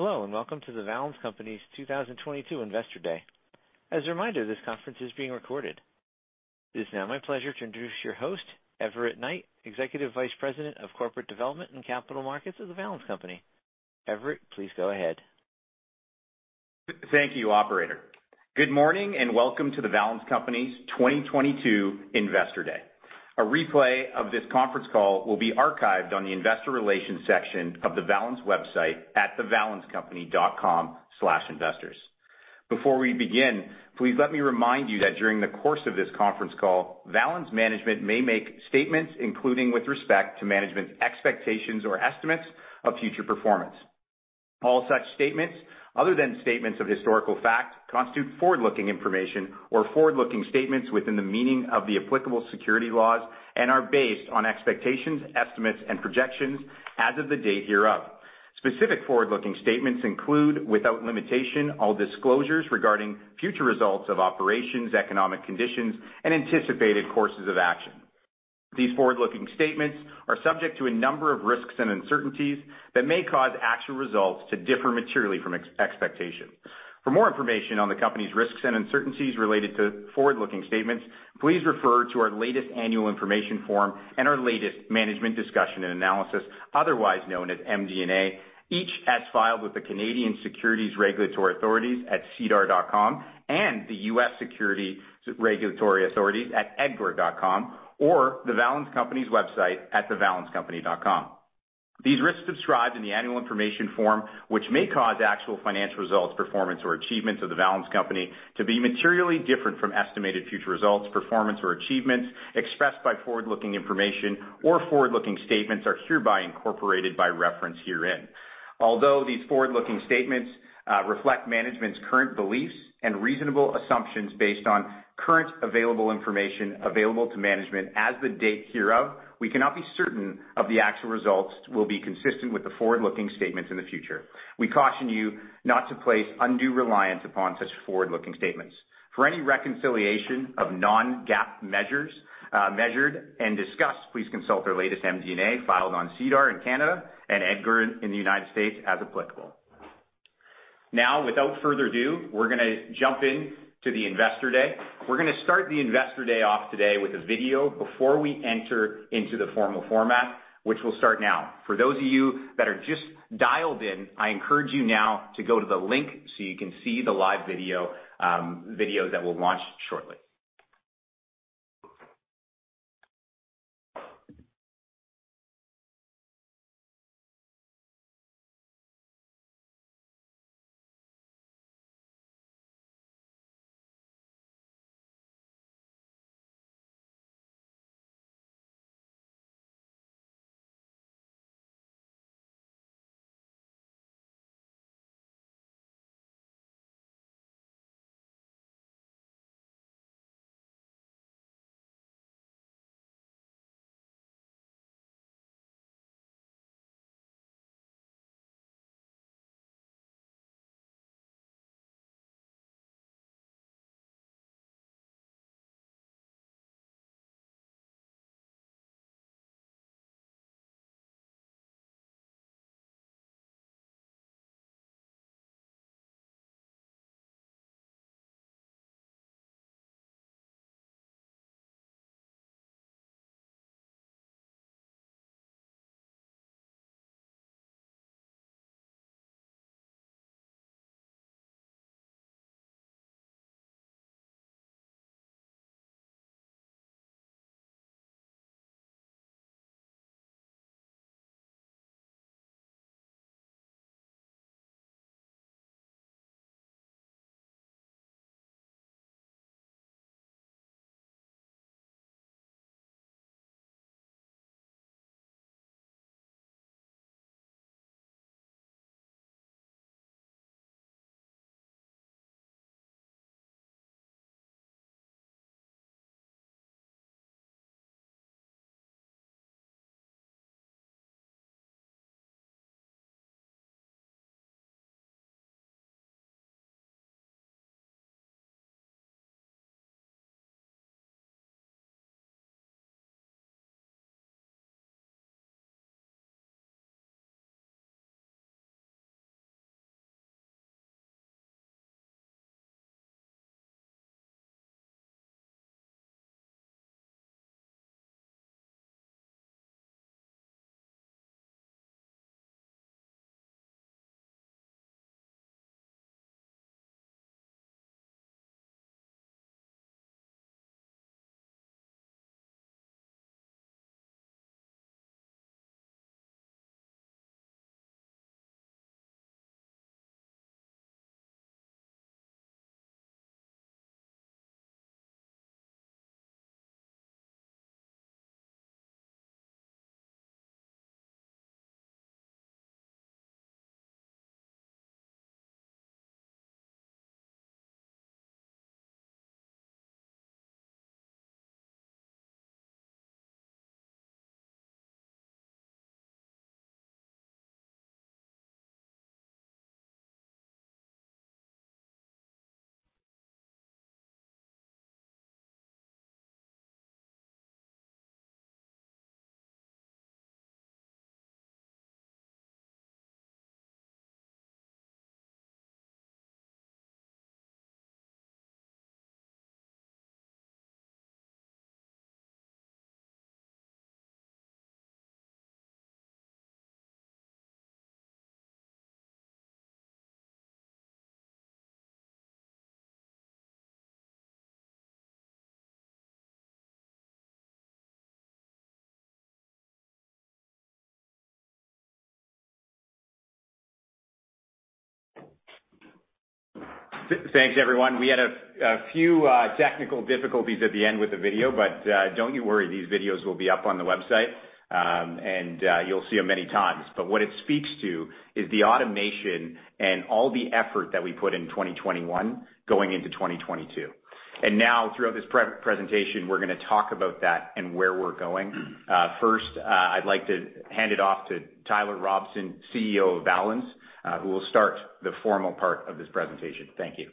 Hello, and welcome to The Valens Company's 2022 Investor Day. As a reminder, this conference is being recorded. It is now my pleasure to introduce your host, Everett Knight, Executive Vice President of Corporate Development and Capital Markets at The Valens Company. Everett, please go ahead. Thank you, operator. Good morning, and welcome to The Valens Company's 2022 Investor Day. A replay of this conference call will be archived on the investor relations section of the Valens website at thevalenscompany.com/investors. Before we begin, please let me remind you that during the course of this conference call, Valens management may make statements including with respect to management expectations or estimates of future performance. All such statements, other than statements of historical fact, constitute forward-looking information or forward-looking statements within the meaning of the applicable security laws and are based on expectations, estimates, and projections as of the date hereof. Specific forward-looking statements include, without limitation, all disclosures regarding future results of operations, economic conditions, and anticipated courses of action. These forward-looking statements are subject to a number of risks and uncertainties that may cause actual results to differ materially from expectation. For more information on the company's risks and uncertainties related to forward-looking statements, please refer to our latest annual information form and our latest management discussion and analysis, otherwise known as MD&A, each as filed with the Canadian securities regulatory authorities at sedar.com and the U.S. securities regulatory authorities at edgar.com or The Valens Company's website at thevalenscompany.com. These risks described in the annual information form, which may cause actual financial results, performance, or achievements of The Valens Company to be materially different from estimated future results, performance, or achievements expressed by forward-looking information or forward-looking statements are hereby incorporated by reference herein. Although these forward-looking statements reflect management's current beliefs and reasonable assumptions based on current available information to management as of the date hereof, we cannot be certain that the actual results will be consistent with the forward-looking statements in the future. We caution you not to place undue reliance upon such forward-looking statements. For any reconciliation of non-GAAP measures, measured and discussed, please consult our latest MD&A filed on SEDAR in Canada and EDGAR in the United States, as applicable. Now, without further ado, we're gonna jump in to the Investor Day. We're gonna start the Investor Day off today with a video before we enter into the formal format, which will start now. For those of you that are just dialed in, I encourage you now to go to the link so you can see the live video that will launch shortly. Thanks everyone. We had a few technical difficulties at the end with the video, but don't you worry, these videos will be up on the website, and you'll see them many times. What it speaks to is the automation and all the effort that we put in 2021 going into 2022. Now, throughout this pre-presentation, we're gonna talk about that and where we're going. First, I'd like to hand it off to Tyler Robson, CEO of Valens, who will start the formal part of this presentation. Thank you.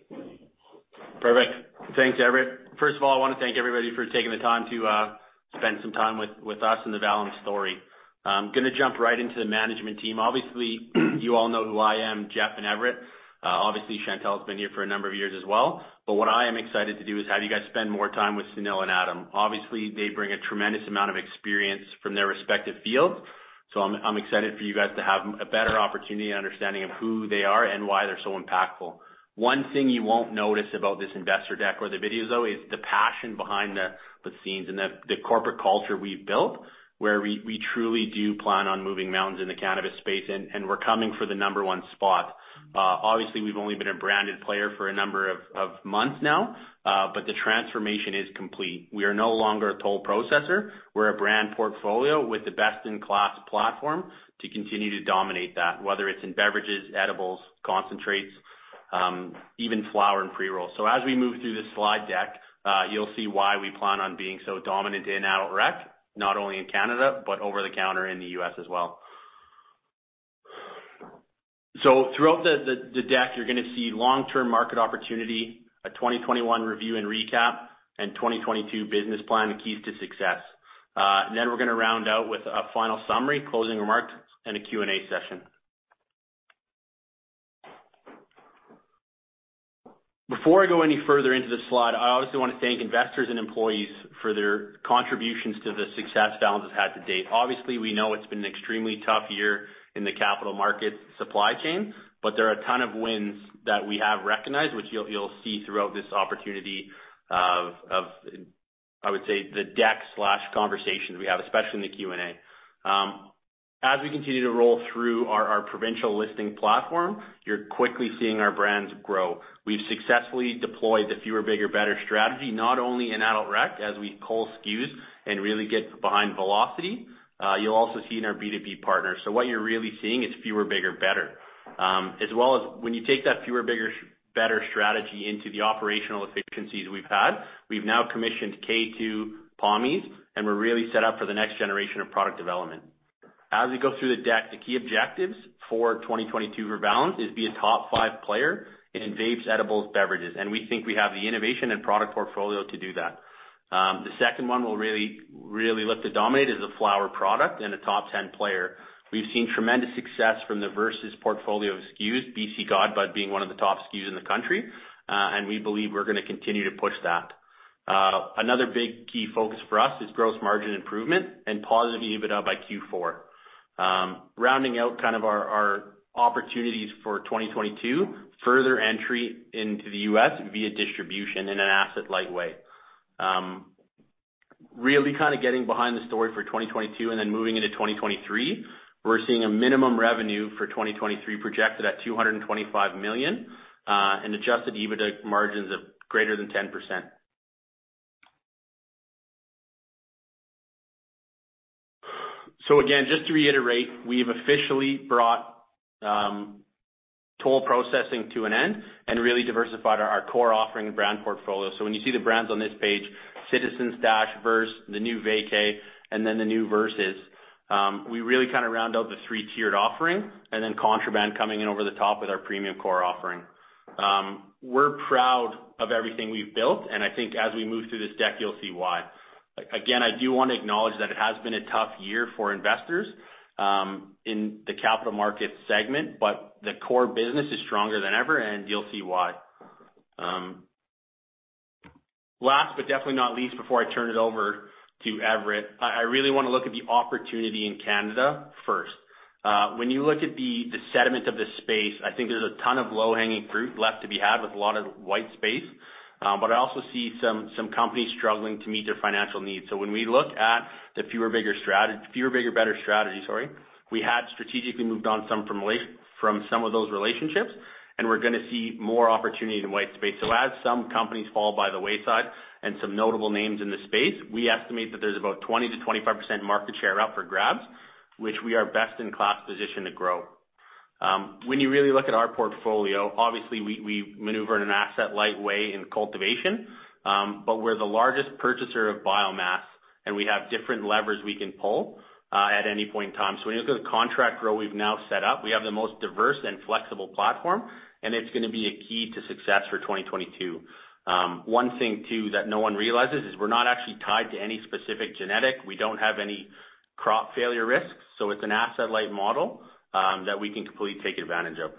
Perfect. Thanks, Everett. First of all, I wanna thank everybody for taking the time to spend some time with us and the Valens story. Gonna jump right into the management team. Obviously, you all know who I am, Jeff and Everett. Obviously, Chantel's been here for a number of years as well. What I am excited to do is have you guys spend more time with Sunil and Adam. Obviously, they bring a tremendous amount of experience from their respective fields, so I'm excited for you guys to have a better opportunity and understanding of who they are and why they're so impactful. One thing you won't notice about this investor deck or the videos though, is the passion behind the scenes and the corporate culture we've built, where we truly do plan on moving mountains in the cannabis space, and we're coming for the number one spot. Obviously, we've only been a branded player for a number of months now, but the transformation is complete. We are no longer a toll processor. We're a brand portfolio with the best-in-class platform to continue to dominate that, whether it's in beverages, edibles, concentrates, even flower and pre-roll. As we move through this slide deck, you'll see why we plan on being so dominant in adult rec, not only in Canada, but over-the-counter in the US as well. Throughout the deck, you're gonna see long-term market opportunity, a 2021 review and recap, and 2022 business plan, the keys to success. Then we're gonna round out with a final summary, closing remarks, and a Q&A session. Before I go any further into the slide, I obviously wanna thank investors and employees for their contributions to the success Valens has had to date. Obviously, we know it's been an extremely tough year in the capital market supply chain, but there are a ton of wins that we have recognized, which you'll see throughout this opportunity of I would say, the deck/conversation we have, especially in the Q&A. As we continue to roll through our provincial listing platform, you're quickly seeing our brands grow. We've successfully deployed the fewer, bigger, better strategy, not only in adult rec, as we cull SKUs and really get behind velocity, you'll also see in our B2B partners. What you're really seeing is fewer, bigger, better. As well as when you take that fewer, bigger, better strategy into the operational efficiencies we've had, we've now commissioned K2, Pommies, and we're really set up for the next generation of product development. As we go through the deck, the key objectives for 2022 for Valens is be a top five player in vapes, edibles, beverages. We think we have the innovation and product portfolio to do that. The second one we'll really look to dominate is the flower product and a top 10 player. We've seen tremendous success from the Versus portfolio of SKUs, BC God Bud being one of the top SKUs in the country, and we believe we're gonna continue to push that. Another big key focus for us is gross margin improvement and positive EBITDA by Q4. Rounding out kind of our opportunities for 2022, further entry into the U.S. via distribution in an asset-light way. Really kind of getting behind the story for 2022 and then moving into 2023, we're seeing a minimum revenue for 2023 projected at 225 million, and Adjusted EBITDA margins of greater than 10%. Again, just to reiterate, we've officially brought toll processing to an end and really diversified our core offering brand portfolio. When you see the brands on this page, Citizen Stash, Verse, the new Vacay, and then the new Versus, we really kind of round out the three-tiered offering, and then Contraband coming in over the top with our premium core offering. We're proud of everything we've built, and I think as we move through this deck, you'll see why. Again, I do wanna acknowledge that it has been a tough year for investors in the capital market segment, but the core business is stronger than ever, and you'll see why. Last but definitely not least, before I turn it over to Everett, I really wanna look at the opportunity in Canada first. When you look at the segment of this space, I think there's a ton of low-hanging fruit left to be had with a lot of white space. I also see some companies struggling to meet their financial needs. When we look at the fewer, bigger, better strategy, sorry, we had strategically moved on some from some of those relationships, and we're gonna see more opportunity in white space. As some companies fall by the wayside and some notable names in the space, we estimate that there's about 20%-25% market share up for grabs, which we are best in class positioned to grow. When you really look at our portfolio, obviously we maneuver in an asset-light way in cultivation, but we're the largest purchaser of biomass, and we have different levers we can pull at any point in time. When you look at the contract grow we've now set up, we have the most diverse and flexible platform, and it's gonna be a key to success for 2022. One thing too that no one realizes is we're not actually tied to any specific genetic. We don't have any crop failure risks, so it's an asset-light model that we can completely take advantage of.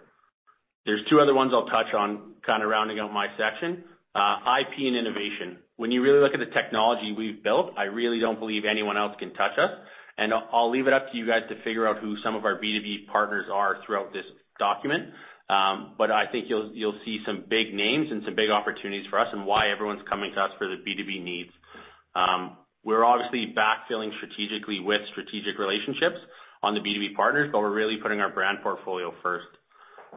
There's two other ones I'll touch on kinda rounding out my section. IP and innovation. When you really look at the technology we've built, I really don't believe anyone else can touch us, and I'll leave it up to you guys to figure out who some of our B2B partners are throughout this document. But I think you'll see some big names and some big opportunities for us and why everyone's coming to us for the B2B needs. We're obviously backfilling strategically with strategic relationships on the B2B partners, but we're really putting our brand portfolio first.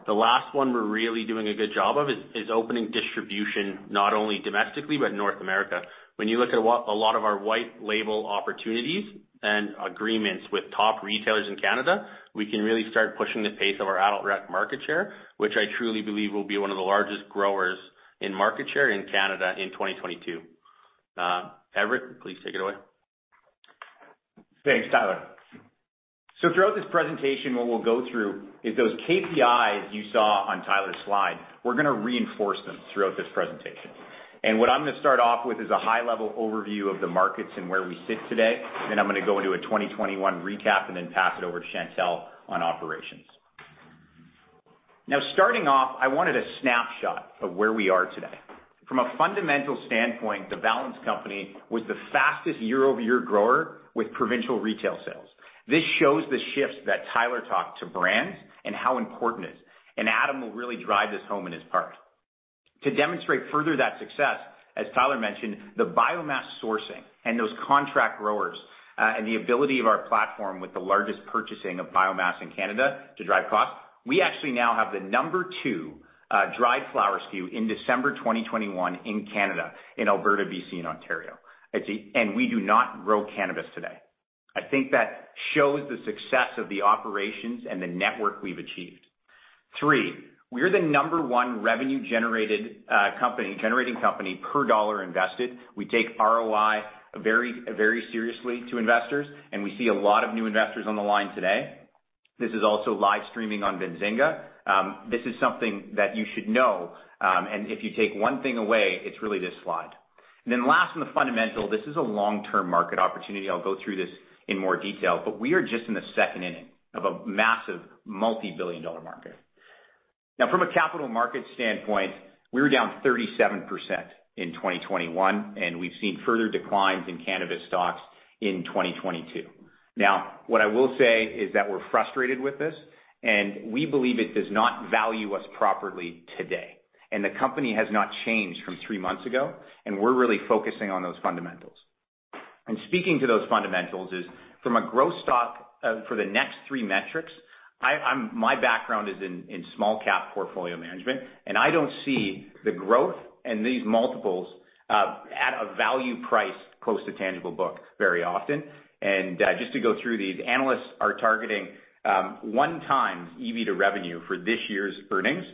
The last one we're really doing a good job of is opening distribution, not only domestically, but North America. When you look at what a lot of our white label opportunities and agreements with top retailers in Canada, we can really start pushing the pace of our adult rec market share, which I truly believe will be one of the largest growers in market share in Canada in 2022. Everett, please take it away. Thanks, Tyler. Throughout this presentation, what we'll go through is those KPIs you saw on Tyler's slide, we're gonna reinforce them throughout this presentation. What I'm gonna start off with is a high level overview of the markets and where we sit today. I'm gonna go into a 2021 recap and then pass it over to Chantel on operations. Now starting off, I wanted a snapshot of where we are today. From a fundamental standpoint, The Valens Company was the fastest year-over-year grower with provincial retail sales. This shows the shifts that Tyler talked to brands and how important it is, and Adam will really drive this home in his part. To demonstrate further that success, as Tyler mentioned, the biomass sourcing and those contract growers, and the ability of our platform with the largest purchasing of biomass in Canada to drive cost, we actually now have the number two dried flowers SKU in December 2021 in Canada, in Alberta, B.C., and Ontario. We do not grow cannabis today. I think that shows the success of the operations and the network we've achieved. three, we are the number one revenue generating company per dollar invested. We take ROI very, very seriously to investors, and we see a lot of new investors on the line today. This is also live streaming on Benzinga. This is something that you should know, and if you take one thing away, it's really this slide. Then lastly, in the fundamentals, this is a long-term market opportunity. I'll go through this in more detail, but we are just in the second inning of a massive multi-billion-dollar market. Now, from a capital market standpoint, we're down 37% in 2021, and we've seen further declines in cannabis stocks in 2022. Now, what I will say is that we're frustrated with this, and we believe it does not value us properly today. The company has not changed from three months ago, and we're really focusing on those fundamentals. Speaking to those fundamentals is from a growth stock, for the next three metrics, my background is in small cap portfolio management, and I don't see the growth and these multiples, at a value price close to tangible book very often. Just to go through these, analysts are targeting 1x EV to revenue for this year's earnings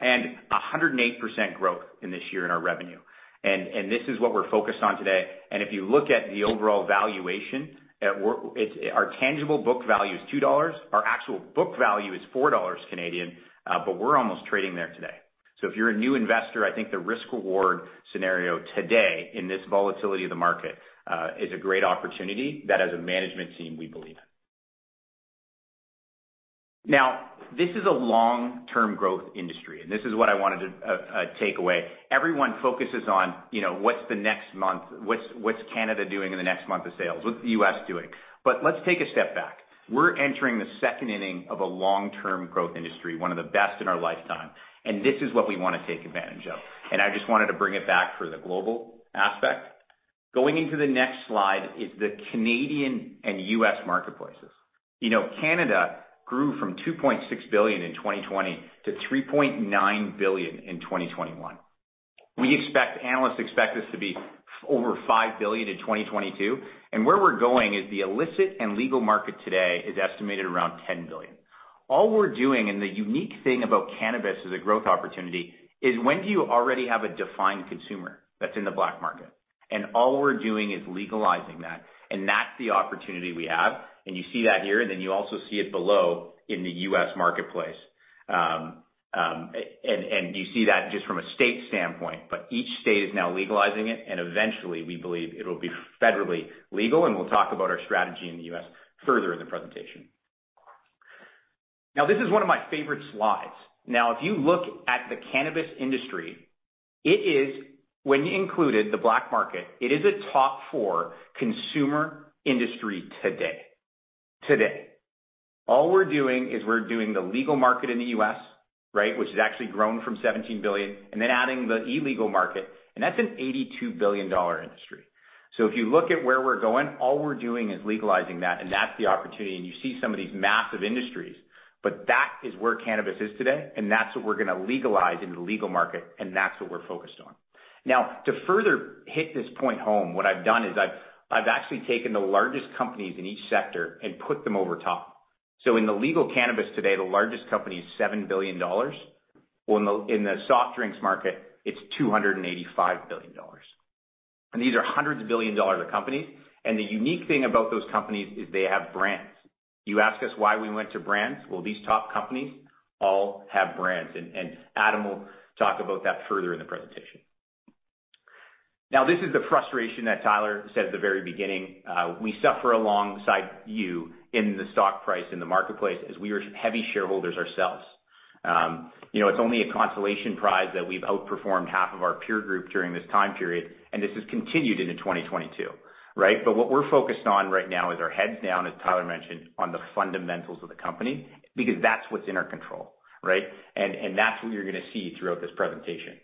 and 108% growth in this year in our revenue. This is what we're focused on today. If you look at the overall valuation, our tangible book value is CAD two. Our actual book value is CAD four, but we're almost trading there today. If you're a new investor, I think the risk/reward scenario today in this volatility of the market is a great opportunity that as a management team, we believe in. This is a long-term growth industry, and this is what I wanted to take away. Everyone focuses on, you know, what's the next month? What's Canada doing in the next month of sales? What's the U.S. doing? Let's take a step back. We're entering the second inning of a long-term growth industry, one of the best in our lifetime, and this is what we wanna take advantage of. I just wanted to bring it back for the global aspect. Going into the next slide is the Canadian and U.S. marketplaces. You know, Canada grew from 2.6 billion in 2020 to 3.9 billion in 2021. Analysts expect this to be over 5 billion in 2022. Where we're going is the illicit and legal market today is estimated around 10 billion. All we're doing, and the unique thing about cannabis as a growth opportunity, is when do you already have a defined consumer that's in the black market? All we're doing is legalizing that, and that's the opportunity we have. You see that here, and then you also see it below in the U.S. marketplace. You see that just from a state standpoint, but each state is now legalizing it, and eventually, we believe it'll be federally legal, and we'll talk about our strategy in the U.S. further in the presentation. Now, this is one of my favorite slides. If you look at the cannabis industry, it is, when you include the black market, a top four consumer industry today. All we're doing is the legal market in the U.S., right? Which has actually grown from $17 billion, and then adding the illegal market, and that's an $82 billion industry. If you look at where we're going, all we're doing is legalizing that, and that's the opportunity, and you see some of these massive industries. That is where cannabis is today, and that's what we're gonna legalize in the legal market, and that's what we're focused on. Now, to further hit this point home, what I've done is I've actually taken the largest companies in each sector and put them over top. In the legal cannabis today, the largest company is $7 billion. Well, in the soft drinks market, it's $285 billion. These are hundreds of billions of dollars of companies. The unique thing about those companies is they have brands. You ask us why we went to brands. Well, these top companies all have brands, and Adam will talk about that further in the presentation. Now, this is the frustration that Tyler said at the very beginning. We suffer alongside you in the stock price in the marketplace as we are heavy shareholders ourselves. You know, it's only a consolation prize that we've outperformed half of our peer group during this time period, and this has continued into 2022, right? What we're focused on right now is our heads down, as Tyler mentioned, on the fundamentals of the company, because that's what's in our control, right? That's what you're gonna see throughout this presentation.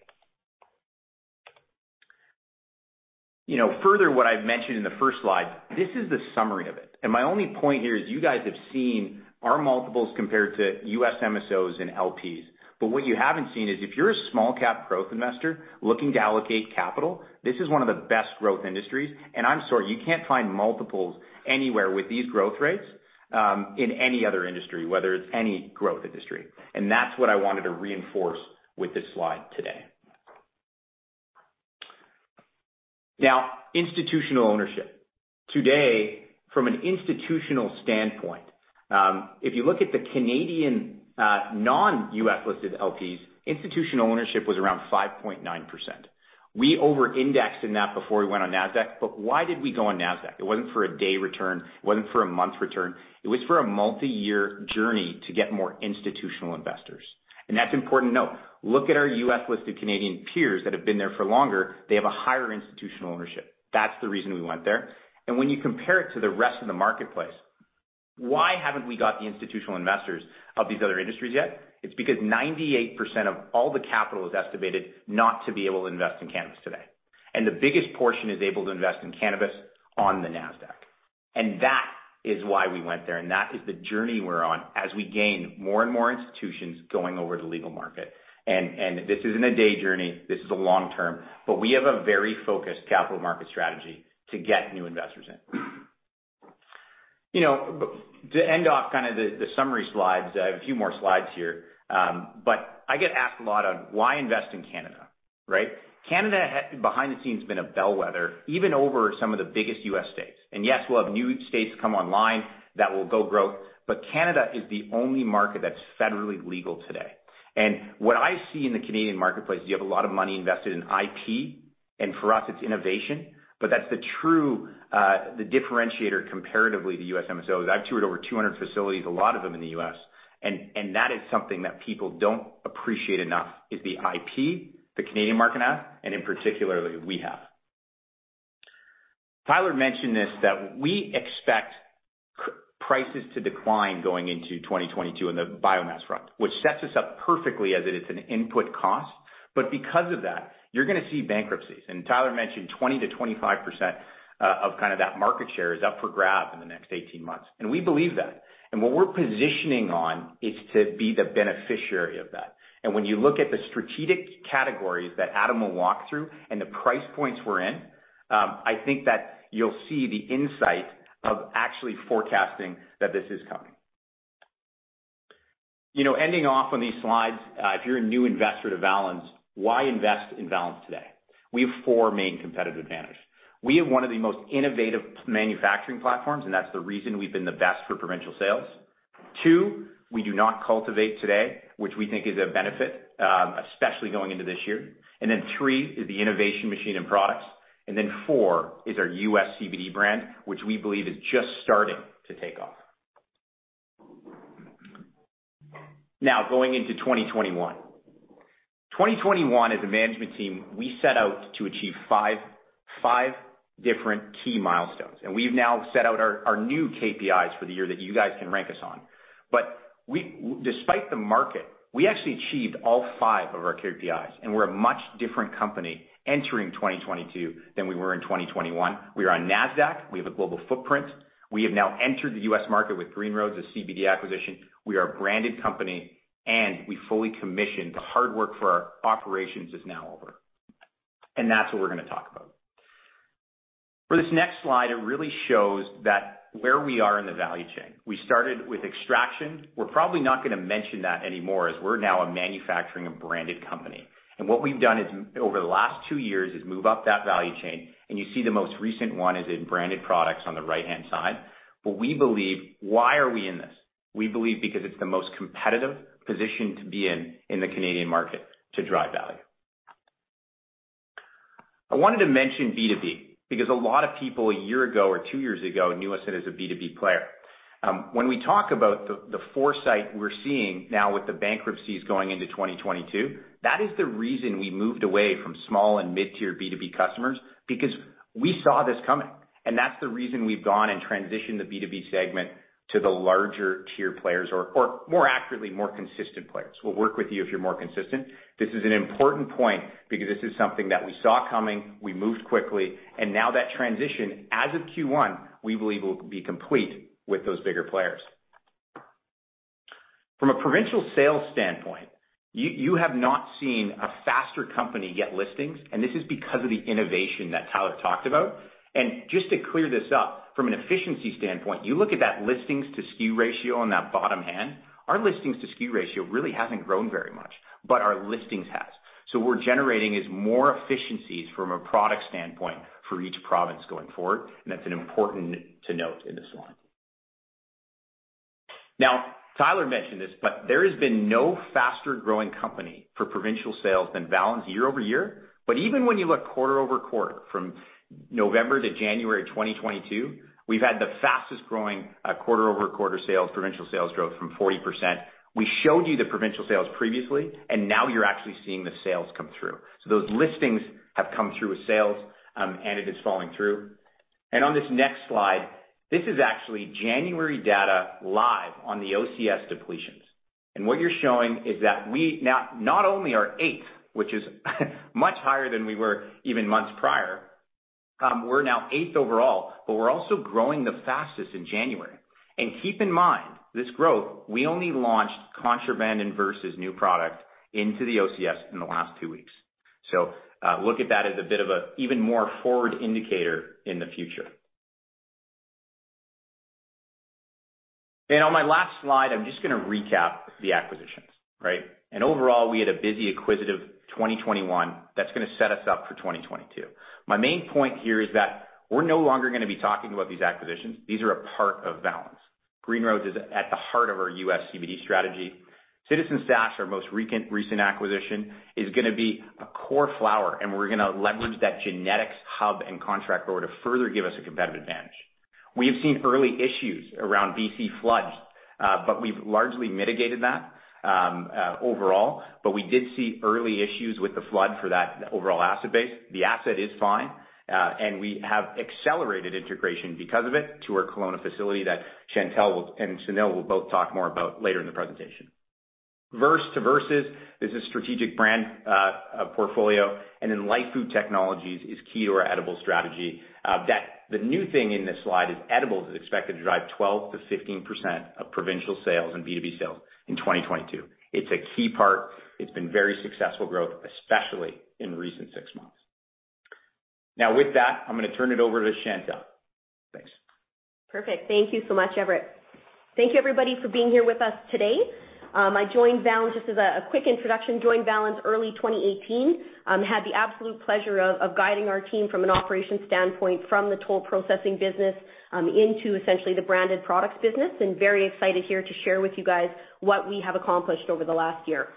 You know, further what I've mentioned in the first slide, this is the summary of it. My only point here is you guys have seen our multiples compared to U.S. MSOs and LPs. What you haven't seen is if you're a small-cap growth investor looking to allocate capital, this is one of the best growth industries. I'm sorry, you can't find multiples anywhere with these growth rates in any other industry, whether it's any growth industry. That's what I wanted to reinforce with this slide today. Now, institutional ownership. Today, from an institutional standpoint, if you look at the Canadian non-U.S. listed LPs, institutional ownership was around 5.9%. We over-indexed in that before we went on Nasdaq. Why did we go on Nasdaq? It wasn't for a day return, it wasn't for a month return, it was for a multiyear journey to get more institutional investors. That's important to note. Look at our U.S. listed Canadian peers that have been there for longer, they have a higher institutional ownership. That's the reason we went there. When you compare it to the rest of the marketplace, why haven't we got the institutional investors of these other industries yet? It's because 98% of all the capital is estimated not to be able to invest in cannabis today. The biggest portion is able to invest in cannabis on the Nasdaq. That is why we went there, and that is the journey we're on as we gain more and more institutions going over to legal market. This isn't a day journey. This is a long-term. We have a very focused capital market strategy to get new investors in. You know, to end off kind of the summary slides, I have a few more slides here. I get asked a lot on why invest in Canada, right? Canada behind the scenes has been a bellwether, even over some of the biggest U.S. states. Yes, we'll have new states come online that will grow, but Canada is the only market that's federally legal today. What I see in the Canadian marketplace is you have a lot of money invested in IP, and for us, it's innovation. That's the true differentiator comparatively to U.S. MSOs. I've toured over 200 facilities, a lot of them in the U.S., and that is something that people don't appreciate enough is the IP the Canadian market has, and particularly we have. Tyler mentioned this, that we expect prices to decline going into 2022 in the biomass front, which sets us up perfectly as it is an input cost. Because of that, you're gonna see bankruptcies. Tyler mentioned 20%-25% of kind of that market share is up for grabs in the next 18 months. We believe that. What we're positioning on is to be the beneficiary of that. When you look at the strategic categories that Adam will walk through and the price points we're in, I think that you'll see the insight of actually forecasting that this is coming. You know, ending off on these slides, if you're a new investor to Valens, why invest in Valens today? We have four main competitive advantage. We have one of the most innovative manufacturing platforms, and that's the reason we've been the best for provincial sales. Two, we do not cultivate today, which we think is a benefit, especially going into this year. Then three is the innovation machine and products. four is our U.S. CBD brand, which we believe is just starting to take off. Now, going into 2021. 2021, as a management team, we set out to achieve five different key milestones. We've now set out our new KPIs for the year that you guys can rank us on. Despite the market, we actually achieved all five of our KPIs, and we're a much different company entering 2022 than we were in 2021. We are on Nasdaq. We have a global footprint. We have now entered the U.S. market with Green Roads, a CBD acquisition. We are a branded company, and we fully commissioned. The hard work for our operations is now over. That's what we're gonna talk about. For this next slide, it really shows where we are in the value chain. We started with extraction. We're probably not gonna mention that anymore, as we're now a manufacturing and branded company. What we've done is, over the last two years, move up that value chain, and you see the most recent one is in branded products on the right-hand side. We believe why are we in this? We believe because it's the most competitive position to be in the Canadian market to drive value. I wanted to mention B2B because a lot of people a year ago or two years ago knew us as a B2B player. When we talk about the foresight we're seeing now with the bankruptcies going into 2022, that is the reason we moved away from small and mid-tier B2B customers, because we saw this coming. That's the reason we've gone and transitioned the B2B segment to the larger tier players or, more accurately, more consistent players. We'll work with you if you're more consistent. This is an important point because this is something that we saw coming, we moved quickly, and now that transition, as of Q1, we believe will be complete with those bigger players. From a provincial sales standpoint, you have not seen a faster company get listings, and this is because of the innovation that Tyler talked about. Just to clear this up, from an efficiency standpoint, you look at that listings to SKU ratio on that bottom hand. Our listings to SKU ratio really hasn't grown very much, but our listings has. What we're generating is more efficiencies from a product standpoint for each province going forward, and that's an important to note in this one. Now, Tyler mentioned this, but there has been no faster growing company for provincial sales than Valens year-over-year. Even when you look quarter-over-quarter, from November to January 2022, we've had the fastest growing quarter-over-quarter sales, provincial sales growth from 40%. We showed you the provincial sales previously, and now you're actually seeing the sales come through. Those listings have come through with sales, and it is following through. On this next slide, this is actually January data live on the OCS depletions. What you're showing is that we now not only are 8th, which is much higher than we were even months prior, we're now 8th overall, but we're also growing the fastest in January. Keep in mind, this growth, we only launched Contraband and Versus new product into the OCS in the last two weeks. Look at that as a bit of a even more forward indicator in the future. On my last slide, I'm just gonna recap the acquisitions, right? Overall, we had a busy acquisitive 2021 that's gonna set us up for 2022. My main point here is that we're no longer gonna be talking about these acquisitions. These are a part of Valens. Green Roads is at the heart of our U.S. CBD strategy. Citizen Stash, our most recent acquisition, is gonna be a core flower, and we're gonna leverage that genetics hub and contract grower to further give us a competitive advantage. We have seen early issues around BC floods, but we've largely mitigated that overall, but we did see early issues with the flood for that overall asset base. The asset is fine, and we have accelerated integration because of it to our Kelowna facility that Chantale and Sunil will both talk more about later in the presentation. Verse to Versus is a strategic brand portfolio, and then LYF Food Technologies is key to our edible strategy. That the new thing in this slide is edibles is expected to drive 12%-15% of provincial sales and B2B sales in 2022. It's a key part. It's been very successful growth, especially in recent six months. Now with that, I'm gonna turn it over to Chantel. Thanks. Perfect. Thank you so much, Everett. Thank you everybody for being here with us today. I joined Valens, just as a quick introduction, joined Valens early 2018. Had the absolute pleasure of guiding our team from an operations standpoint from the toll processing business into essentially the branded products business, and very excited here to share with you guys what we have accomplished over the last year.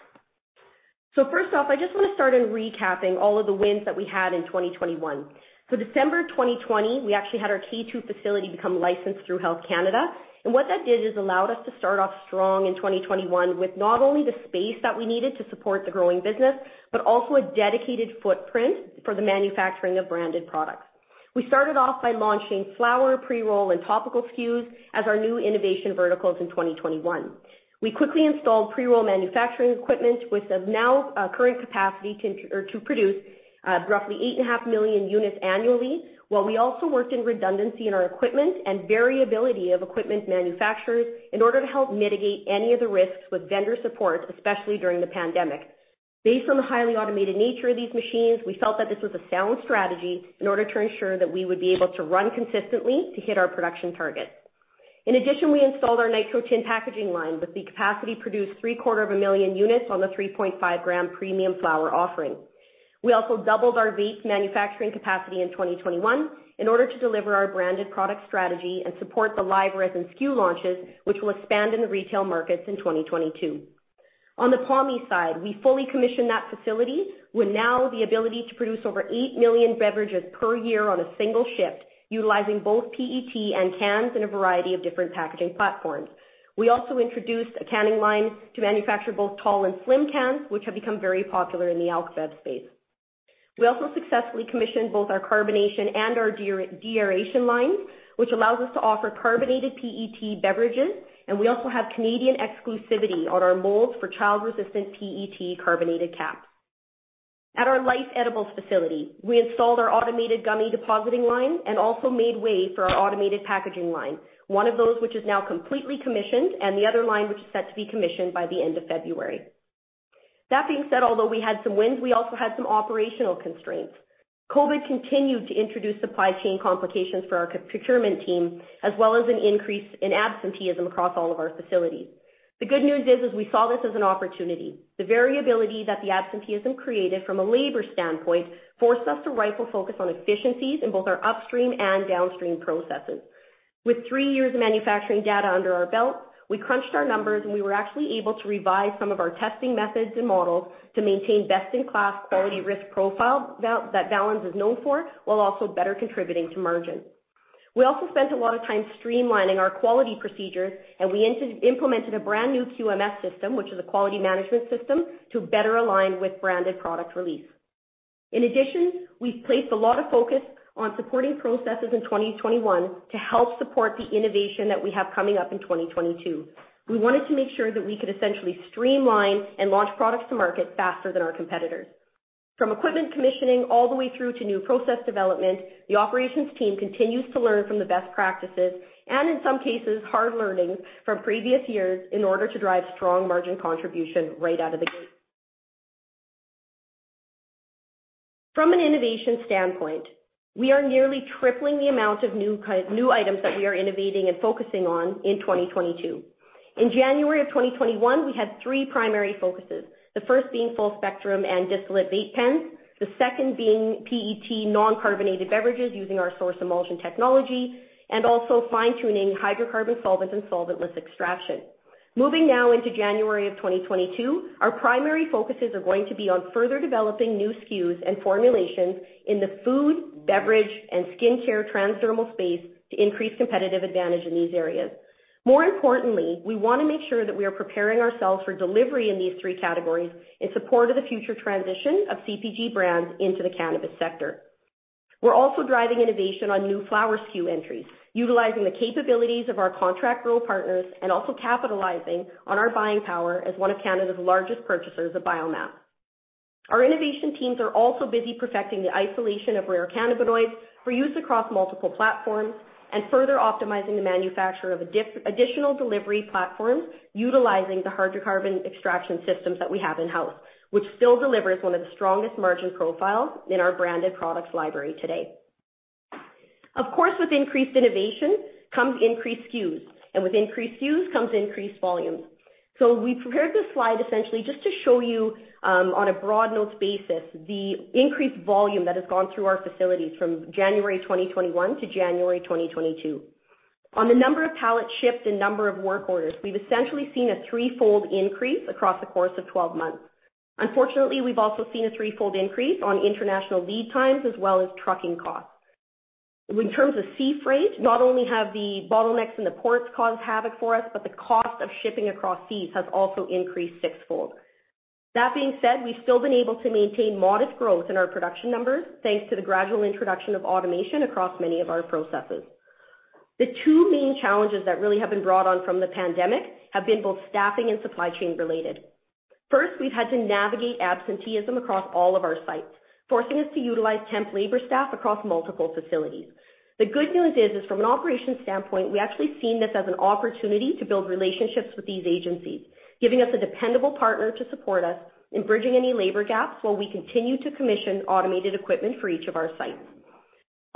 First off, I just wanna start in recapping all of the wins that we had in 2021. December 2020, we actually had our K2 facility become licensed through Health Canada. What that did is allowed us to start off strong in 2021 with not only the space that we needed to support the growing business, but also a dedicated footprint for the manufacturing of branded products. We started off by launching flower pre-roll and topical SKUs as our new innovation verticals in 2021. We quickly installed pre-roll manufacturing equipment, with the now current capacity to produce roughly 8.5 million units annually, while we also worked in redundancy in our equipment and variability of equipment manufacturers in order to help mitigate any of the risks with vendor support, especially during the pandemic. Based on the highly automated nature of these machines, we felt that this was a sound strategy in order to ensure that we would be able to run consistently to hit our production targets. In addition, we installed our NitroTin packaging line with the capacity to produce three-quarters of a million units on the 3.5-gram premium flower offering. We also doubled our vapes manufacturing capacity in 2021 in order to deliver our branded product strategy and support the live resin SKU launches, which will expand in the retail markets in 2022. On the Pommies side, we fully commissioned that facility with now the ability to produce over 8 million beverages per year on a single shift, utilizing both PET and cans in a variety of different packaging platforms. We also introduced a canning line to manufacture both tall and slim cans, which have become very popular in the alc bev space. We also successfully commissioned both our carbonation and our deaeration lines, which allows us to offer carbonated PET beverages, and we also have Canadian exclusivity on our molds for child-resistant PET carbonated caps. At our LYF edibles facility, we installed our automated gummy depositing line and also made way for our automated packaging line, one of those which is now completely commissioned and the other line which is set to be commissioned by the end of February. That being said, although we had some wins, we also had some operational constraints. COVID continued to introduce supply chain complications for our procurement team, as well as an increase in absenteeism across all of our facilities. The good news is, we saw this as an opportunity. The variability that the absenteeism created from a labor standpoint forced us to rightfully focus on efficiencies in both our upstream and downstream processes. With three years of manufacturing data under our belt, we crunched our numbers, and we were actually able to revise some of our testing methods and models to maintain best-in-class quality risk profile that Valens is known for, while also better contributing to margin. We also spent a lot of time streamlining our quality procedures, and we implemented a brand new QMS system, which is a quality management system, to better align with branded product release. In addition, we've placed a lot of focus on supporting processes in 2021 to help support the innovation that we have coming up in 2022. We wanted to make sure that we could essentially streamline and launch products to market faster than our competitors. From equipment commissioning all the way through to new process development, the operations team continues to learn from the best practices and in some cases, hard learning from previous years in order to drive strong margin contribution right out of the gate. From an innovation standpoint, we are nearly tripling the amount of new items that we are innovating and focusing on in 2022. In January of 2021, we had three primary focuses. The first being full spectrum and distillate vape pens, the second being PET non-carbonated beverages using our SōRSE emulsion technology, and also fine-tuning hydrocarbon solvent and solventless extraction. Moving now into January 2022, our primary focuses are going to be on further developing new SKUs and formulations in the food, beverage, and skincare transdermal space to increase competitive advantage in these areas. More importantly, we wanna make sure that we are preparing ourselves for delivery in these three categories in support of the future transition of CPG brands into the cannabis sector. We're also driving innovation on new flower SKU entries, utilizing the capabilities of our contract grow partners and also capitalizing on our buying power as one of Canada's largest purchasers of biomass. Our innovation teams are also busy perfecting the isolation of rare cannabinoids for use across multiple platforms and further optimizing the manufacture of additional delivery platforms utilizing the hydrocarbon extraction systems that we have in-house, which still delivers one of the strongest margin profiles in our branded products library today. Of course, with increased innovation comes increased SKUs, and with increased SKUs comes increased volumes. We prepared this slide essentially just to show you, on a broad notes basis, the increased volume that has gone through our facilities from January 2021 to January 2022. On the number of pallets shipped and number of work orders, we've essentially seen a threefold increase across the course of 12 months. Unfortunately, we've also seen a threefold increase on international lead times as well as trucking costs. In terms of sea freight, not only have the bottlenecks in the ports caused havoc for us, but the cost of shipping across seas has also increased sixfold. That being said, we've still been able to maintain modest growth in our production numbers, thanks to the gradual introduction of automation across many of our processes. The two main challenges that really have been brought on from the pandemic have been both staffing and supply chain related. First, we've had to navigate absenteeism across all of our sites, forcing us to utilize temp labor staff across multiple facilities. The good news is from an operations standpoint, we actually seen this as an opportunity to build relationships with these agencies, giving us a dependable partner to support us in bridging any labor gaps while we continue to commission automated equipment for each of our sites.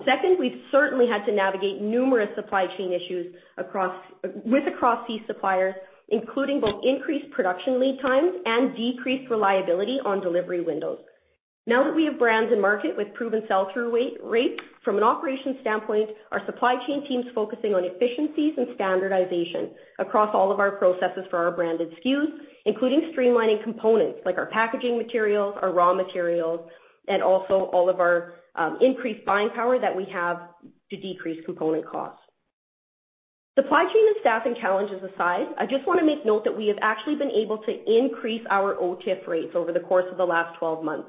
Second, we've certainly had to navigate numerous supply chain issues across key suppliers, including both increased production lead times and decreased reliability on delivery windows. Now that we have brands in market with proven sell-through rate, from an operations standpoint, our supply chain team's focusing on efficiencies and standardization across all of our processes for our branded SKUs, including streamlining components like our packaging materials, our raw materials, and also all of our increased buying power that we have to decrease component costs. Supply chain and staffing challenges aside, I just wanna make note that we have actually been able to increase our OTIF rates over the course of the last 12 months.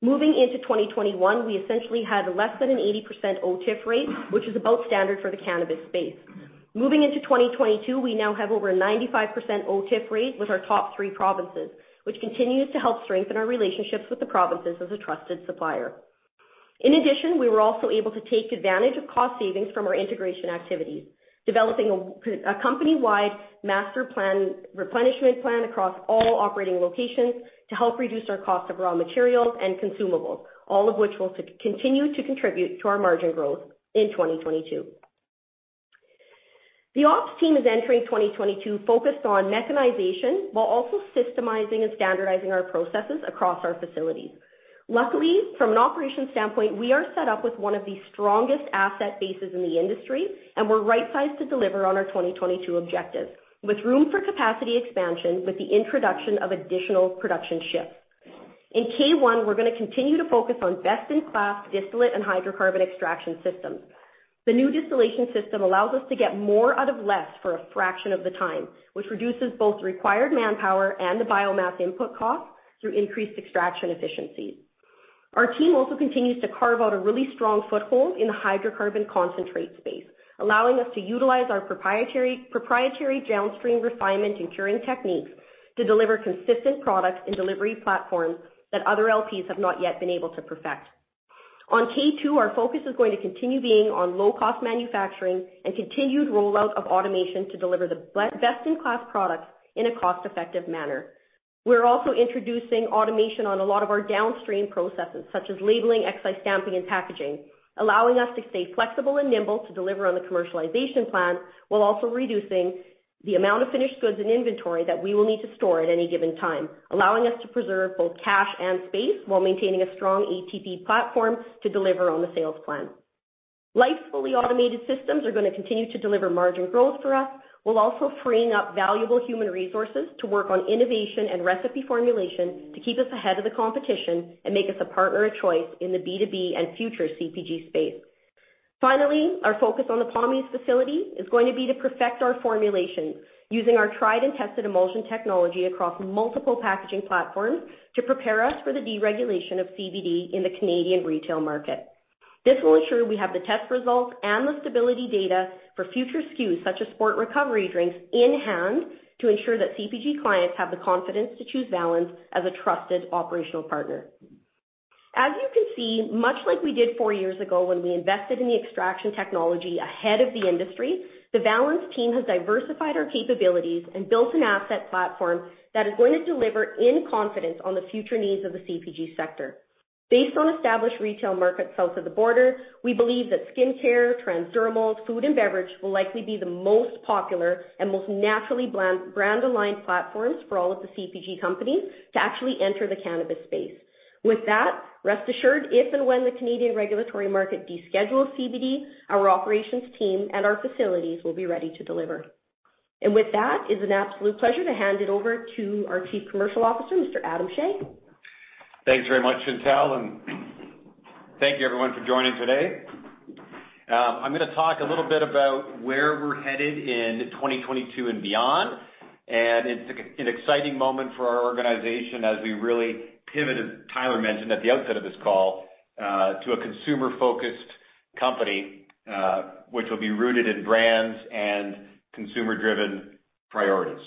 Moving into 2021, we essentially had less than an 80% OTIF rate, which is about standard for the cannabis space. Moving into 2022, we now have over a 95% OTIF rate with our top three provinces, which continues to help strengthen our relationships with the provinces as a trusted supplier. In addition, we were also able to take advantage of cost savings from our integration activities, developing a company-wide master plan, replenishment plan across all operating locations to help reduce our cost of raw materials and consumables, all of which will continue to contribute to our margin growth in 2022. The ops team is entering 2022 focused on mechanization while also systemizing and standardizing our processes across our facilities. Luckily, from an operations standpoint, we are set up with one of the strongest asset bases in the industry, and we're right sized to deliver on our 2022 objectives, with room for capacity expansion with the introduction of additional production shifts. In Q1, we're gonna continue to focus on best-in-class distillate and hydrocarbon extraction systems. The new distillation system allows us to get more out of less for a fraction of the time, which reduces both the required manpower and the biomass input costs through increased extraction efficiencies. Our team also continues to carve out a really strong foothold in the hydrocarbon concentrate space, allowing us to utilize our proprietary downstream refinement and curing techniques to deliver consistent products and delivery platforms that other LPs have not yet been able to perfect. On Q2, our focus is going to continue being on low-cost manufacturing and continued rollout of automation to deliver the best-in-class products in a cost-effective manner. We're also introducing automation on a lot of our downstream processes such as labeling, excise stamping, and packaging, allowing us to stay flexible and nimble to deliver on the commercialization plan while also reducing the amount of finished goods and inventory that we will need to store at any given time, allowing us to preserve both cash and space while maintaining a strong ATP platform to deliver on the sales plan. Lightly automated systems are gonna continue to deliver margin growth for us, while also freeing up valuable human resources to work on innovation and recipe formulation to keep us ahead of the competition and make us a partner of choice in the B2B and future CPG space. Finally, our focus on the Pommies facility is going to be to perfect our formulations using our tried and tested emulsion technology across multiple packaging platforms to prepare us for the deregulation of CBD in the Canadian retail market. This will ensure we have the test results and the stability data for future SKUs such as sport recovery drinks in hand to ensure that CPG clients have the confidence to choose Valens as a trusted operational partner. As you can see, much like we did four years ago when we invested in the extraction technology ahead of the industry, the Valens team has diversified our capabilities and built an asset platform that is going to deliver in confidence on the future needs of the CPG sector. Based on established retail markets south of the border, we believe that skincare, transdermal, food, and beverage will likely be the most popular and most naturally brand-aligned platforms for all of the CPG companies to actually enter the cannabis space. With that, rest assured, if and when the Canadian regulatory market deschedules CBD, our operations team and our facilities will be ready to deliver. With that, it's an absolute pleasure to hand it over to our Chief Commercial Officer, Mr. Adam Shea. Thanks very much, Chantel, and thank you everyone for joining today. I'm gonna talk a little bit about where we're headed in 2022 and beyond, and it's an exciting moment for our organization as we really pivot, as Tyler mentioned at the outset of this call, to a consumer-focused company, which will be rooted in brands and consumer-driven priorities.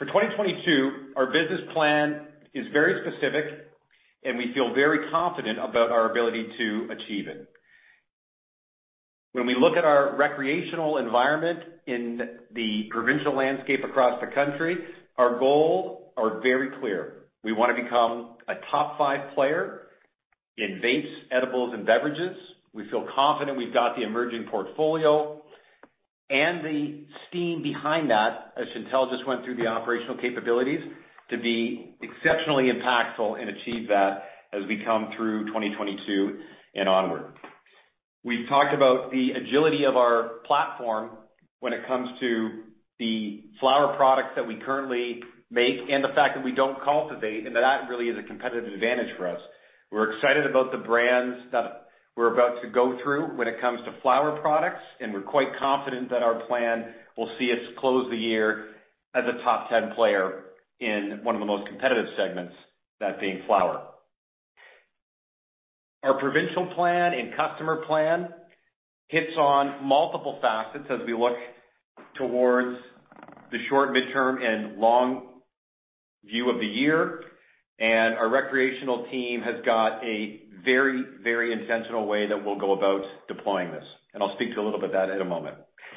For 2022, our business plan is very specific, and we feel very confident about our ability to achieve it. When we look at our recreational environment in the provincial landscape across the country, our goals are very clear. We wanna become a top five player in vapes, edibles, and beverages. We feel confident we've got the emerging portfolio and the steam behind that, as Chantale just went through the operational capabilities, to be exceptionally impactful and achieve that as we come through 2022 and onward. We've talked about the agility of our platform when it comes to the flower products that we currently make and the fact that we don't cultivate, and that that really is a competitive advantage for us. We're excited about the brands that we're about to go through when it comes to flower products, and we're quite confident that our plan will see us close the year as a top 10 player in one of the most competitive segments, that being flower. Our provincial plan and customer plan hits on multiple facets as we look towards the short, midterm, and long view of the year. Our recreational team has got a very, very intentional way that we'll go about deploying this. I'll speak to a little bit that in a moment.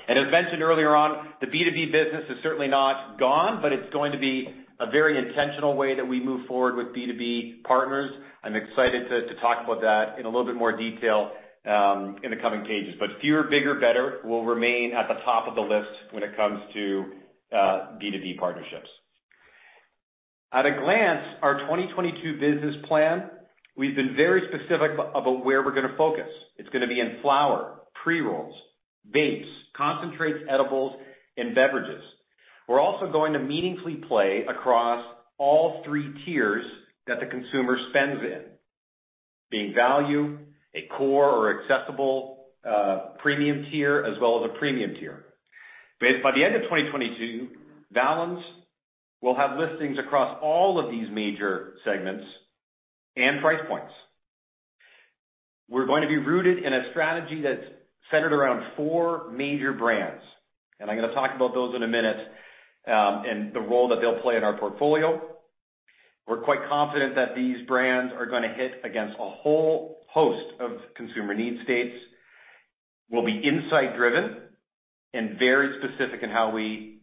As mentioned earlier on, the B2B business is certainly not gone, but it's going to be a very intentional way that we move forward with B2B partners. I'm excited to talk about that in a little bit more detail in the coming pages. Fewer, bigger, better will remain at the top of the list when it comes to B2B partnerships. At a glance, our 2022 business plan, we've been very specific about where we're gonna focus. It's gonna be in flower, pre-rolls, vapes, concentrates, edibles, and beverages. We're also going to meaningfully play across all three tiers that the consumer spends in, being value, a core or accessible premium tier, as well as a premium tier. By the end of 2022, Valens will have listings across all of these major segments and price points. We're going to be rooted in a strategy that's centered around four major brands, and I'm gonna talk about those in a minute, and the role that they'll play in our portfolio. We're quite confident that these brands are gonna hit against a whole host of consumer need states, will be insight driven, and very specific in how we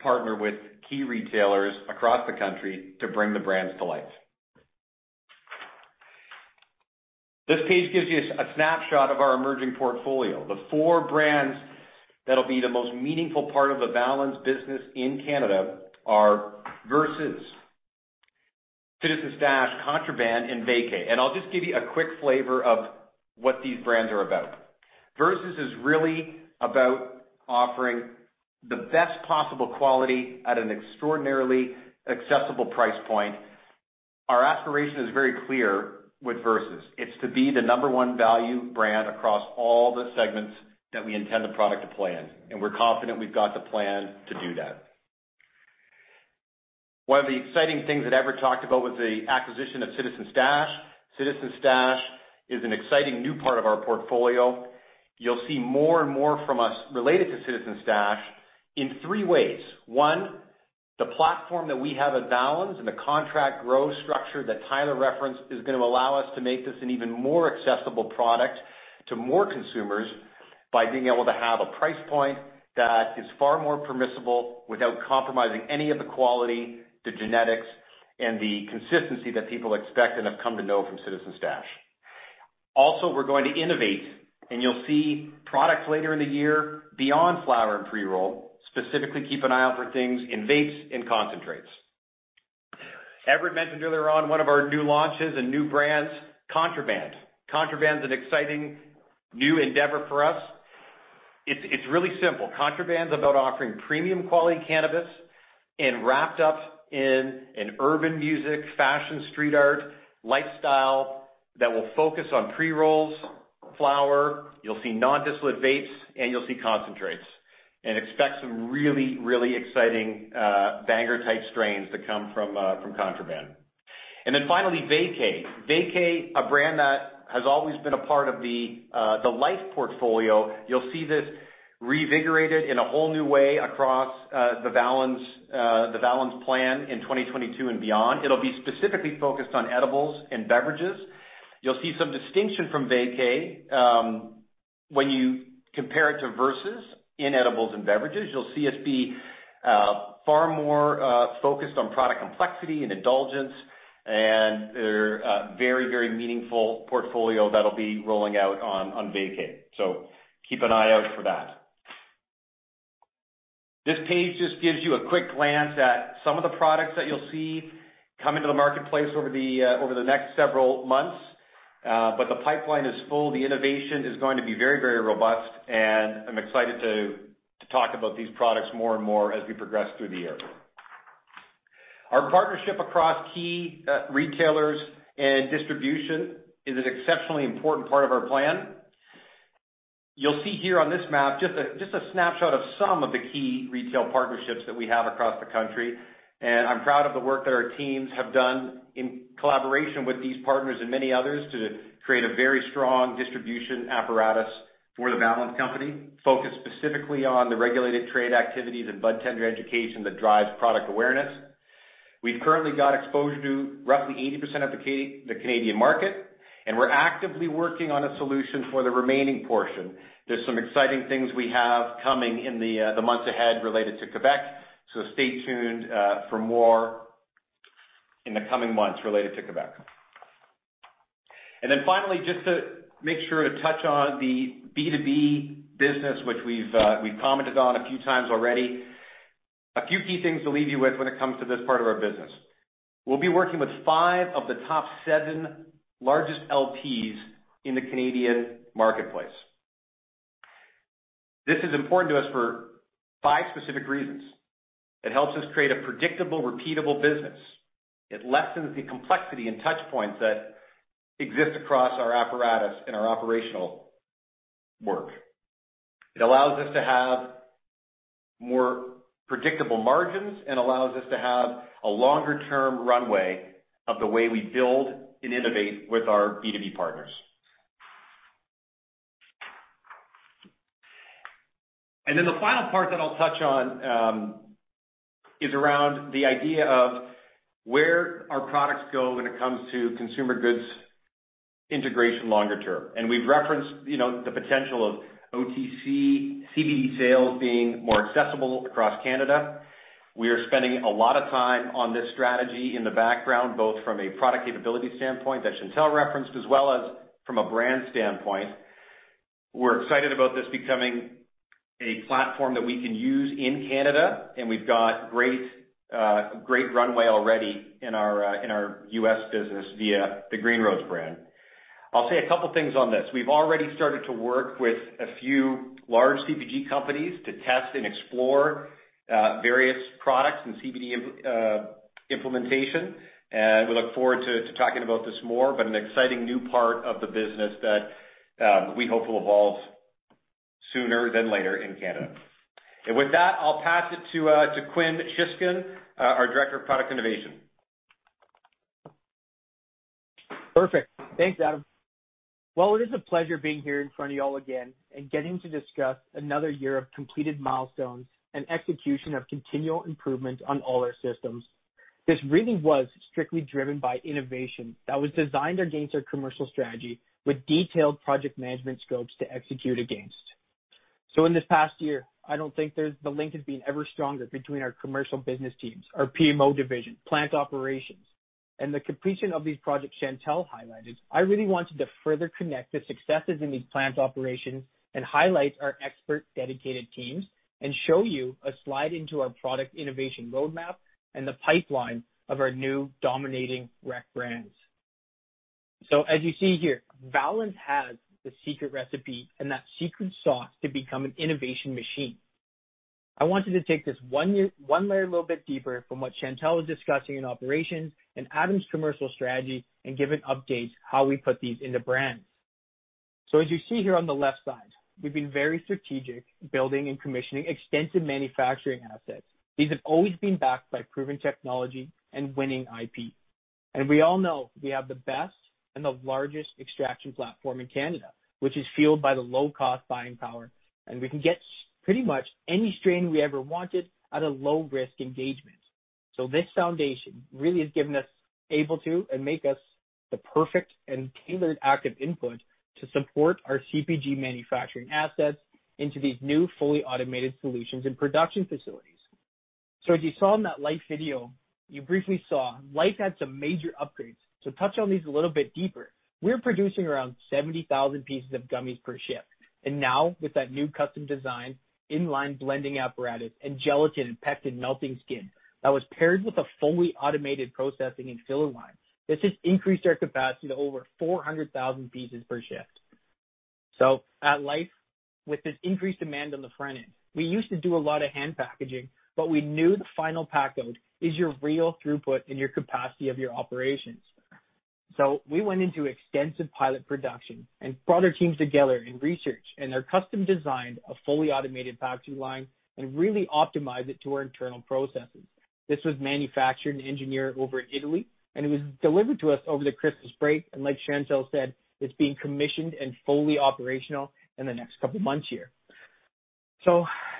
partner with key retailers across the country to bring the brands to life. This page gives you a snapshot of our emerging portfolio. The four brands that'll be the most meaningful part of the Valens business in Canada are Versus, Citizen Stash, Contraband, and Vacay. I'll just give you a quick flavor of what these brands are about. Versus is really about offering the best possible quality at an extraordinarily accessible price point. Our aspiration is very clear with Versus. It's to be the number one value brand across all the segments that we intend the product to play in, and we're confident we've got the plan to do that. One of the exciting things that Everett talked about was the acquisition of Citizen Stash. Citizen Stash is an exciting new part of our portfolio. You'll see more and more from us related to Citizen Stash in three ways. One, the platform that we have at Valens and the contract growth structure that Tyler referenced is gonna allow us to make this an even more accessible product to more consumers by being able to have a price point that is far more permissible without compromising any of the quality, the genetics, and the consistency that people expect and have come to know from Citizen Stash. We're going to innovate, and you'll see products later in the year beyond flower and pre-roll. Specifically, keep an eye out for things in vapes and concentrates. Everett mentioned earlier on one of our new launches and new brands, Contraband. Contraband's an exciting new endeavor for us. It's really simple. Contraband's about offering premium quality cannabis wrapped up in an urban music, fashion, street art lifestyle that will focus on pre-rolls, flower. You'll see non-discreet vapes and you'll see concentrates. Expect some really exciting banger type strains to come from Contraband. Finally Vacay. Vacay, a brand that has always been a part of the LYF portfolio. You'll see this reinvigorated in a whole new way across the Valens plan in 2022 and beyond. It'll be specifically focused on edibles and beverages. You'll see some distinction from Vacay, when you compare it to Versus in edibles and beverages. You'll see us be far more focused on product complexity and indulgence, and they're a very, very meaningful portfolio that'll be rolling out on Vacay. Keep an eye out for that. This page just gives you a quick glance at some of the products that you'll see come into the marketplace over the, over the next several months. The pipeline is full. The innovation is going to be very, very robust, and I'm excited to talk about these products more and more as we progress through the year. Our partnership across key retailers and distribution is an exceptionally important part of our plan. You'll see here on this map just a snapshot of some of the key retail partnerships that we have across the country. I'm proud of the work that our teams have done in collaboration with these partners and many others to create a very strong distribution apparatus for The Valens Company, focused specifically on the regulated trade activities and budtender education that drives product awareness. We've currently got exposure to roughly 80% of the Canadian market, and we're actively working on a solution for the remaining portion. There's some exciting things we have coming in the months ahead related to Quebec, so stay tuned for more in the coming months related to Quebec. Then finally, just to make sure to touch on the B2B business, which we've commented on a few times already. A few key things to leave you with when it comes to this part of our business. We'll be working with five of the top seven largest LPs in the Canadian marketplace. This is important to us for five specific reasons. It helps us create a predictable, repeatable business. It lessens the complexity and touch points that exist across our apparatus in our operational work. It allows us to have more predictable margins and allows us to have a longer term runway of the way we build and innovate with our B2B partners. The final part that I'll touch on is around the idea of where our products go when it comes to consumer goods integration longer term. We've referenced, you know, the potential of OTC CBD sales being more accessible across Canada. We are spending a lot of time on this strategy in the background, both from a product capability standpoint that Chantale referenced, as well as from a brand standpoint. We're excited about this becoming a platform that we can use in Canada, and we've got great runway already in our U.S. business via the Green Roads brand. I'll say a couple things on this. We've already started to work with a few large CPG companies to test and explore various products and CBD implementation, and we look forward to talking about this more. An exciting new part of the business that we hope will evolve sooner than later in Canada. With that, I'll pass it to Quinn Shiskin, our Director of Product Innovation. Perfect. Thanks, Adam. Well, it is a pleasure being here in front of you all again and getting to discuss another year of completed milestones and execution of continual improvement on all our systems. This really was strictly driven by innovation that was designed against our commercial strategy with detailed project management scopes to execute against. In this past year, the link has been ever stronger between our commercial business teams, our PMO division, plant operations, and the completion of these projects Chantale highlighted. I really wanted to further connect the successes in these plant operations and highlight our expert dedicated teams and show you a slide into our product innovation roadmap and the pipeline of our new dominating rec brands. As you see here, Valens has the secret recipe and that secret sauce to become an innovation machine. I wanted to take this one layer a little bit deeper from what Chantel was discussing in operations and Adam's commercial strategy and give an update how we put these into brands. As you see here on the left side, we've been very strategic building and commissioning extensive manufacturing assets. These have always been backed by proven technology and winning IP. We all know we have the best and the largest extraction platform in Canada, which is fueled by the low-cost buying power, and we can get pretty much any strain we ever wanted at a low risk engagement. This foundation really has given us the ability to, and made us the perfect and tailored active input to support our CPG manufacturing assets into these new fully automated solutions and production facilities. As you saw in that LYF video, you briefly saw LYF had some major upgrades. To touch on these a little bit deeper, we're producing around 70,000 pieces of gummies per shift. Now with that new custom design inline blending apparatus and gelatin and pectin melting skid that was paired with a fully automated processing and filler line, this has increased our capacity to over 400,000 pieces per shift. At LYF, with this increased demand on the front end, we used to do a lot of hand packaging, but we knew the final pack code is your real throughput and your capacity of your operations. We went into extensive pilot production and brought our teams together in research, and they're custom designed a fully automated packaging line and really optimized it to our internal processes. This was manufactured and engineered over in Italy, and it was delivered to us over the Christmas break. Like Chantel said, it's being commissioned and fully operational in the next couple of months here.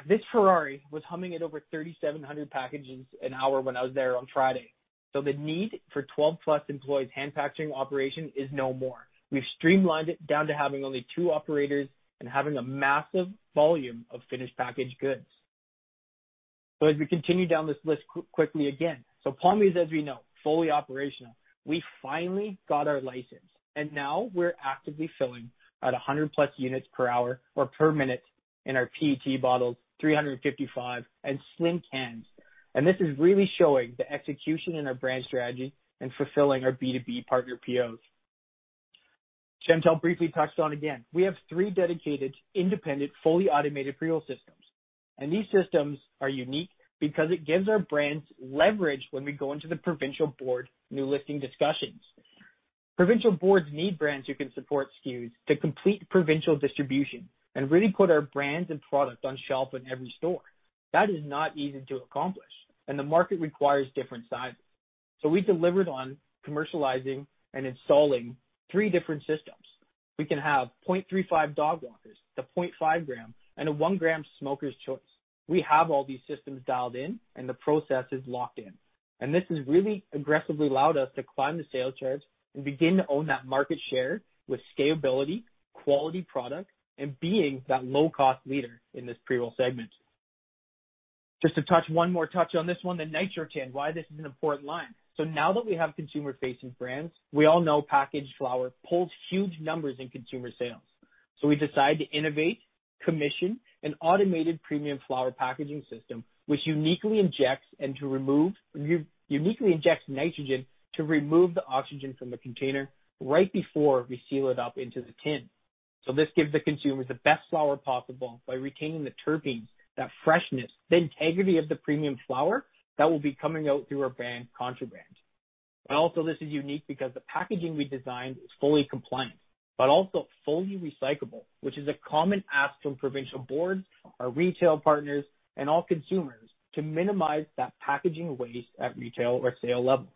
This Ferrari was humming at over 3,700 packages an hour when I was there on Friday. The need for 12+ employees hand packaging operation is no more. We've streamlined it down to having only two operators and having a massive volume of finished packaged goods. As we continue down this list quickly again. Pommies is, as we know, fully operational. We finally got our license, and now we're actively filling at a 100+ units per hour or per minute in our PET bottles, 355, and slim cans. This is really showing the execution in our brand strategy and fulfilling our B2B partner POs. Chantel briefly touched on, again, we have three dedicated, independent, fully automated pre-roll systems. These systems are unique because it gives our brands leverage when we go into the provincial board new listing discussions. Provincial boards need brands who can support SKUs to complete provincial distribution and really put our brands and products on shelf in every store. That is not easy to accomplish, and the market requires different sizes. We delivered on commercializing and installing three different systems. We can have 0.35 dog walkers, the 0.5-gram, and a 1-gram smoker's choice. We have all these systems dialed in, and the process is locked in. This has really aggressively allowed us to climb the sales charts and begin to own that market share with scalability, quality product, and being that low-cost leader in this pre-roll segment. One more touch on this one, the NitroTin, why this is an important line. Now that we have consumer-facing brands, we all know packaged flower pulls huge numbers in consumer sales. We decide to innovate, commission an automated premium flower packaging system, which uniquely injects nitrogen to remove the oxygen from the container right before we seal it up into the tin. This gives the consumer the best flower possible by retaining the terpenes, that freshness, the integrity of the premium flower that will be coming out through our brand, Contraband. Also this is unique because the packaging we designed is fully compliant, but also fully recyclable, which is a common ask from provincial boards, our retail partners, and all consumers to minimize that packaging waste at retail or sale level.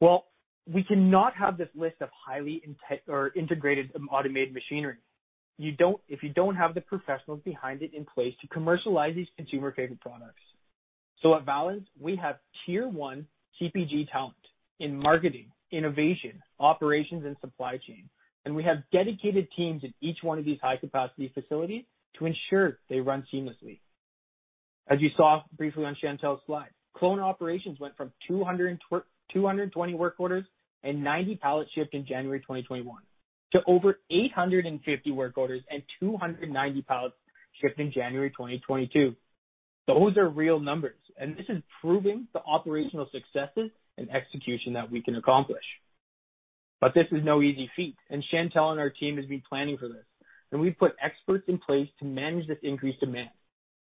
Well, we cannot have this list of highly integrated and automated machinery. If you don't have the professionals behind it in place to commercialize these consumer-facing products. At Valens, we have tier one CPG talent in marketing, innovation, operations, and supply chain. We have dedicated teams in each one of these high-capacity facilities to ensure they run seamlessly. As you saw briefly on Chantale's slide, Kelowna operations went from 220 work orders and 90 pallets shipped in January 2021 to over 850 work orders and 290 pallets shipped in January 2022. Those are real numbers, and this is proving the operational successes and execution that we can accomplish. This is no easy feat, and Chantelle and our team has been planning for this, and we've put experts in place to manage this increased demand.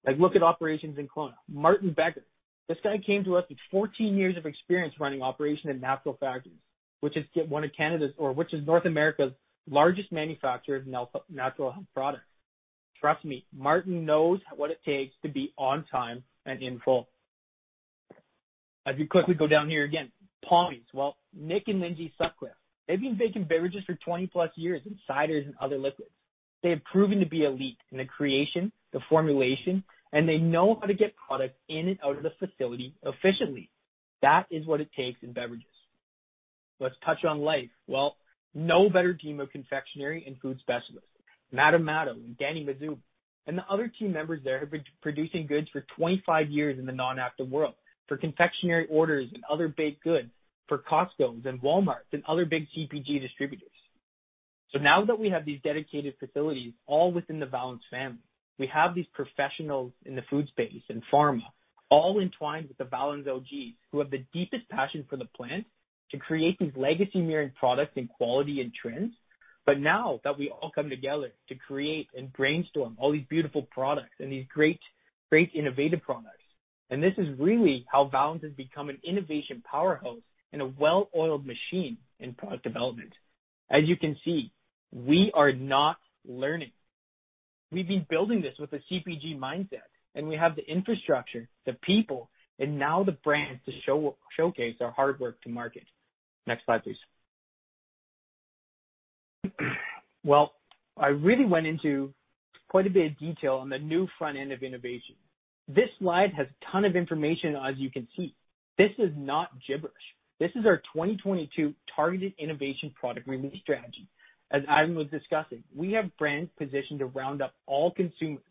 Like, look at operations in Kelowna. Martin Becker, this guy came to us with 14 years of experience running operation in Natural Factors, which is one of North America's largest manufacturer of natural health products. Trust me, Martin knows what it takes to be on time and in full. As you quickly go down here, again, Pommies. Well, Nick and Lindsay Sutcliffe, they've been making beverages for 20+ years, and ciders, and other liquids. They have proven to be elite in the creation, the formulation, and they know how to get product in and out of the facility efficiently. That is what it takes in beverages. Let's touch on LYF. Well, no better team of confectionery and food specialists. Madam, Danny Mazub, and the other team members there have been producing goods for 25 years in the non-active world for confectionery orders and other baked goods for Costco and Walmarts and other big CPG distributors. Now that we have these dedicated facilities all within the Valens family, we have these professionals in the food space and pharma all entwined with the Valens OGs, who have the deepest passion for the plant to create these legacy mirroring products in quality and trends. Now that we all come together to create and brainstorm all these beautiful products and these great innovative products, and this is really how Valens has become an innovation powerhouse and a well-oiled machine in product development. As you can see, we are not learning. We've been building this with a CPG mindset, and we have the infrastructure, the people, and now the brands to showcase our hard work to market. Next slide, please. Well, I really went into quite a bit of detail on the new front end of innovation. This slide has a ton of information, as you can see. This is not gibberish. This is our 2022 targeted innovation product release strategy. As Adam was discussing, we have brands positioned to round up all consumers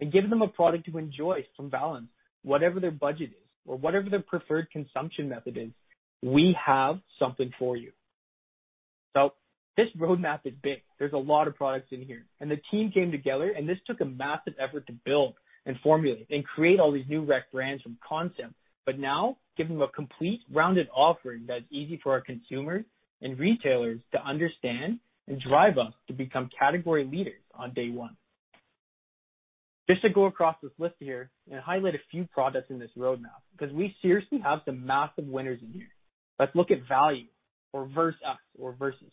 and give them a product to enjoy from Valens, whatever their budget is or whatever their preferred consumption method is, we have something for you. This roadmap is big. There's a lot of products in here. The team came together, and this took a massive effort to build and formulate and create all these new rec brands from concept, but now giving a complete rounded offering that's easy for our consumers and retailers to understand and drive us to become category leaders on day one. Just to go across this list here and highlight a few products in this roadmap because we seriously have some massive winners in here. Let's look at Versus.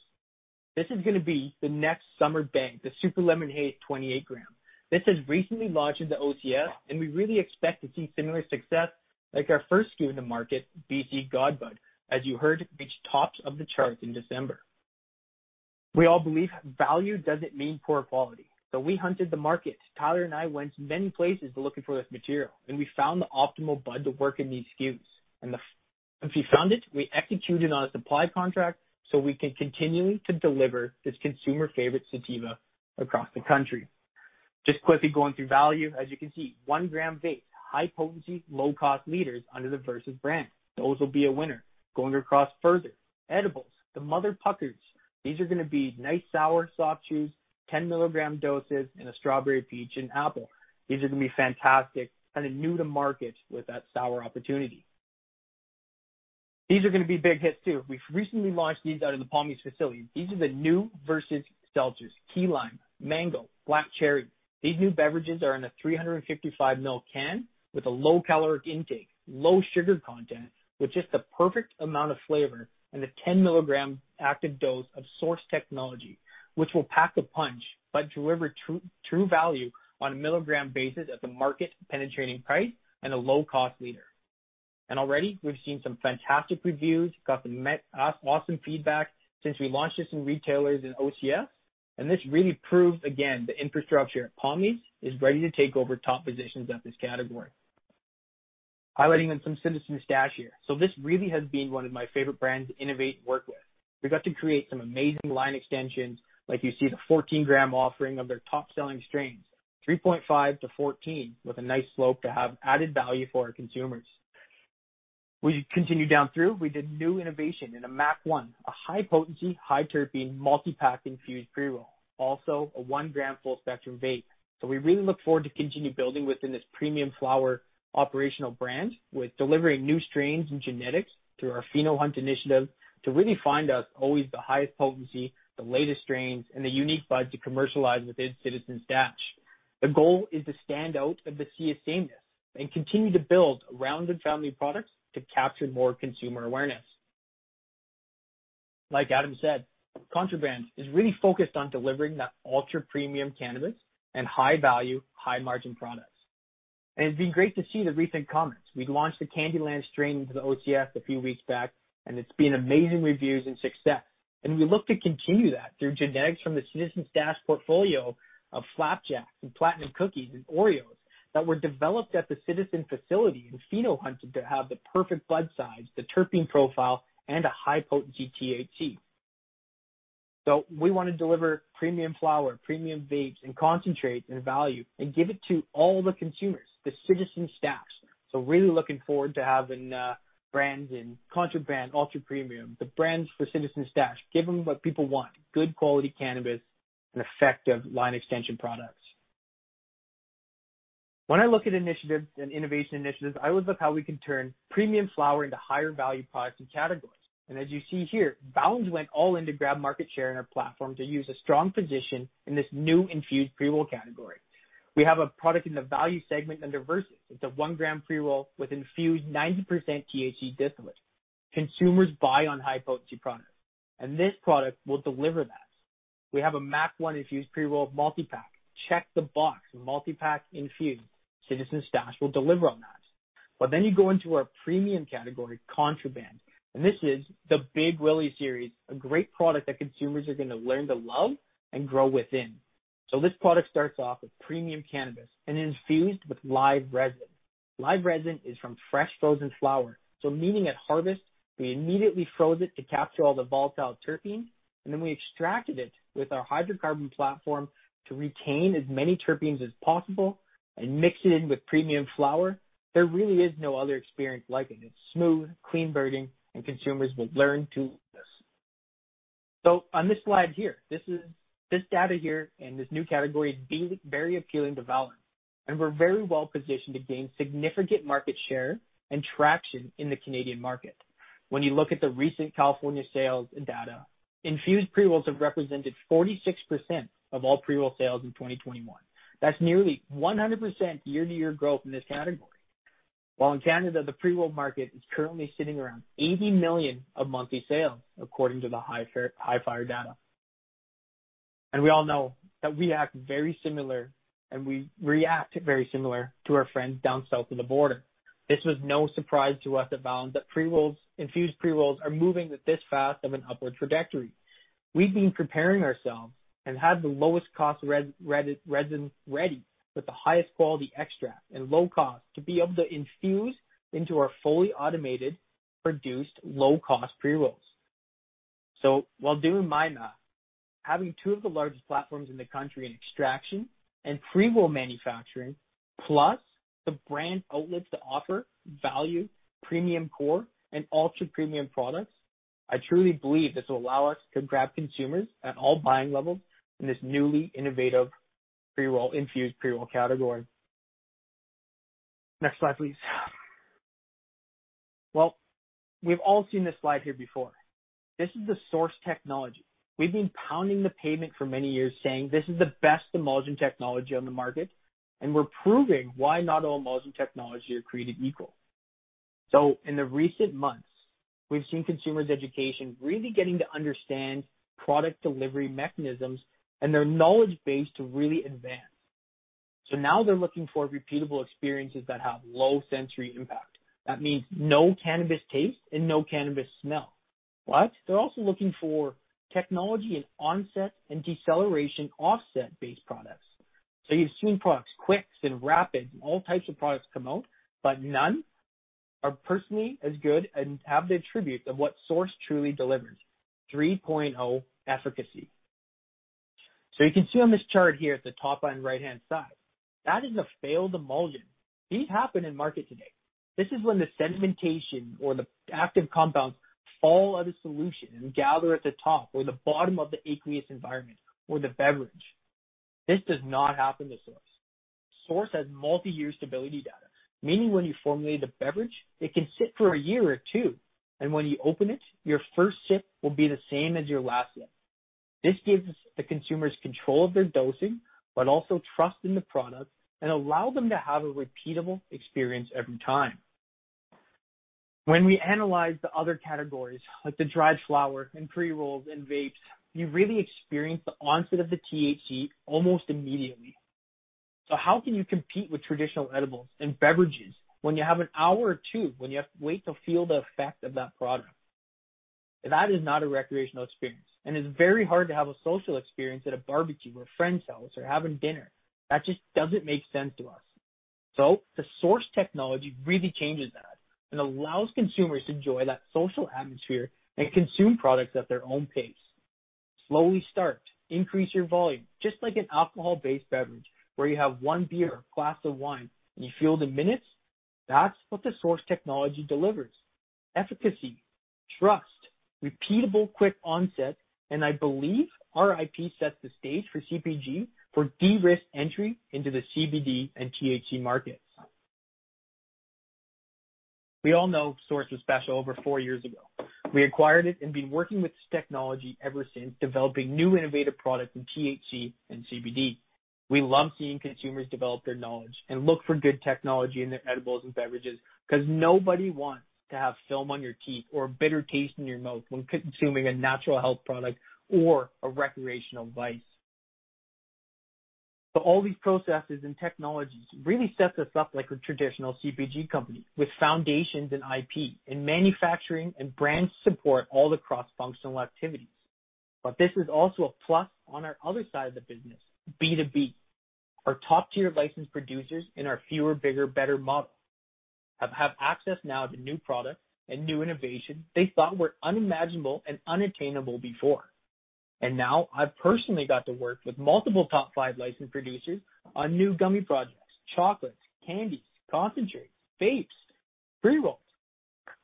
This is gonna be the next summer bang, the Super Lemon Haze 28 gram. This has recently launched in the OCS, and we really expect to see similar success like our first SKU in the market, BC God Bud, as you heard, reached tops of the charts in December. We all believe value doesn't mean poor quality. We hunted the market. Tyler and I went many places looking for this material, and we found the optimal bud to work in these SKUs. Once we found it, we executed on a supply contract, so we can continue to deliver this consumer favorite sativa across the country. Just quickly going through value. As you can see, 1-gram vape, high potency, low cost leaders under the Versus brand. Those will be a winner. Going across further. Edibles, the Mother Puckers. These are gonna be nice, sour soft chews, 10-milligram doses in a strawberry, peach, and apple. These are gonna be fantastic. Kinda new to market with that sour opportunity. These are gonna be big hits too. We've recently launched these out of the Pommies facility. These are the new Versus seltzers. Key lime, mango, black cherry. These new beverages are in a 355 ml can with a low caloric intake, low sugar content with just the perfect amount of flavor and a 10-milligram active dose of SōRSE technology, which will pack a punch, but deliver true value on a milligram basis at the market-penetrating price and a low-cost leader. Already we've seen some fantastic reviews, got some meh-to-awesome feedback since we launched this in retailers in OCS. This really proves again the infrastructure at Pommies is ready to take over top positions at this category. Highlighting some Citizen Stash here. This really has been one of my favorite brands to innovate and work with. We got to create some amazing line extensions, like you see the 14-gram offering of their top-selling strains, 3.5-14, with a nice slope to have added value for our consumers. We continue down through. We did new innovation in a MAC 1, a high potency, high terpene multi-pack infused pre-roll, also a 1-gram full-spectrum vape. We really look forward to continue building within this premium flower operational brand with delivering new strains and genetics through our Phenohunt initiative to really find us always the highest potency, the latest strains, and the unique buds to commercialize within Citizen Stash. The goal is to stand out in the sea of sameness and continue to build a rounded family of products to capture more consumer awareness. Like Adam said, Contraband is really focused on delivering that ultra-premium cannabis and high-value, high-margin products. It'd be great to see the recent comments. We'd launched the Candyland strain into the OCS a few weeks back, and it's been amazing reviews and success. We look to continue that through genetics from the Citizen Stash portfolio of Flapjacks and Platinum Cookies and Oreoz that were developed at the Citizen facility in Phenohunt to have the perfect bud size, the terpene profile, and a high-potency THC. We wanna deliver premium flower, premium vapes, and concentrate and value and give it to all the consumers, the Citizen Stash. Really looking forward to having brands in Contraband, ultra-premium, the brands for Citizen Stash, give them what people want, good quality cannabis and effective line extension products. When I look at initiatives and innovation initiatives, I always look how we can turn premium flower into higher value products and categories. As you see here, Valens went all in to grab market share in our platform to use a strong position in this new infused pre-roll category. We have a product in the value segment under Versus. It's a 1-gram pre-roll with infused 90% THC distillate. Consumers buy on high-potency products, and this product will deliver that. We have a MAC 1 infused pre-roll multi-pack. Check the box, multi-pack infused. Citizen Stash will deliver on that. You go into our premium category, Contraband, and this is the Big Willy series, a great product that consumers are gonna learn to love and grow within. This product starts off with premium cannabis and infused with live resin. Live resin is from fresh frozen flower. Meaning at harvest, we immediately froze it to capture all the volatile terpenes, and then we extracted it with our hydrocarbon platform to retain as many terpenes as possible and mix it in with premium flower. There really is no other experience like it. It's smooth, clean burning, and consumers will learn to love this. On this slide here, this data here in this new category is very appealing to Valens, and we're very well-positioned to gain significant market share and traction in the Canadian market. When you look at the recent California sales data, infused pre-rolls have represented 46% of all pre-roll sales in 2021. That's nearly 100% year-to-year growth in this category. While in Canada, the pre-roll market is currently sitting around 80 million of monthly sales, according to the Hifyre data. We all know that we act very similar, and we react very similar to our friends down south of the border. This was no surprise to us at Valens that pre-rolls, infused pre-rolls are moving at this fast of an upward trajectory. We've been preparing ourselves and have the lowest cost resin ready with the highest quality extract and low cost to be able to infuse into our fully automated produced low-cost pre-rolls. While doing my math, having two of the largest platforms in the country in extraction and pre-roll manufacturing, plus the brand outlets to offer value, premium core, and ultra-premium products, I truly believe this will allow us to grab consumers at all buying levels in this newly innovative pre-roll, infused pre-roll category. Next slide, please. Well, we've all seen this slide here before. This is the SōRSE technology. We've been pounding the pavement for many years saying this is the best emulsion technology on the market, and we're proving why not all emulsion technology are created equal. In the recent months, we've seen consumers education really getting to understand product delivery mechanisms and their knowledge base to really advance. Now they're looking for repeatable experiences that have low sensory impact. That means no cannabis taste and no cannabis smell. They're also looking for technology and onset and deceleration offset-based products. You've seen products, quick and rapid, and all types of products come out, but none are personally as good and have the attributes of what SōRSE truly delivers, 3.0 efficacy. You can see on this chart here at the top on right-hand side, that is a failed emulsion. These happen in market today. This is when the sedimentation or the active compounds fall out of solution and gather at the top or the bottom of the aqueous environment or the beverage. This does not happen to SōRSE. SōRSE has multi-year stability data, meaning when you formulate a beverage, it can sit for a year or two, and when you open it, your first sip will be the same as your last sip. This gives the consumers control of their dosing, but also trust in the product and allow them to have a repeatable experience every time. When we analyze the other categories, like the dried flower and pre-rolls and vapes, you really experience the onset of the THC almost immediately. How can you compete with traditional edibles and beverages when you have an hour or two when you have to wait to feel the effect of that product? That is not a recreational experience, and it's very hard to have a social experience at a barbecue or a friend's house or having dinner. That just doesn't make sense to us. The SōRSE technology really changes that and allows consumers to enjoy that social atmosphere and consume products at their own pace. Slowly start, increase your volume, just like an alcohol-based beverage, where you have one beer, a glass of wine, and you feel it in minutes. That's what the SōRSE technology delivers. Efficacy, trust, repeatable, quick onset, and I believe our IP sets the stage for CPG for de-risk entry into the CBD and THC markets. We all know SōRSE was special. Over four years ago. We acquired it and been working with this technology ever since, developing new innovative products in THC and CBD. We love seeing consumers develop their knowledge and look for good technology in their edibles and beverages because nobody wants to have film on your teeth or a bitter taste in your mouth when consuming a natural health product or a recreational vice. All these processes and technologies really sets us up like a traditional CPG company with foundations in IP and manufacturing and brand support all across functional activities. This is also a plus on our other side of the business, B2B. Our top-tier licensed producers in our fewer, bigger, better model have access now to new products and new innovation they thought were unimaginable and unattainable before. Now I've personally got to work with multiple top five licensed producers on new gummy projects, chocolates, candies, concentrates, vapes, pre-rolls.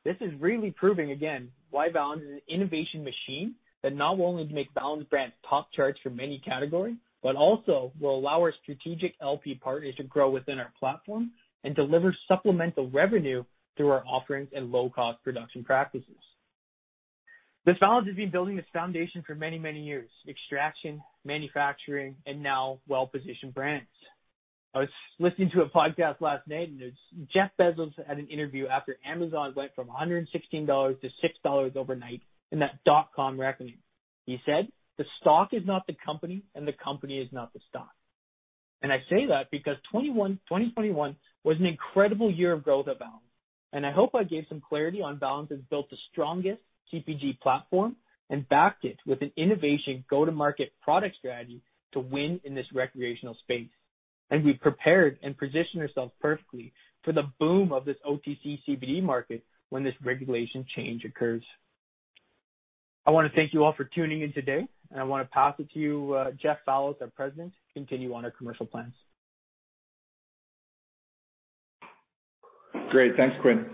This is really proving again why Valens is an innovation machine that not only make Valens brands top charts for many categories, but also will allow our strategic LP partners to grow within our platform and deliver supplemental revenue through our offerings and low-cost production practices. Valens has been building this foundation for many, many years, extraction, manufacturing, and now well-positioned brands. I was listening to a podcast last night, and Jeff Bezos had an interview after Amazon went from $116 to $6 overnight in that dot-com reckoning. He said, "The stock is not the company, and the company is not the stock." I say that because 2021 was an incredible year of growth at Valens, and I hope I gave some clarity on Valens has built the strongest CPG platform and backed it with an innovation go-to-market product strategy to win in this recreational space. We prepared and positioned ourselves perfectly for the boom of this OTC CBD market when this regulation change occurs. I wanna thank you all for tuning in today, and I wanna pass it to you, Jeff Fallows, our President, to continue on our commercial plans. Great. Thanks, Quinn.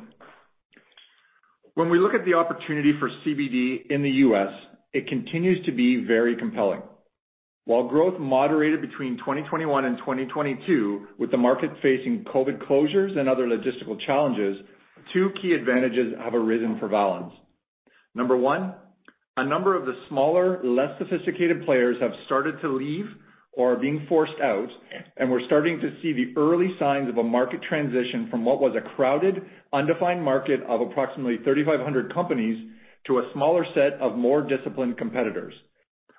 When we look at the opportunity for CBD in the U.S., it continues to be very compelling. While growth moderated between 2021 and 2022, with the market facing COVID closures and other logistical challenges, two key advantages have arisen for Valens. Number one, a number of the smaller, less sophisticated players have started to leave or are being forced out, and we're starting to see the early signs of a market transition from what was a crowded, undefined market of approximately 3,500 companies to a smaller set of more disciplined competitors.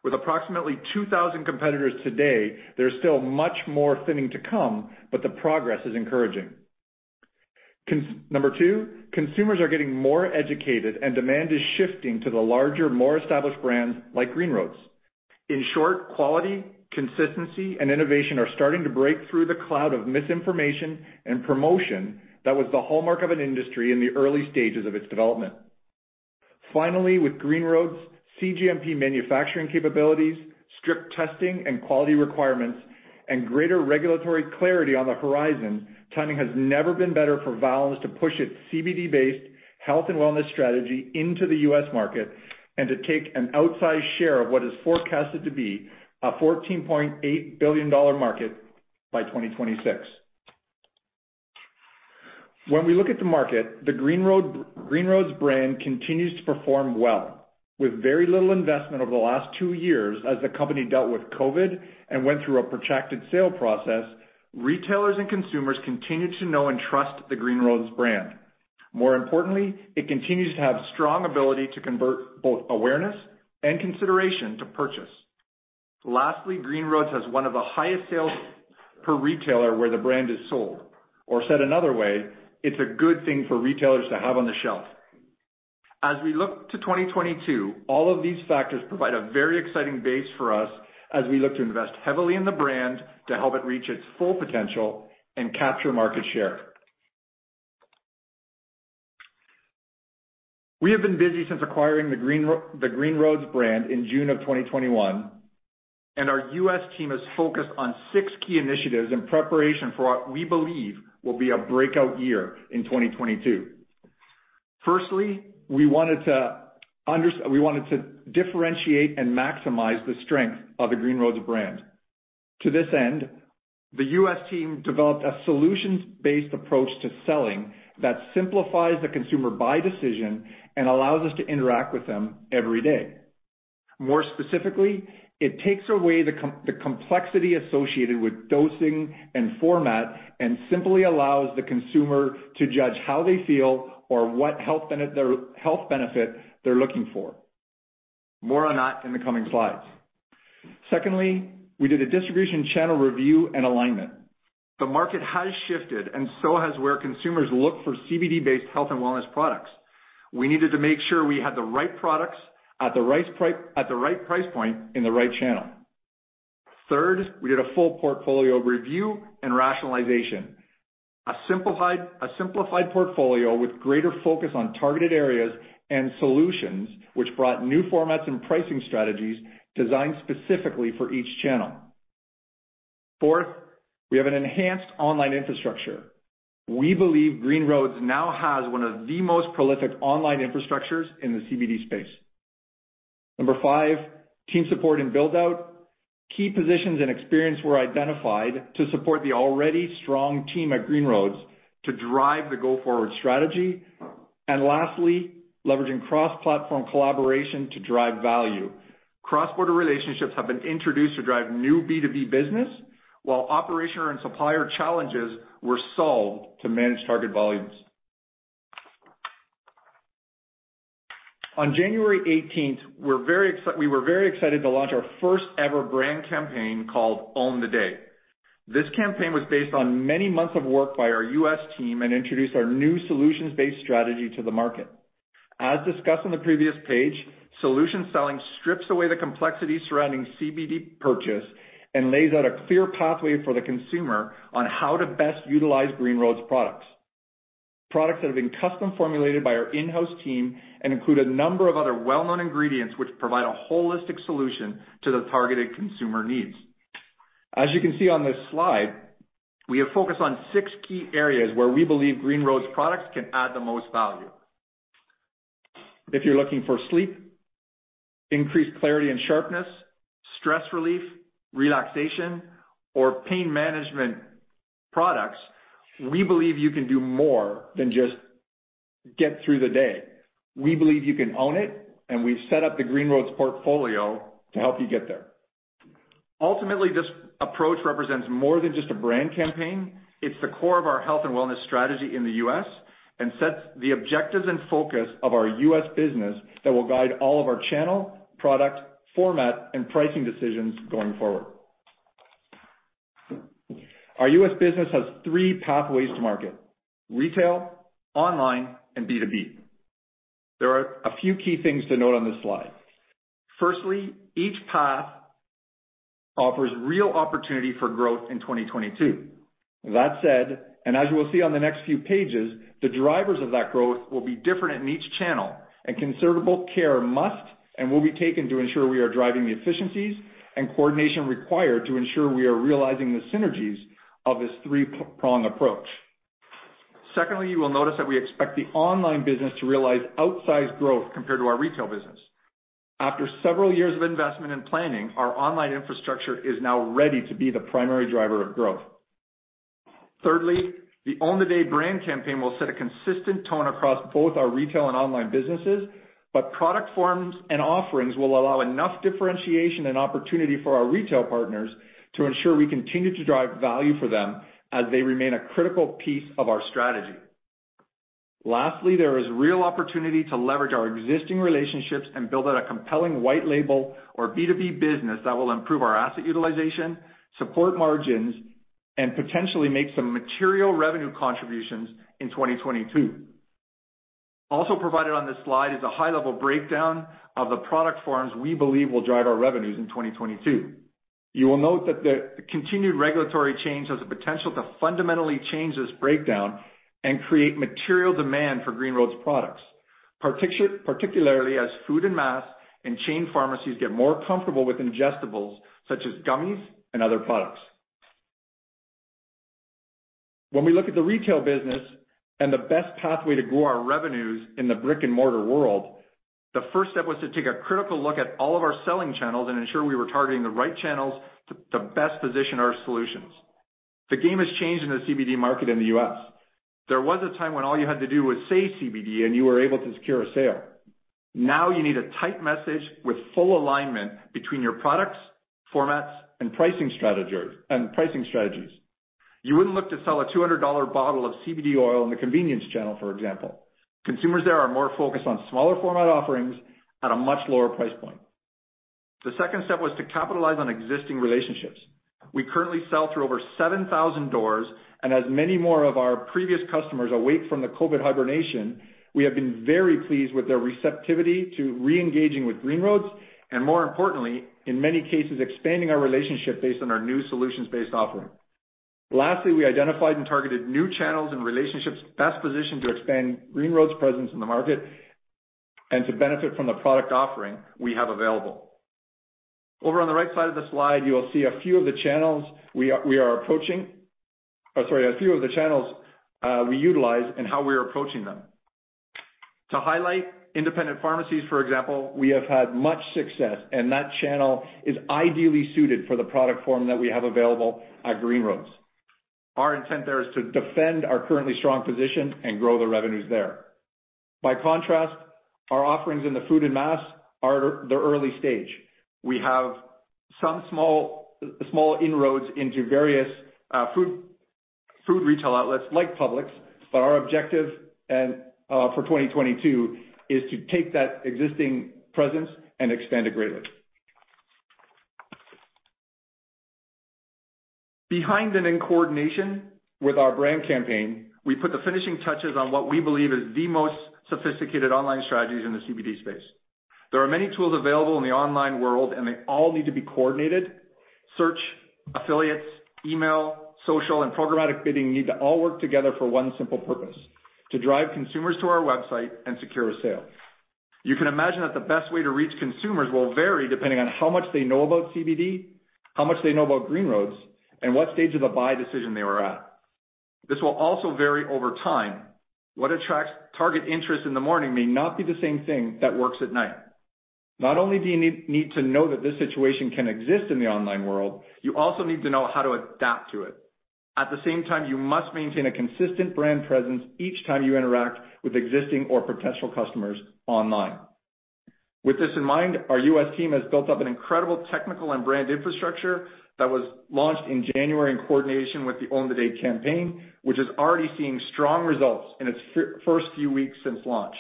With approximately 2,000 competitors today, there's still much more thinning to come, but the progress is encouraging. Number two, consumers are getting more educated, and demand is shifting to the larger, more established brands like Green Roads. In short, quality, consistency, and innovation are starting to break through the cloud of misinformation and promotion that was the hallmark of an industry in the early stages of its development. Finally, with Green Roads' cGMP manufacturing capabilities, strict testing and quality requirements, and greater regulatory clarity on the horizon, timing has never been better for Valens to push its CBD-based health and wellness strategy into the U.S. market and to take an outsized share of what is forecasted to be a $14.8 billion market by 2026. When we look at the market, the Green Roads brand continues to perform well with very little investment over the last two years as the company dealt with COVID and went through a protracted sale process. Retailers and consumers continue to know and trust the Green Roads brand. More importantly, it continues to have strong ability to convert both awareness and consideration to purchase. Lastly, Green Roads has one of the highest sales per retailer where the brand is sold. Or said another way, it's a good thing for retailers to have on the shelf. As we look to 2022, all of these factors provide a very exciting base for us as we look to invest heavily in the brand to help it reach its full potential and capture market share. We have been busy since acquiring the Green Roads brand in June of 2021, and our U.S. team is focused on six key initiatives in preparation for what we believe will be a breakout year in 2022. Firstly, we wanted to differentiate and maximize the strength of the Green Roads brand. To this end, the U.S. team developed a solutions-based approach to selling that simplifies the consumer buy decision and allows us to interact with them every day. More specifically, it takes away the complexity associated with dosing and format, and simply allows the consumer to judge how they feel or what health benefit they're looking for. More on that in the coming slides. Secondly, we did a distribution channel review and alignment. The market has shifted and so has where consumers look for CBD-based health and wellness products. We needed to make sure we had the right products at the right price point in the right channel. Third, we did a full portfolio review and rationalization. A simplified portfolio with greater focus on targeted areas and solutions which brought new formats and pricing strategies designed specifically for each channel. Fourth, we have an enhanced online infrastructure. We believe Green Roads now has one of the most prolific online infrastructures in the CBD space. Number five, team support and build-out. Key positions and experience were identified to support the already strong team at Green Roads to drive the go-forward strategy. Lastly, leveraging cross-platform collaboration to drive value. Cross-border relationships have been introduced to drive new B2B business, while operational and supplier challenges were solved to manage target volumes. On January 18th, we were very excited to launch our first ever brand campaign called Own the Day. This campaign was based on many months of work by our U.S. team and introduced our new solutions-based strategy to the market. As discussed on the previous page, solution selling strips away the complexity surrounding CBD purchase and lays out a clear pathway for the consumer on how to best utilize Green Roads products. Products that have been custom formulated by our in-house team and include a number of other well-known ingredients which provide a holistic solution to the targeted consumer needs. As you can see on this slide, we have focused on six key areas where we believe Green Roads products can add the most value. If you're looking for sleep, increased clarity and sharpness, stress relief, relaxation, or pain management products, we believe you can do more than just get through the day. We believe you can own it, and we've set up the Green Roads portfolio to help you get there. Ultimately, this approach represents more than just a brand campaign. It's the core of our health and wellness strategy in the U.S. and sets the objectives and focus of our U.S. business that will guide all of our channel, product, format, and pricing decisions going forward. Our U.S. business has three pathways to market: retail, online, and B2B. There are a few key things to note on this slide. Firstly, each path offers real opportunity for growth in 2022. That said, and as you will see on the next few pages, the drivers of that growth will be different in each channel and considerable care must and will be taken to ensure we are driving the efficiencies and coordination required to ensure we are realizing the synergies of this three-prong approach. Secondly, you will notice that we expect the online business to realize outsized growth compared to our retail business. After several years of investment and planning, our online infrastructure is now ready to be the primary driver of growth. Thirdly, the Own the Day brand campaign will set a consistent tone across both our retail and online businesses, but product forms and offerings will allow enough differentiation and opportunity for our retail partners to ensure we continue to drive value for them as they remain a critical piece of our strategy. Lastly, there is real opportunity to leverage our existing relationships and build out a compelling white label or B2B business that will improve our asset utilization, support margins, and potentially make some material revenue contributions in 2022. Also provided on this slide is a high-level breakdown of the product forms we believe will drive our revenues in 2022. You will note that the continued regulatory change has the potential to fundamentally change this breakdown and create material demand for Green Roads products, particularly as food and mass and chain pharmacies get more comfortable with ingestibles such as gummies and other products. When we look at the retail business and the best pathway to grow our revenues in the brick-and-mortar world, the first step was to take a critical look at all of our selling channels and ensure we were targeting the right channels to best position our solutions. The game has changed in the CBD market in the U.S. There was a time when all you had to do was say CBD, and you were able to secure a sale. Now you need a tight message with full alignment between your products, formats, and pricing strategies. You wouldn't look to sell a $200 bottle of CBD oil in the convenience channel, for example. Consumers there are more focused on smaller format offerings at a much lower price point. The second step was to capitalize on existing relationships. We currently sell through over 7,000 doors, and as many more of our previous customers awake from the COVID hibernation, we have been very pleased with their receptivity to re-engaging with Green Roads, and more importantly, in many cases, expanding our relationship based on our new solutions-based offering. Lastly, we identified and targeted new channels and relationships best positioned to expand Green Roads' presence in the market and to benefit from the product offering we have available. Over on the right side of the slide, you will see a few of the channels we are approaching. Sorry, a few of the channels we utilize and how we are approaching them. To highlight independent pharmacies, for example, we have had much success, and that channel is ideally suited for the product form that we have available at Green Roads. Our intent there is to defend our currently strong position and grow the revenues there. By contrast, our offerings in the food and mass are the early stage. We have some small inroads into various food retail outlets like Publix, but our objective for 2022 is to take that existing presence and expand it greatly. Behind and in coordination with our brand campaign, we put the finishing touches on what we believe is the most sophisticated online strategies in the CBD space. There are many tools available in the online world, and they all need to be coordinated. Search, affiliates, email, social, and programmatic bidding need to all work together for one simple purpose, to drive consumers to our website and secure a sale. You can imagine that the best way to reach consumers will vary depending on how much they know about CBD, how much they know about Green Roads, and what stage of the buy decision they are at. This will also vary over time. What attracts target interest in the morning may not be the same thing that works at night. Not only do you need to know that this situation can exist in the online world, you also need to know how to adapt to it. At the same time, you must maintain a consistent brand presence each time you interact with existing or potential customers online. With this in mind, our U.S. team has built up an incredible technical and brand infrastructure that was launched in January in coordination with the Own the Day campaign, which is already seeing strong results in its first few weeks since launch.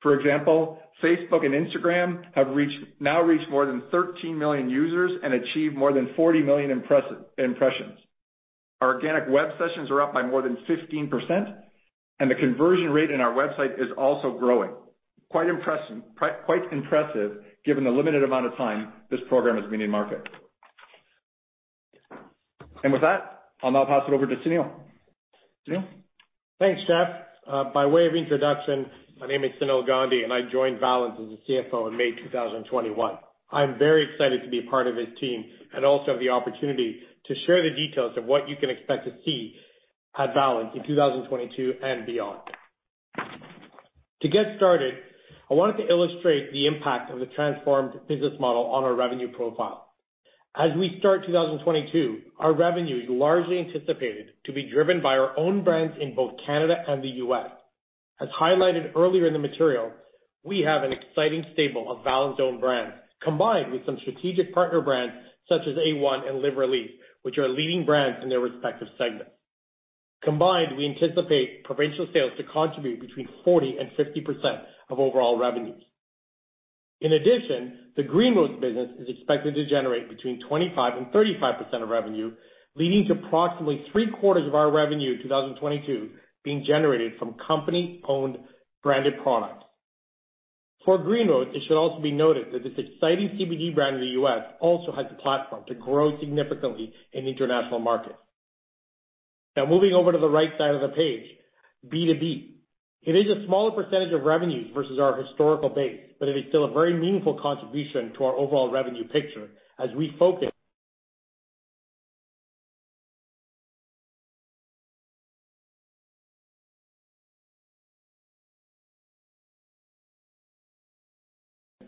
For example, Facebook and Instagram have reached more than 13 million users and achieved more than 40 million impressions. Our organic web sessions are up by more than 15%, and the conversion rate in our website is also growing. Quite impressive given the limited amount of time this program has been in market. With that, I'll now pass it over to Sunil. Sunil? Thanks, Jeff. By way of introduction, my name is Sunil Gandhi, and I joined Valens as a CFO in May 2021. I'm very excited to be a part of this team and also have the opportunity to share the details of what you can expect to see at Valens in 2022 and beyond. To get started, I wanted to illustrate the impact of the transformed business model on our revenue profile. As we start 2022, our revenue is largely anticipated to be driven by our own brands in both Canada and the U.S. As highlighted earlier in the material, we have an exciting stable of Valens own brands, combined with some strategic partner brands such as A1 and LivRelief, which are leading brands in their respective segments. Combined, we anticipate provincial sales to contribute between 40% and 50% of overall revenues. In addition, the Green Roads business is expected to generate between 25% and 35% of revenue, leading to approximately three-quarters of our revenue in 2022 being generated from company-owned branded products. For Green Roads, it should also be noted that this exciting CBD brand in the U.S. also has the platform to grow significantly in international markets. Now moving over to the right side of the page, B2B. It is a smaller percentage of revenues versus our historical base, but it is still a very meaningful contribution to our overall revenue picture as we focus.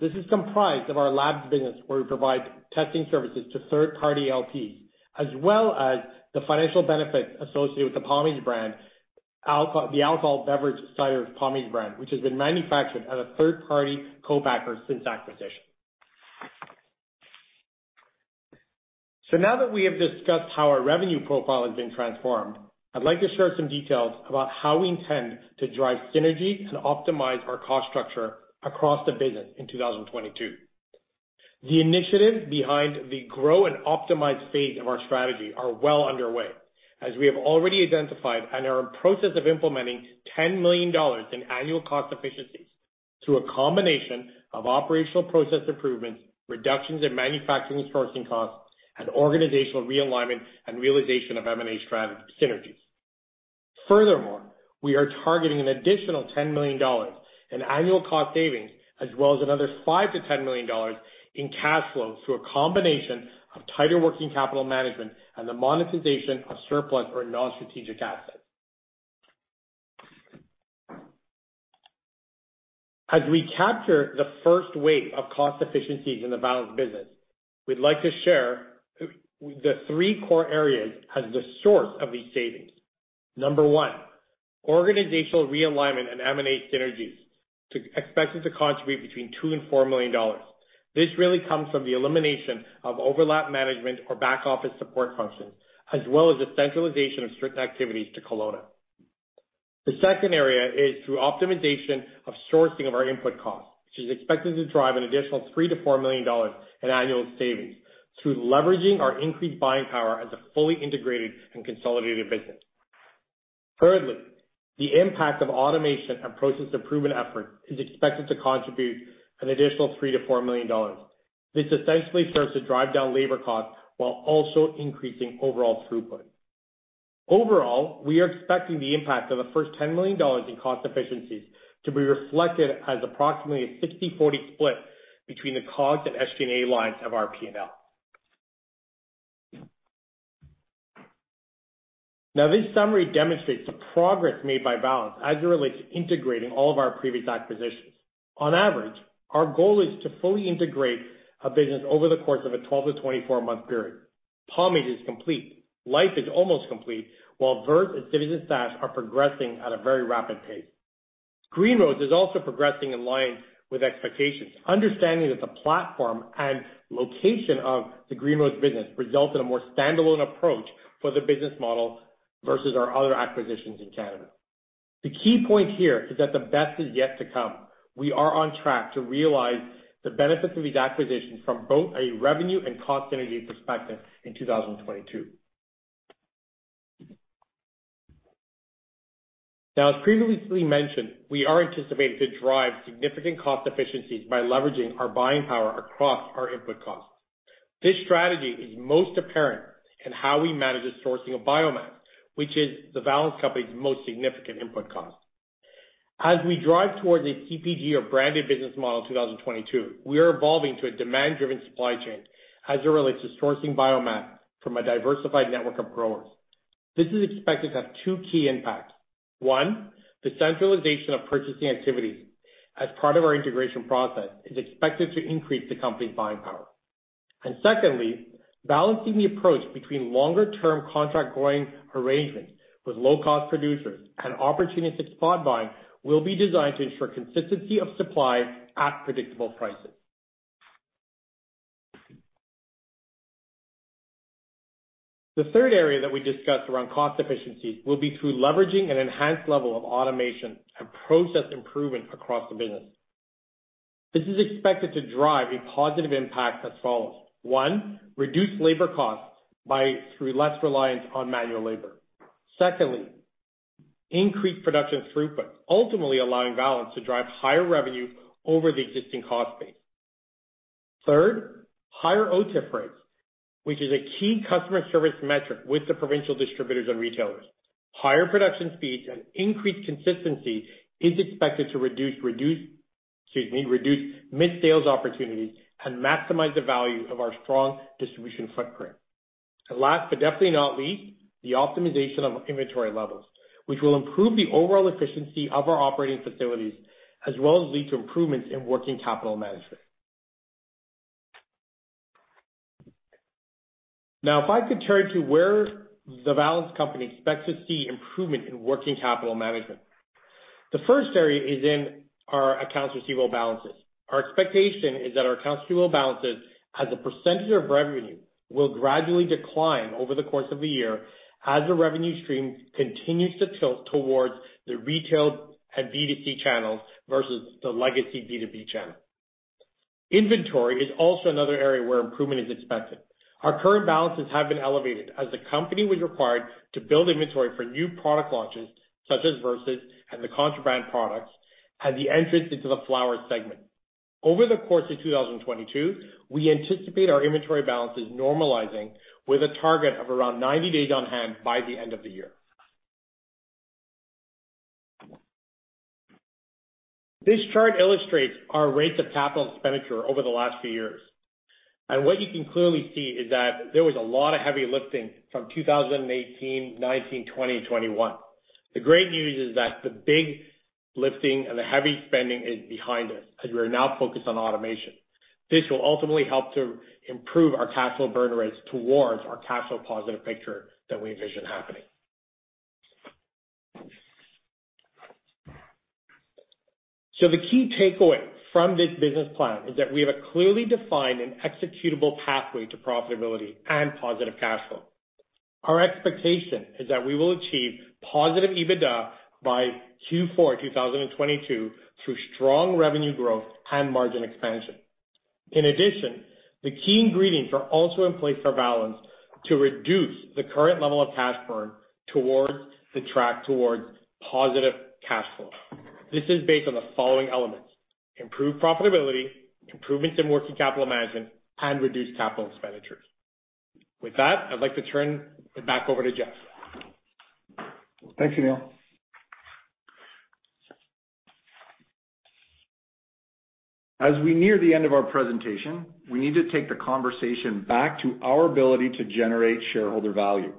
This is comprised of our labs business, where we provide testing services to third-party LPs, as well as the financial benefits associated with the Pommies brand, the alcohol beverage cider Pommies brand, which has been manufactured at a third-party co-packer since acquisition. Now that we have discussed how our revenue profile has been transformed, I'd like to share some details about how we intend to drive synergy and optimize our cost structure across the business in 2022. The initiatives behind the grow and optimize phase of our strategy are well underway, as we have already identified and are in process of implementing 10 million dollars in annual cost efficiencies through a combination of operational process improvements, reductions in manufacturing sourcing costs, and organizational realignment and realization of M&A strategy synergies. Furthermore, we are targeting an additional 10 million dollars in annual cost savings as well as another 5 million-10 million dollars in cash flow through a combination of tighter working capital management and the monetization of surplus or non-strategic assets. As we capture the first wave of cost efficiencies in the Valens business, we'd like to share the three core areas as the source of these savings. Number one, organizational realignment and M&A synergies expected to contribute between 2 million and 4 million dollars. This really comes from the elimination of overlap management or back-office support functions, as well as the centralization of certain activities to Kelowna. The second area is through optimization of sourcing of our input costs, which is expected to drive an additional 3 million-4 million dollars in annual savings through leveraging our increased buying power as a fully integrated and consolidated business. Thirdly, the impact of automation and process improvement efforts is expected to contribute an additional 3 million-4 million dollars. This essentially serves to drive down labor costs while also increasing overall throughput. Overall, we are expecting the impact of the first 10 million dollars in cost efficiencies to be reflected as approximately a 60/40 split between the COGS and SG&A lines of our P&L. This summary demonstrates the progress made by Valens as it relates to integrating all of our previous acquisitions. On average, our goal is to fully integrate a business over the course of a 12-24 month period. Pommies is complete, Life is almost complete, while Verse and Citizen Stash are progressing at a very rapid pace. Green Roads is also progressing in line with expectations, understanding that the platform and location of the Green Roads business result in a more standalone approach for the business model versus our other acquisitions in Canada. The key point here is that the best is yet to come. We are on track to realize the benefits of these acquisitions from both a revenue and cost synergy perspective in 2022. Now, as previously mentioned, we are anticipating to drive significant cost efficiencies by leveraging our buying power across our input costs. This strategy is most apparent in how we manage the sourcing of biomass, which is the Valens Company's most significant input cost. As we drive towards a CPG or branded business model in 2022, we are evolving to a demand-driven supply chain as it relates to sourcing biomass from a diversified network of growers. This is expected to have two key impacts. One, the centralization of purchasing activities as part of our integration process is expected to increase the company's buying power. Secondly, balancing the approach between longer-term contract growing arrangements with low-cost producers and opportunistic spot buying will be designed to ensure consistency of supply at predictable prices. The third area that we discussed around cost efficiencies will be through leveraging an enhanced level of automation and process improvement across the business. This is expected to drive a positive impact as follows. One, reduce labor costs through less reliance on manual labor. Secondly, increased production throughput, ultimately allowing Valens to drive higher revenue over the existing cost base. Third, higher OTIF rates, which is a key customer service metric with the provincial distributors and retailers. Higher production speeds and increased consistency is expected to reduce missed sales opportunities and maximize the value of our strong distribution footprint. Last, but definitely not least, the optimization of inventory levels, which will improve the overall efficiency of our operating facilities as well as lead to improvements in working capital management. Now, if I could turn to where the Valens Company expects to see improvement in working capital management. The first area is in our accounts receivable balances. Our expectation is that our accounts receivable balances as a percentage of revenue will gradually decline over the course of the year as the revenue stream continues to tilt towards the retail and D2C channels versus the legacy B2B channel. Inventory is also another area where improvement is expected. Our current balances have been elevated as the company was required to build inventory for new product launches such as Versus and the Contraband products and the entrance into the flower segment. Over the course of 2022, we anticipate our inventory balances normalizing with a target of around 90 days on hand by the end of the year. This chart illustrates our rates of capital expenditure over the last few years. What you can clearly see is that there was a lot of heavy lifting from 2018, 2019, 2020, 2021. The great news is that the big lifting and the heavy spending is behind us as we are now focused on automation. This will ultimately help to improve our capital burn rates towards our capital positive picture that we envision happening. The key takeaway from this business plan is that we have a clearly defined and executable pathway to profitability and positive cash flow. Our expectation is that we will achieve positive EBITDA by Q4 2022 through strong revenue growth and margin expansion. In addition, the key ingredients are also in place for Valens to reduce the current level of cash burn on track towards positive cash flow. This is based on the following elements. Improved profitability, improvements in working capital management, and reduced capital expenditures. With that, I'd like to turn it back over to Jeff. Thanks, Sunil Gandhi. As we near the end of our presentation, we need to take the conversation back to our ability to generate shareholder value.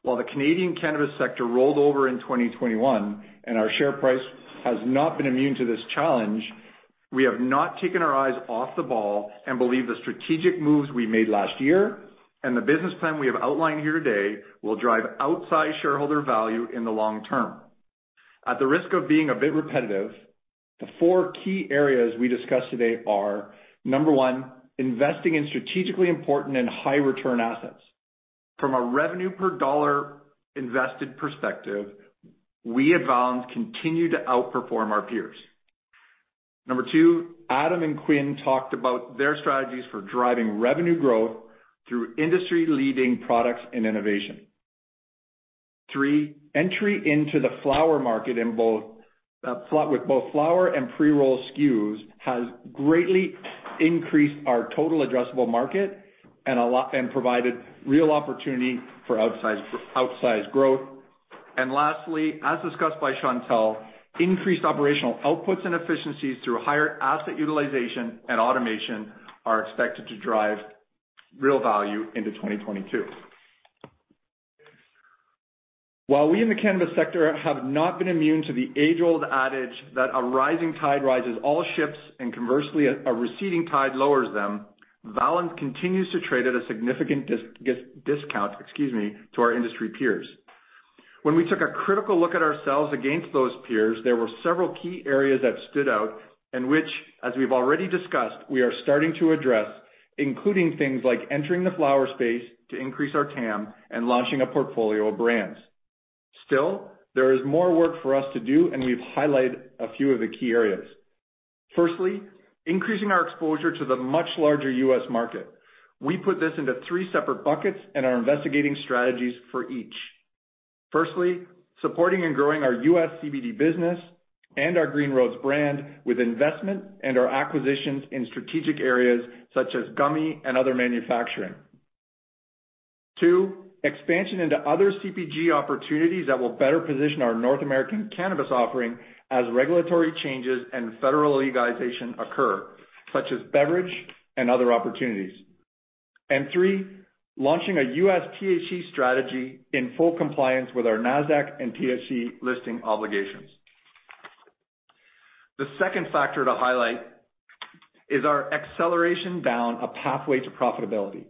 While the Canadian cannabis sector rolled over in 2021 and our share price has not been immune to this challenge, we have not taken our eyes off the ball and believe the strategic moves we made last year and the business plan we have outlined here today will drive outsized shareholder value in the long term. At the risk of being a bit repetitive, the four key areas we discussed today are, number one, investing in strategically important and high-return assets. From a revenue per dollar invested perspective, we at Valens continue to outperform our peers. Number two, Adam and Quinn talked about their strategies for driving revenue growth through industry-leading products and innovation. Three, entry into the flower market with both flower and pre-roll SKUs has greatly increased our total addressable market and provided real opportunity for outsize growth. Lastly, as discussed by Chantale, increased operational outputs and efficiencies through higher asset utilization and automation are expected to drive real value into 2022. While we in the cannabis sector have not been immune to the age-old adage that a rising tide rises all ships, and conversely, a receding tide lowers them, Valens continues to trade at a significant discount to our industry peers. When we took a critical look at ourselves against those peers, there were several key areas that stood out and which, as we've already discussed, we are starting to address, including things like entering the flower space to increase our TAM and launching a portfolio of brands. Still, there is more work for us to do, and we've highlighted a few of the key areas. Firstly, increasing our exposure to the much larger U.S. market. We put this into three separate buckets and are investigating strategies for each. Firstly, supporting and growing our U.S. CBD business and our Green Roads brand with investment and our acquisitions in strategic areas such as gummy and other manufacturing. Two, expansion into other CPG opportunities that will better position our North American cannabis offering as regulatory changes and federal legalization occur, such as beverage and other opportunities. And three, launching a U.S. THC strategy in full compliance with our Nasdaq and TSX listing obligations. The second factor to highlight is our acceleration down a pathway to profitability.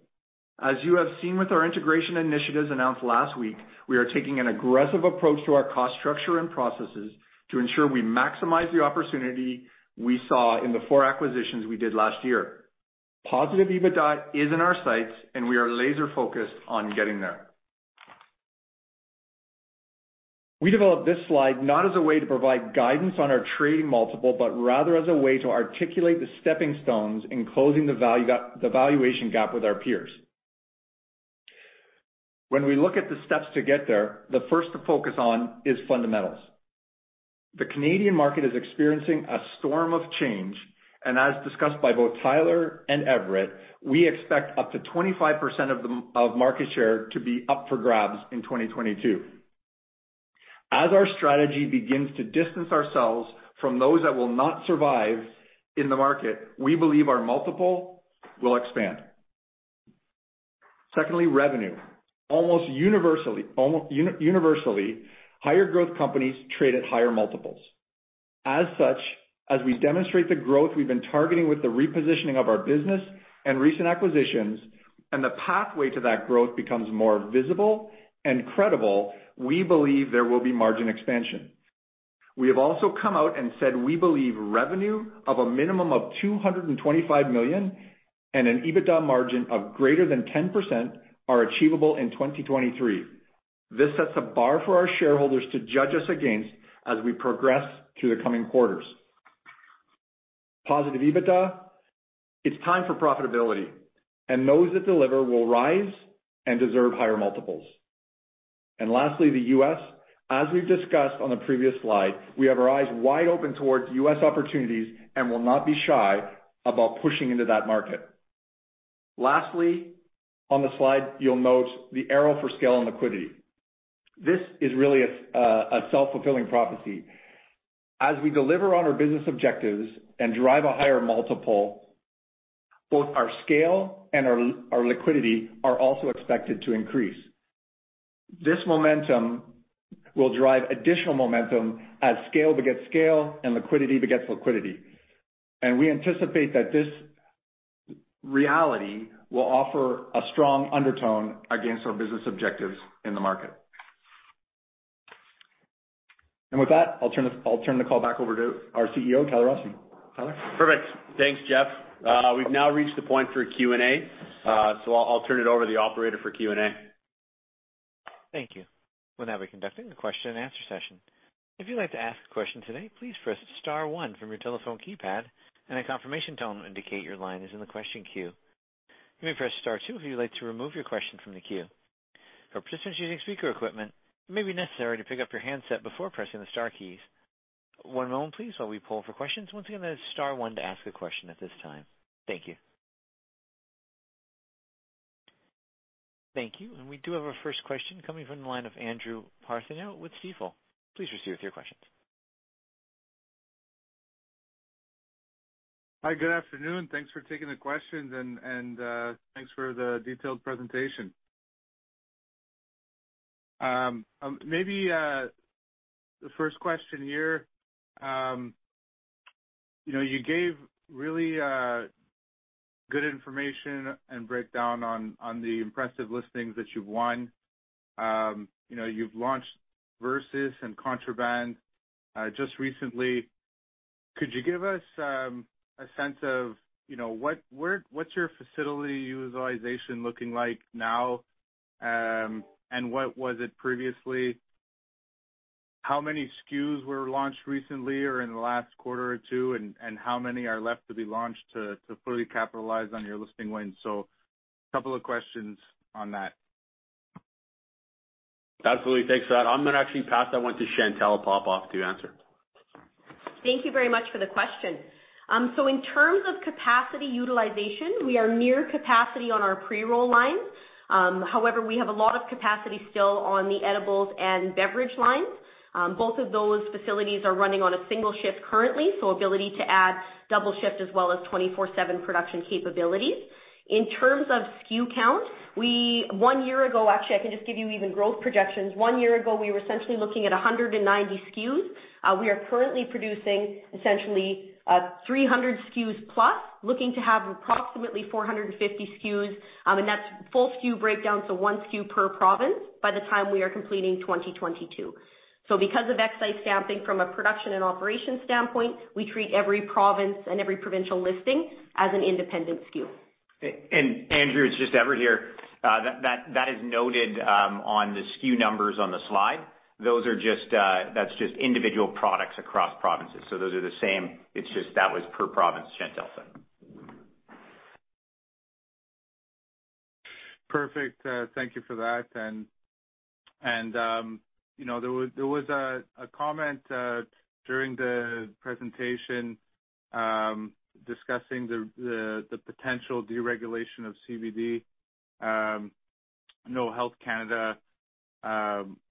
As you have seen with our integration initiatives announced last week, we are taking an aggressive approach to our cost structure and processes to ensure we maximize the opportunity we saw in the four acquisitions we did last year. Positive EBITDA is in our sights, and we are laser focused on getting there. We developed this slide not as a way to provide guidance on our trading multiple, but rather as a way to articulate the stepping stones in closing the value gap, the valuation gap with our peers. When we look at the steps to get there, the first to focus on is fundamentals. The Canadian market is experiencing a storm of change, and as discussed by both Tyler and Everett, we expect up to 25% of market share to be up for grabs in 2022. As our strategy begins to distance ourselves from those that will not survive in the market, we believe our multiple will expand. Secondly, revenue. Almost universally, higher growth companies trade at higher multiples. As such, as we demonstrate the growth we've been targeting with the repositioning of our business and recent acquisitions, and the pathway to that growth becomes more visible and credible, we believe there will be margin expansion. We have also come out and said we believe revenue of a minimum of 225 million and an EBITDA margin of greater than 10% are achievable in 2023. This sets a bar for our shareholders to judge us against as we progress through the coming quarters. Positive EBITDA, it's time for profitability, and those that deliver will rise and deserve higher multiples. Lastly, the U.S. As we've discussed on the previous slide, we have our eyes wide open towards U.S. opportunities and will not be shy about pushing into that market. Lastly, on the slide you'll note the arrow for scale and liquidity. This is really a self-fulfilling prophecy. As we deliver on our business objectives and drive a higher multiple, both our scale and our liquidity are also expected to increase. This momentum will drive additional momentum as scale begets scale and liquidity begets liquidity. We anticipate that this reality will offer a strong undertone against our business objectives in the market. With that, I'll turn the call back over to our CEO, Tyler Robson. Tyler? Perfect. Thanks, Jeff. We've now reached the point for Q&A, so I'll turn it over to the operator for Q&A. Thank you. We'll now be conducting a question and answer session. If you'd like to ask a question today, please press star one from your telephone keypad, and a confirmation tone will indicate your line is in the question queue. You may press star two if you would like to remove your question from the queue. For participants using speaker equipment, it may be necessary to pick up your handset before pressing the star keys. We do have our first question coming from the line of Andrew Partheniou with Stifel Nicolaus. Please proceed with your questions. Hi, good afternoon. Thanks for taking the questions and thanks for the detailed presentation. Maybe the first question here, you know, you gave really good information and breakdown on the impressive listings that you've won. You know, you've launched Versus and Contraband just recently. Could you give us a sense of, you know, what's your facility utilization looking like now, and what was it previously? How many SKUs were launched recently or in the last quarter or two, and how many are left to be launched to fully capitalize on your listing wins? So a couple of questions on that. Absolutely. Thanks for that. I'm gonna actually pass that one to Chantel Popoff to answer. Thank you very much for the question. In terms of capacity utilization, we are near capacity on our pre-roll lines. However, we have a lot of capacity still on the edibles and beverage lines. Both of those facilities are running on a single shift currently, so ability to add double shift as well as 24/7 production capabilities. In terms of SKU count, one year ago, actually, I can just give you even growth projections. One year ago, we were essentially looking at 190 SKUs. We are currently producing essentially 300 SKUs plus, looking to have approximately 450 SKUs, and that's full SKU breakdown, so one SKU per province, by the time we are completing 2022. Because of excise stamping from a production and operations standpoint, we treat every province and every provincial listing as an independent SKU. Andrew, it's just Everett here. That is noted on the SKU numbers on the slide. Those are just individual products across provinces. Those are the same. It's just that was per province, Chantale said. Perfect. Thank you for that. You know, there was a comment during the presentation discussing the potential deregulation of CBD. I know Health Canada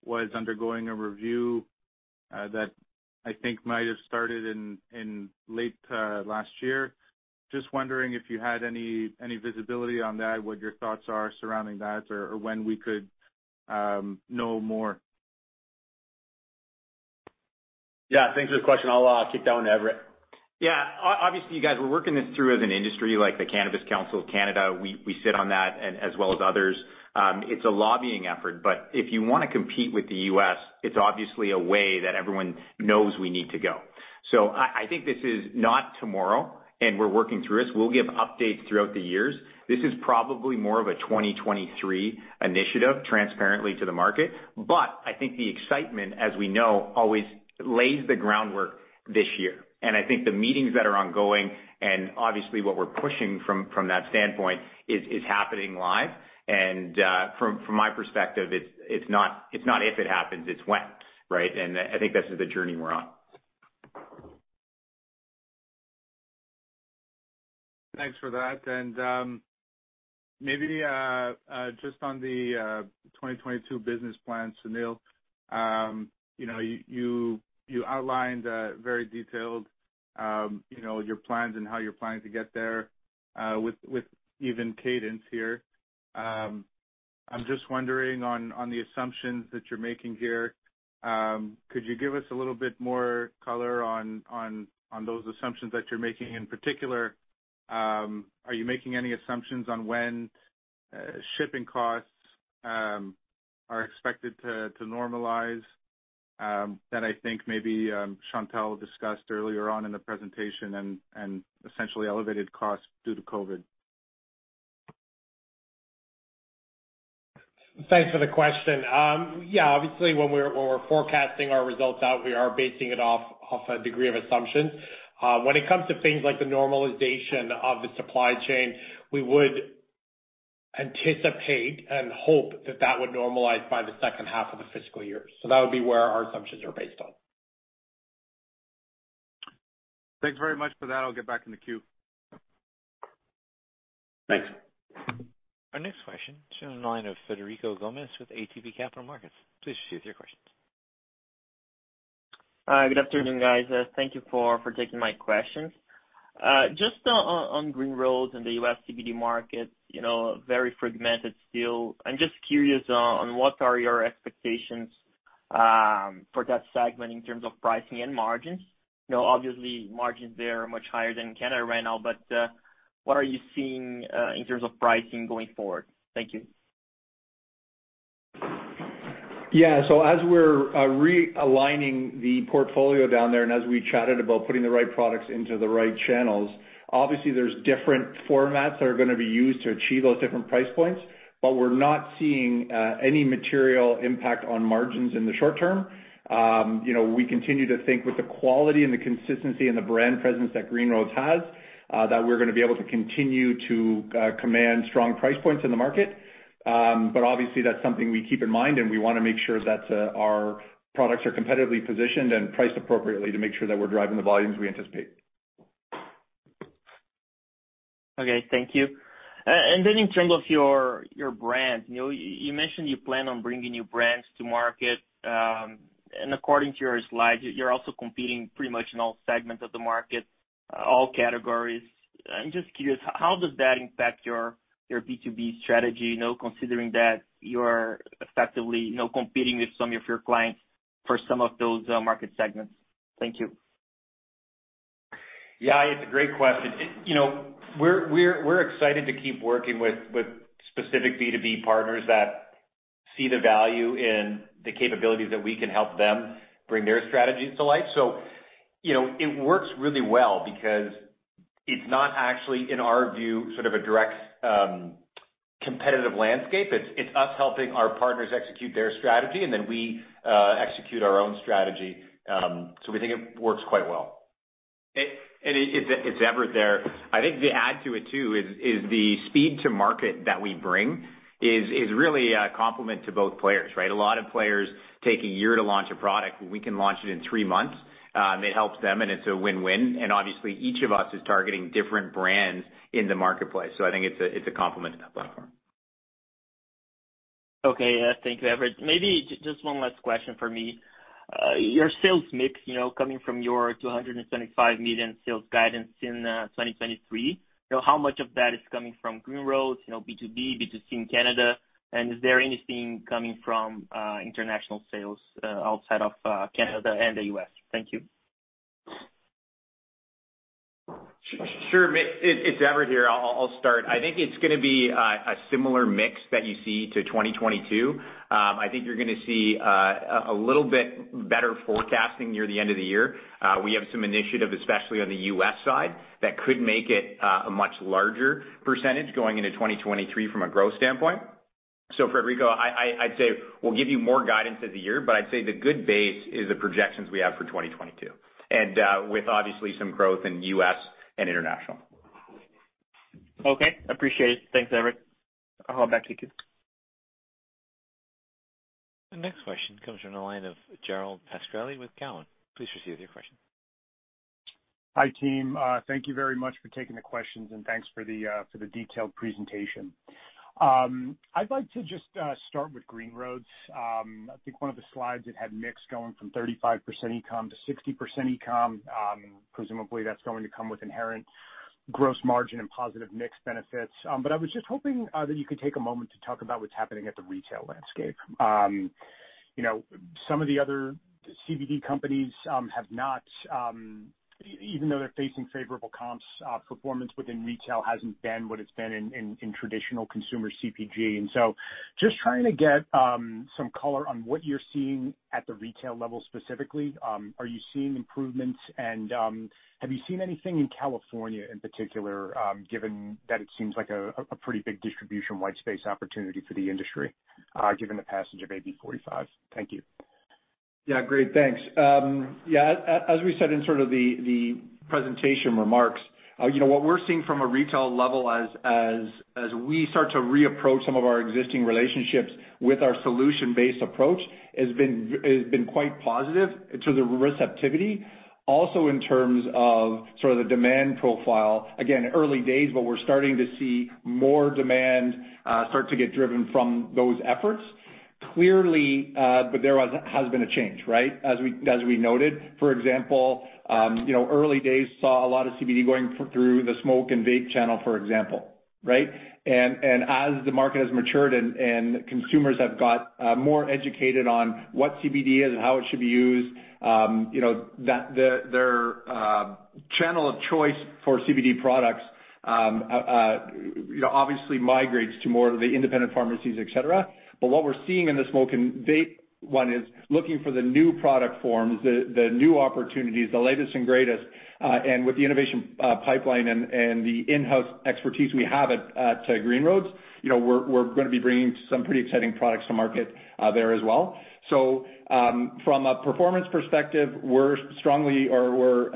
was undergoing a review that I think might have started in late last year. Just wondering if you had any visibility on that, what your thoughts are surrounding that, or when we could know more. Yeah. Thanks for the question. I'll kick that one to Everett. Obviously, you guys, we're working this through as an industry like the Cannabis Council of Canada. We sit on that as well as others. It's a lobbying effort, but if you wanna compete with the U.S., it's obviously a way that everyone knows we need to go. I think this is not tomorrow, and we're working through this. We'll give updates throughout the years. This is probably more of a 2023 initiative transparently to the market. I think the excitement, as we know, always lays the groundwork this year. I think the meetings that are ongoing and obviously what we're pushing from that standpoint is happening live. From my perspective, it's not if it happens, it's when, right? I think this is the journey we're on. Thanks for that. Maybe just on the 2022 business plan, Sunil. You know, you outlined very detailed you know, your plans and how you're planning to get there with even cadence here. I'm just wondering on the assumptions that you're making here. Could you give us a little bit more color on those assumptions that you're making? In particular, are you making any assumptions on when shipping costs are expected to normalize that I think maybe Chantale discussed earlier on in the presentation and essentially elevated costs due to COVID. Thanks for the question. Yeah, obviously when we're forecasting our results out, we are basing it off a degree of assumptions. When it comes to things like the normalization of the supply chain, we would anticipate and hope that would normalize by the second half of the fiscal year. That would be where our assumptions are based on. Thanks very much for that. I'll get back in the queue. Thanks. Our next question is on the line of Frederico Gomes with ATB Capital Markets. Please proceed with your questions. Good afternoon, guys. Thank you for taking my questions. Just on Green Roads and the U.S. CBD market, you know, very fragmented still. I'm just curious on what are your expectations for that segment in terms of pricing and margins? You know, obviously margins there are much higher than Canada right now, but what are you seeing in terms of pricing going forward? Thank you. Yeah. As we're realigning the portfolio down there and as we chatted about putting the right products into the right channels, obviously there's different formats that are gonna be used to achieve those different price points. We're not seeing any material impact on margins in the short term. You know, we continue to think with the quality and the consistency and the brand presence that Green Roads has, that we're gonna be able to continue to command strong price points in the market. Obviously that's something we keep in mind, and we wanna make sure that our products are competitively positioned and priced appropriately to make sure that we're driving the volumes we anticipate. Okay. Thank you. In terms of your brand, you know, you mentioned you plan on bringing new brands to market, and according to your slides, you're also competing pretty much in all segments of the market, all categories. I'm just curious, how does that impact your B2B strategy, you know, considering that you're effectively, you know, competing with some of your clients for some of those market segments? Thank you. Yeah. It's a great question. You know, we're excited to keep working with specific B2B partners that see the value in the capabilities that we can help them bring their strategies to life. You know, it works really well because it's not actually, in our view, sort of a direct competitive landscape. It's us helping our partners execute their strategy, and then we execute our own strategy. We think it works quite well. It's Everett Knight there. I think to add to it too is the speed to market that we bring is really a complement to both players, right? A lot of players take a year to launch a product, we can launch it in three months, it helps them, and it's a win-win. Obviously, each of us is targeting different brands in the marketplace. I think it's a complement to that platform. Okay. Thank you, Everett. Maybe just one last question for me. Your sales mix, you know, coming from your 275 million sales guidance in 2023, you know, how much of that is coming from Green Roads, you know, B2B, B2C in Canada, and is there anything coming from international sales outside of Canada and the U.S.? Thank you. Sure, it's Everett here. I'll start. I think it's gonna be a similar mix that you see to 2022. I think you're gonna see a little bit better forecasting near the end of the year. We have some initiatives, especially on the U.S. side, that could make it a much larger percentage going into 2023 from a growth standpoint. Federico, I'd say we'll give you more guidance as the year, but I'd say the good base is the projections we have for 2022, and with obviously some growth in U.S. and international. Okay. Appreciate it. Thanks, Everett. I'll hop back to you. The next question comes from the line of Gerald Pascarelli with Cowen. Please proceed with your question. Hi, team. Thank you very much for taking the questions, and thanks for the detailed presentation. I'd like to just start with Green Roads. I think one of the slides, it had mix going from 35% e-com to 60% e-com. Presumably, that's going to come with inherent gross margin and positive mix benefits. But I was just hoping that you could take a moment to talk about what's happening at the retail landscape. You know, some of the other CBD companies have not, even though they're facing favorable comps, performance within retail hasn't been what it's been in traditional consumer CPG. Just trying to get some color on what you're seeing at the retail level specifically, are you seeing improvements? Have you seen anything in California in particular, given that it seems like a pretty big distribution white space opportunity for the industry, given the passage of AB 45? Thank you. Yeah. Great. Thanks. As we said in sort of the presentation remarks, you know, what we're seeing from a retail level as we start to reapproach some of our existing relationships with our solution-based approach has been quite positive to the receptivity. Also, in terms of sort of the demand profile, again, early days, but we're starting to see more demand start to get driven from those efforts. Clearly, there has been a change, right? As we noted, for example, you know, early days saw a lot of CBD going through the smoke and vape channel, for example, right? As the market has matured and consumers have got more educated on what CBD is and how it should be used, you know, that their channel of choice for CBD products, you know, obviously migrates to more of the independent pharmacies, et cetera. But what we're seeing in the smoke and vape one is looking for the new product forms, the new opportunities, the latest and greatest, and with the innovation pipeline and the in-house expertise we have at Green Roads, you know, we're gonna be bringing some pretty exciting products to market there as well. From a performance perspective, we're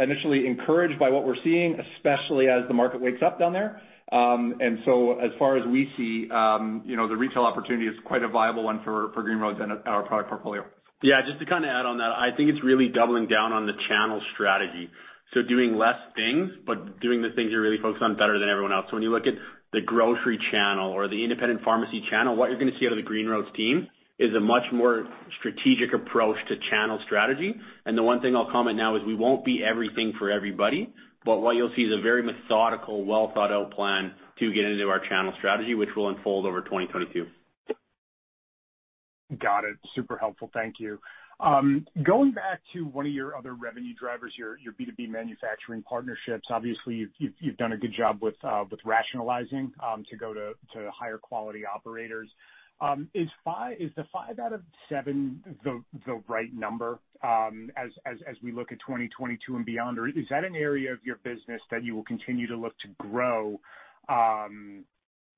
initially encouraged by what we're seeing, especially as the market wakes up down there. As far as we see, you know, the retail opportunity is quite a viable one for Green Roads and our product portfolio. Yeah. Just to kinda add on that, I think it's really doubling down on the channel strategy. Doing less things, but doing the things you're really focused on better than everyone else. When you look at the grocery channel or the independent pharmacy channel, what you're gonna see out of the Green Roads team is a much more strategic approach to channel strategy. The one thing I'll comment now is we won't be everything for everybody, but what you'll see is a very methodical, well-thought-out plan to get into our channel strategy, which will unfold over 2022. Got it. Super helpful. Thank you. Going back to one of your other revenue drivers, your B2B manufacturing partnerships. Obviously, you've done a good job with rationalizing to go to higher quality operators. Is the five out of seven the right number as we look at 2022 and beyond? Or is that an area of your business that you will continue to look to grow,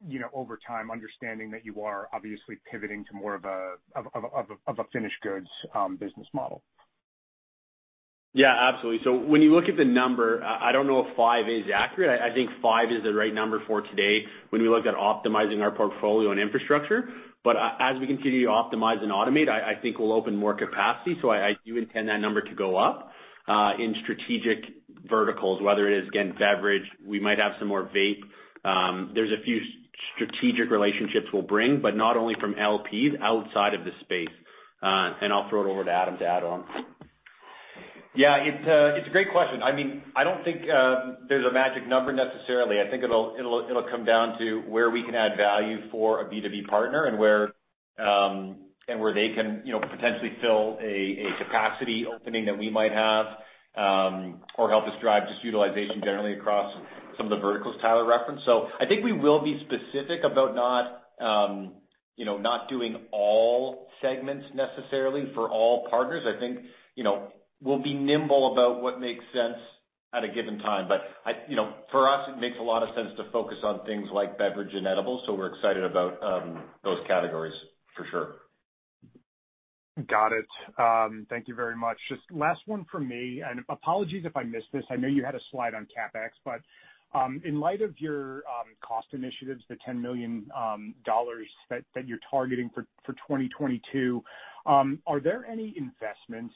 you know, over time, understanding that you are obviously pivoting to more of a finished goods business model? Yeah. Absolutely. When you look at the number, I don't know if five is accurate. I think five is the right number for today when we looked at optimizing our portfolio and infrastructure. As we continue to optimize and automate, I think we'll open more capacity. I do intend that number to go up in strategic verticals, whether it is, again, beverage, we might have some more vape. There's a few strategic relationships will bring, but not only from LPs outside of the space. I'll throw it over to Adam to add on. Yeah. It's a great question. I mean, I don't think there's a magic number necessarily. I think it'll come down to where we can add value for a B2B partner and where they can, you know, potentially fill a capacity opening that we might have or help us drive just utilization generally across some of the verticals Tyler referenced. I think we will be specific about not, you know, doing all segments necessarily for all partners. I think, you know, we'll be nimble about what makes sense at a given time. You know, for us, it makes a lot of sense to focus on things like beverage and edibles, so we're excited about those categories for sure. Got it. Thank you very much. Just last one from me, and apologies if I missed this. I know you had a slide on CapEx, but in light of your cost initiatives, the 10 million dollars that you're targeting for 2022, are there any investments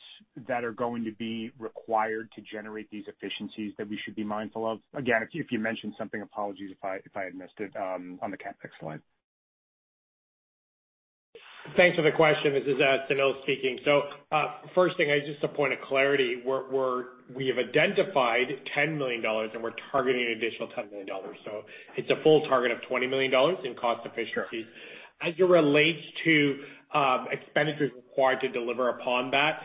that are going to be required to generate these efficiencies that we should be mindful of? Again, if you mentioned something, apologies if I had missed it, on the CapEx slide. Thanks for the question. This is Sunil speaking. First thing, just a point of clarity. We have identified 10 million dollars and we're targeting an additional 10 million dollars. It's a full target of 20 million dollars in cost efficiencies. As it relates to expenditures required to deliver upon that,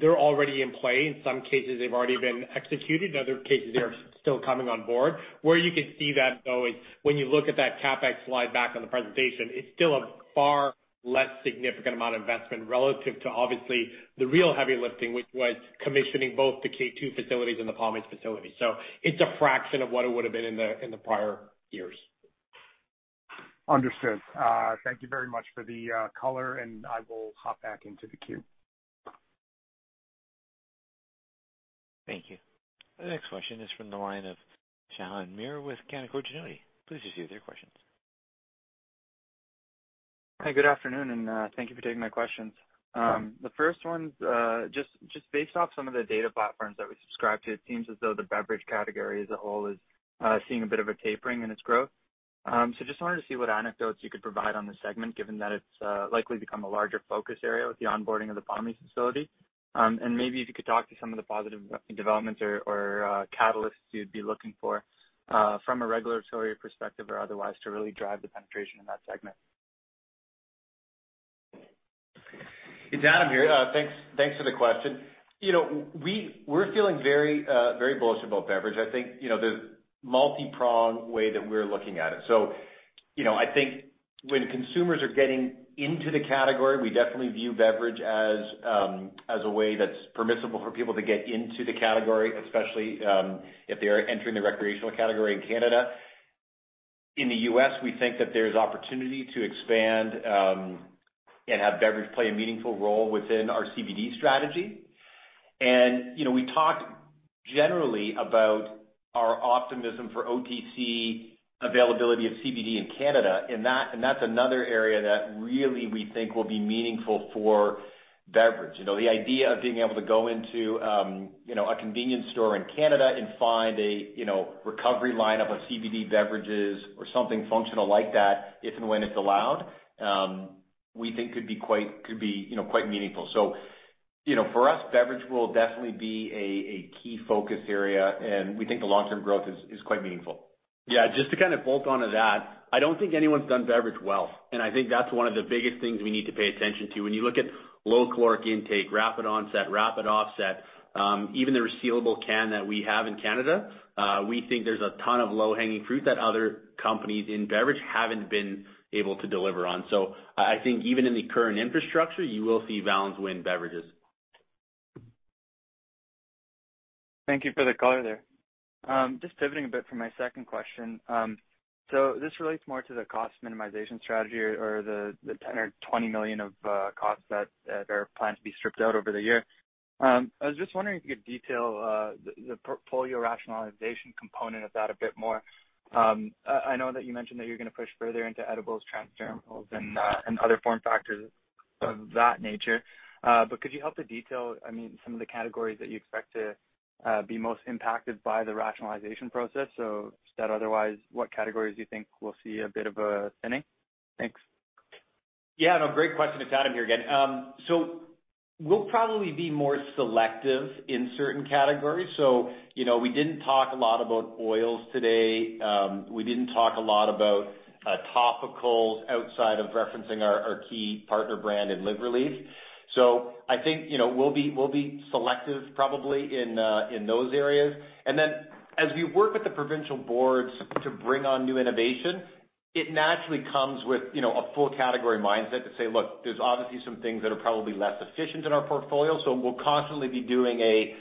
they're already in play. In some cases they've already been executed. In other cases they are still coming on board. Where you can see that though is when you look at that CapEx slide back on the presentation, it's still a far less significant amount of investment relative to obviously the real heavy lifting, which was commissioning both the K2 facilities and the Pommies facility. It's a fraction of what it would've been in the prior years. Understood. Thank you very much for the color, and I will hop back into the queue. Thank you. The next question is from the line of Shaan Mir with Canaccord Genuity. Please proceed with your questions. Hi, good afternoon, and thank you for taking my questions. The first one's just based off some of the data platforms that we subscribe to. It seems as though the beverage category as a whole is seeing a bit of a tapering in its growth. Just wanted to see what anecdotes you could provide on this segment, given that it's likely to become a larger focus area with the onboarding of the Pommies facility. Maybe if you could talk to some of the positive developments or catalysts you'd be looking for from a regulatory perspective or otherwise to really drive the penetration in that segment. It's Adam here. Thanks for the question. You know, we're feeling very bullish about beverage. I think, you know, there's multi-pronged way that we're looking at it. You know, I think when consumers are getting into the category, we definitely view beverage as a way that's permissible for people to get into the category, especially if they are entering the recreational category in Canada. In the U.S., we think that there's opportunity to expand and have beverage play a meaningful role within our CBD strategy. You know, we talked generally about our optimism for OTC availability of CBD in Canada, and that's another area that really we think will be meaningful for beverage. You know, the idea of being able to go into, you know, a convenience store in Canada and find a, you know, recovery lineup of CBD beverages or something functional like that, if and when it's allowed, we think could be quite meaningful. You know, for us, beverage will definitely be a key focus area, and we think the long-term growth is quite meaningful. Yeah, just to kind of bolt onto that, I don't think anyone's done beverage well, and I think that's one of the biggest things we need to pay attention to. When you look at low caloric intake, rapid onset, rapid offset, even the resealable can that we have in Canada, we think there's a ton of low-hanging fruit that other companies in beverage haven't been able to deliver on. I think even in the current infrastructure, you will see Valens win beverages. Thank you for the color there. Just pivoting a bit for my second question. This relates more to the cost minimization strategy or the 10 million or 20 million of costs that are planned to be stripped out over the year. I was just wondering if you could detail the portfolio rationalization component of that a bit more. I know that you mentioned that you're gonna push further into edibles, transdermals, and other form factors of that nature. But could you help to detail, I mean, some of the categories that you expect to be most impacted by the rationalization process? If that otherwise, what categories you think will see a bit of a thinning? Thanks. Yeah, no, great question. It's Adam here again. We'll probably be more selective in certain categories. You know, we didn't talk a lot about oils today. We didn't talk a lot about topicals outside of referencing our key partner brand in LivRelief. I think, you know, we'll be selective probably in those areas. As we work with the provincial boards to bring on new innovation, it naturally comes with, you know, a full category mindset to say, "Look, there's obviously some things that are probably less efficient in our portfolio." We'll constantly be doing an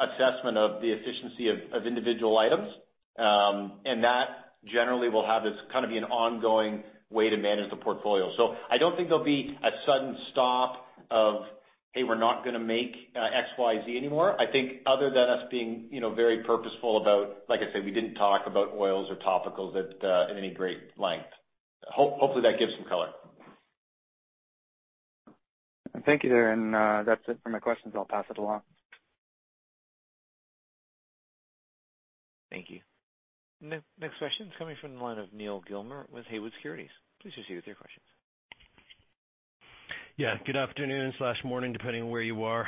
assessment of the efficiency of individual items. That generally will have as kind of an ongoing way to manage the portfolio. I don't think there'll be a sudden stop of, "Hey, we're not gonna make XYZ anymore." I think other than us being, you know, very purposeful about, like I said, we didn't talk about oils or topicals at, in any great length. Hopefully that gives some color. Thank you. That's it for my questions. I'll pass it along. Thank you. Next question is coming from the line of Neal Gilmer with Haywood Securities. Please proceed with your questions. Yeah, good afternoon or morning, depending on where you are.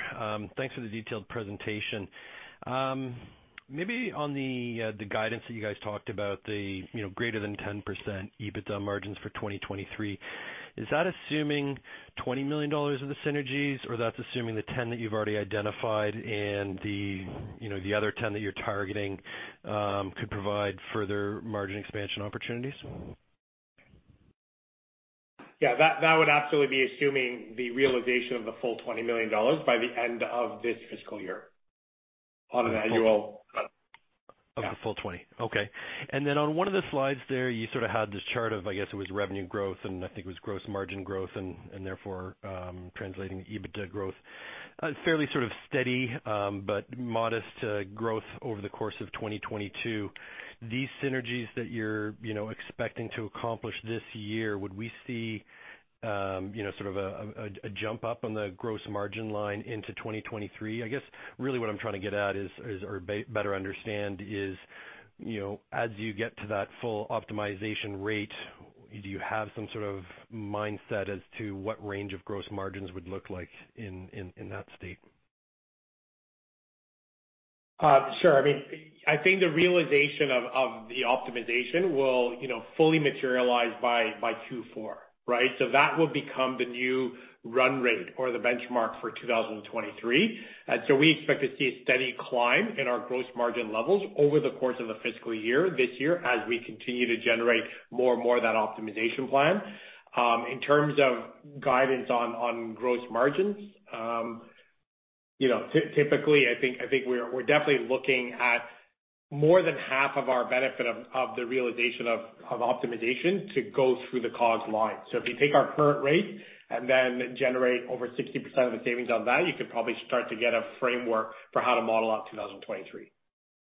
Thanks for the detailed presentation. Maybe on the guidance that you guys talked about, the, you know, greater than 10% EBITDA margins for 2023, is that assuming 20 million dollars of the synergies or that's assuming the 10 that you've already identified and the, you know, the other 10 that you're targeting, could provide further margin expansion opportunities? Yeah, that would absolutely be assuming the realization of the full 20 million dollars by the end of this fiscal year on an annual- Of the full 20. Okay. Then on one of the slides there, you sort of had this chart of, I guess it was revenue growth, and I think it was gross margin growth and therefore translating EBITDA growth, a fairly sort of steady but modest growth over the course of 2022. These synergies that you're you know expecting to accomplish this year, would we see you know sort of a jump up on the gross margin line into 2023? I guess really what I'm trying to get at or better understand is you know as you get to that full optimization rate, do you have some sort of mindset as to what range of gross margins would look like in that state? Sure. I mean, I think the realization of the optimization will fully materialize by Q4, right? That will become the new run rate or the benchmark for 2023. We expect to see a steady climb in our gross margin levels over the course of the fiscal year, this year, as we continue to generate more and more of that optimization plan. In terms of guidance on gross margins, you know, typically, I think we're definitely looking at more than half of our benefit of the realization of optimization to go through the COGS line. If you take our current rate and then generate over 60% of the savings on that, you could probably start to get a framework for how to model out 2023.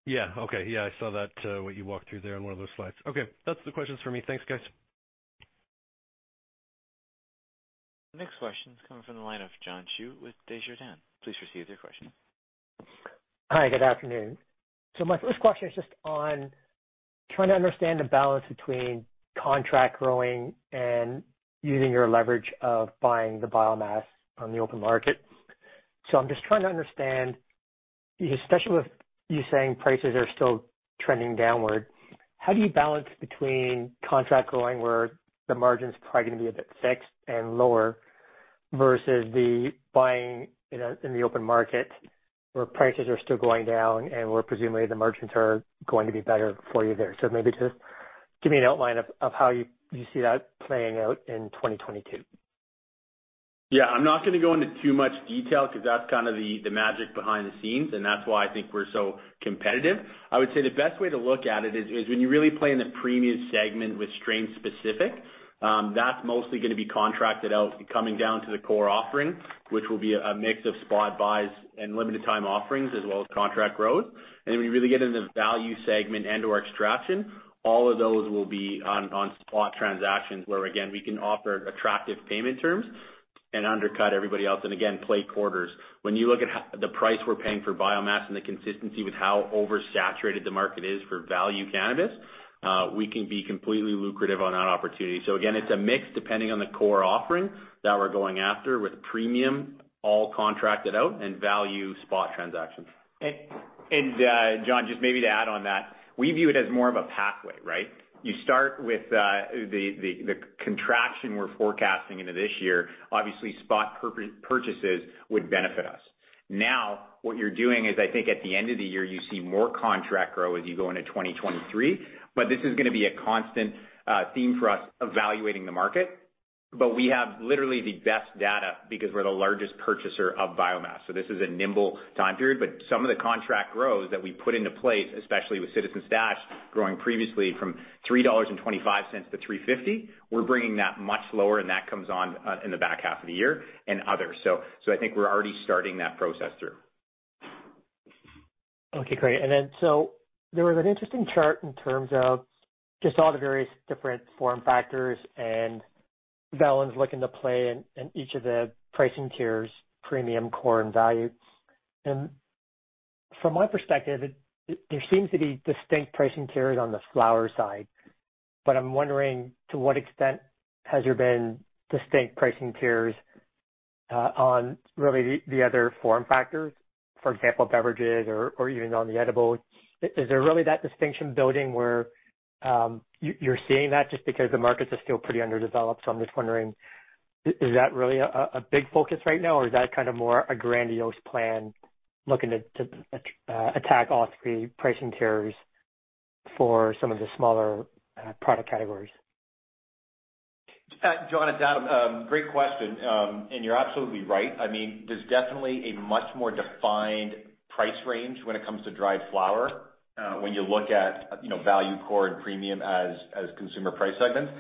Yeah. Okay. Yeah, I saw that, what you walked through there on one of those slides. Okay, that's the questions for me. Thanks, guys. Next question is coming from the line of John Chu with Desjardins. Please proceed with your question. Hi, good afternoon. My first question is just on trying to understand the balance between contract growing and using your leverage of buying the biomass on the open market. I'm just trying to understand, especially with you saying prices are still trending downward, how do you balance between contract growing where the margin's probably gonna be a bit fixed and lower versus the buying in the open market where prices are still going down and where presumably the margins are going to be better for you there? Maybe just give me an outline of how you see that playing out in 2022. Yeah, I'm not gonna go into too much detail because that's kind of the magic behind the scenes, and that's why I think we're so competitive. I would say the best way to look at it is when you really play in the premium segment with strain specific, that's mostly gonna be contracted out coming down to the core offering, which will be a mix of spot buys and limited time offerings as well as contract growth. When you really get into the value segment and/or extraction, all of those will be on spot transactions where again, we can offer attractive payment terms and undercut everybody else and again, play quarters. When you look at the price we're paying for biomass and the consistency with how oversaturated the market is for value cannabis, we can be completely lucrative on that opportunity. It's a mix depending on the core offering that we're going after with premium all contracted out and value spot transactions. John, just maybe to add on that, we view it as more of a pathway, right? You start with the contraction we're forecasting into this year. Obviously, spot purchases would benefit us. Now, what you're doing is I think at the end of the year, you see more contract growth as you go into 2023. This is gonna be a constant theme for us evaluating the market. We have literally the best data because we're the largest purchaser of biomass. This is a nimble time period. Some of the contract growth that we put into place, especially with Citizen Stash growing previously from 3.25 dollars to 3.50, we're bringing that much lower, and that comes on in the back half of the year and others. I think we're already starting that process through. Okay, great. There was an interesting chart in terms of just all the various different form factors and Valens looking to play in each of the pricing tiers, premium, core, and value. From my perspective, there seems to be distinct pricing tiers on the flower side. I'm wondering to what extent has there been distinct pricing tiers on really the other form factors. For example, beverages or even on the edibles. Is there really that distinction building where you're seeing that just because the markets are still pretty underdeveloped. I'm just wondering, is that really a big focus right now, or is that kind of more a grandiose plan looking to attack all three pricing tiers for some of the smaller product categories. John, it's Adam. Great question, and you're absolutely right. I mean, there's definitely a much more defined price range when it comes to dried flower, when you look at, you know, value, core, and premium as consumer price segments.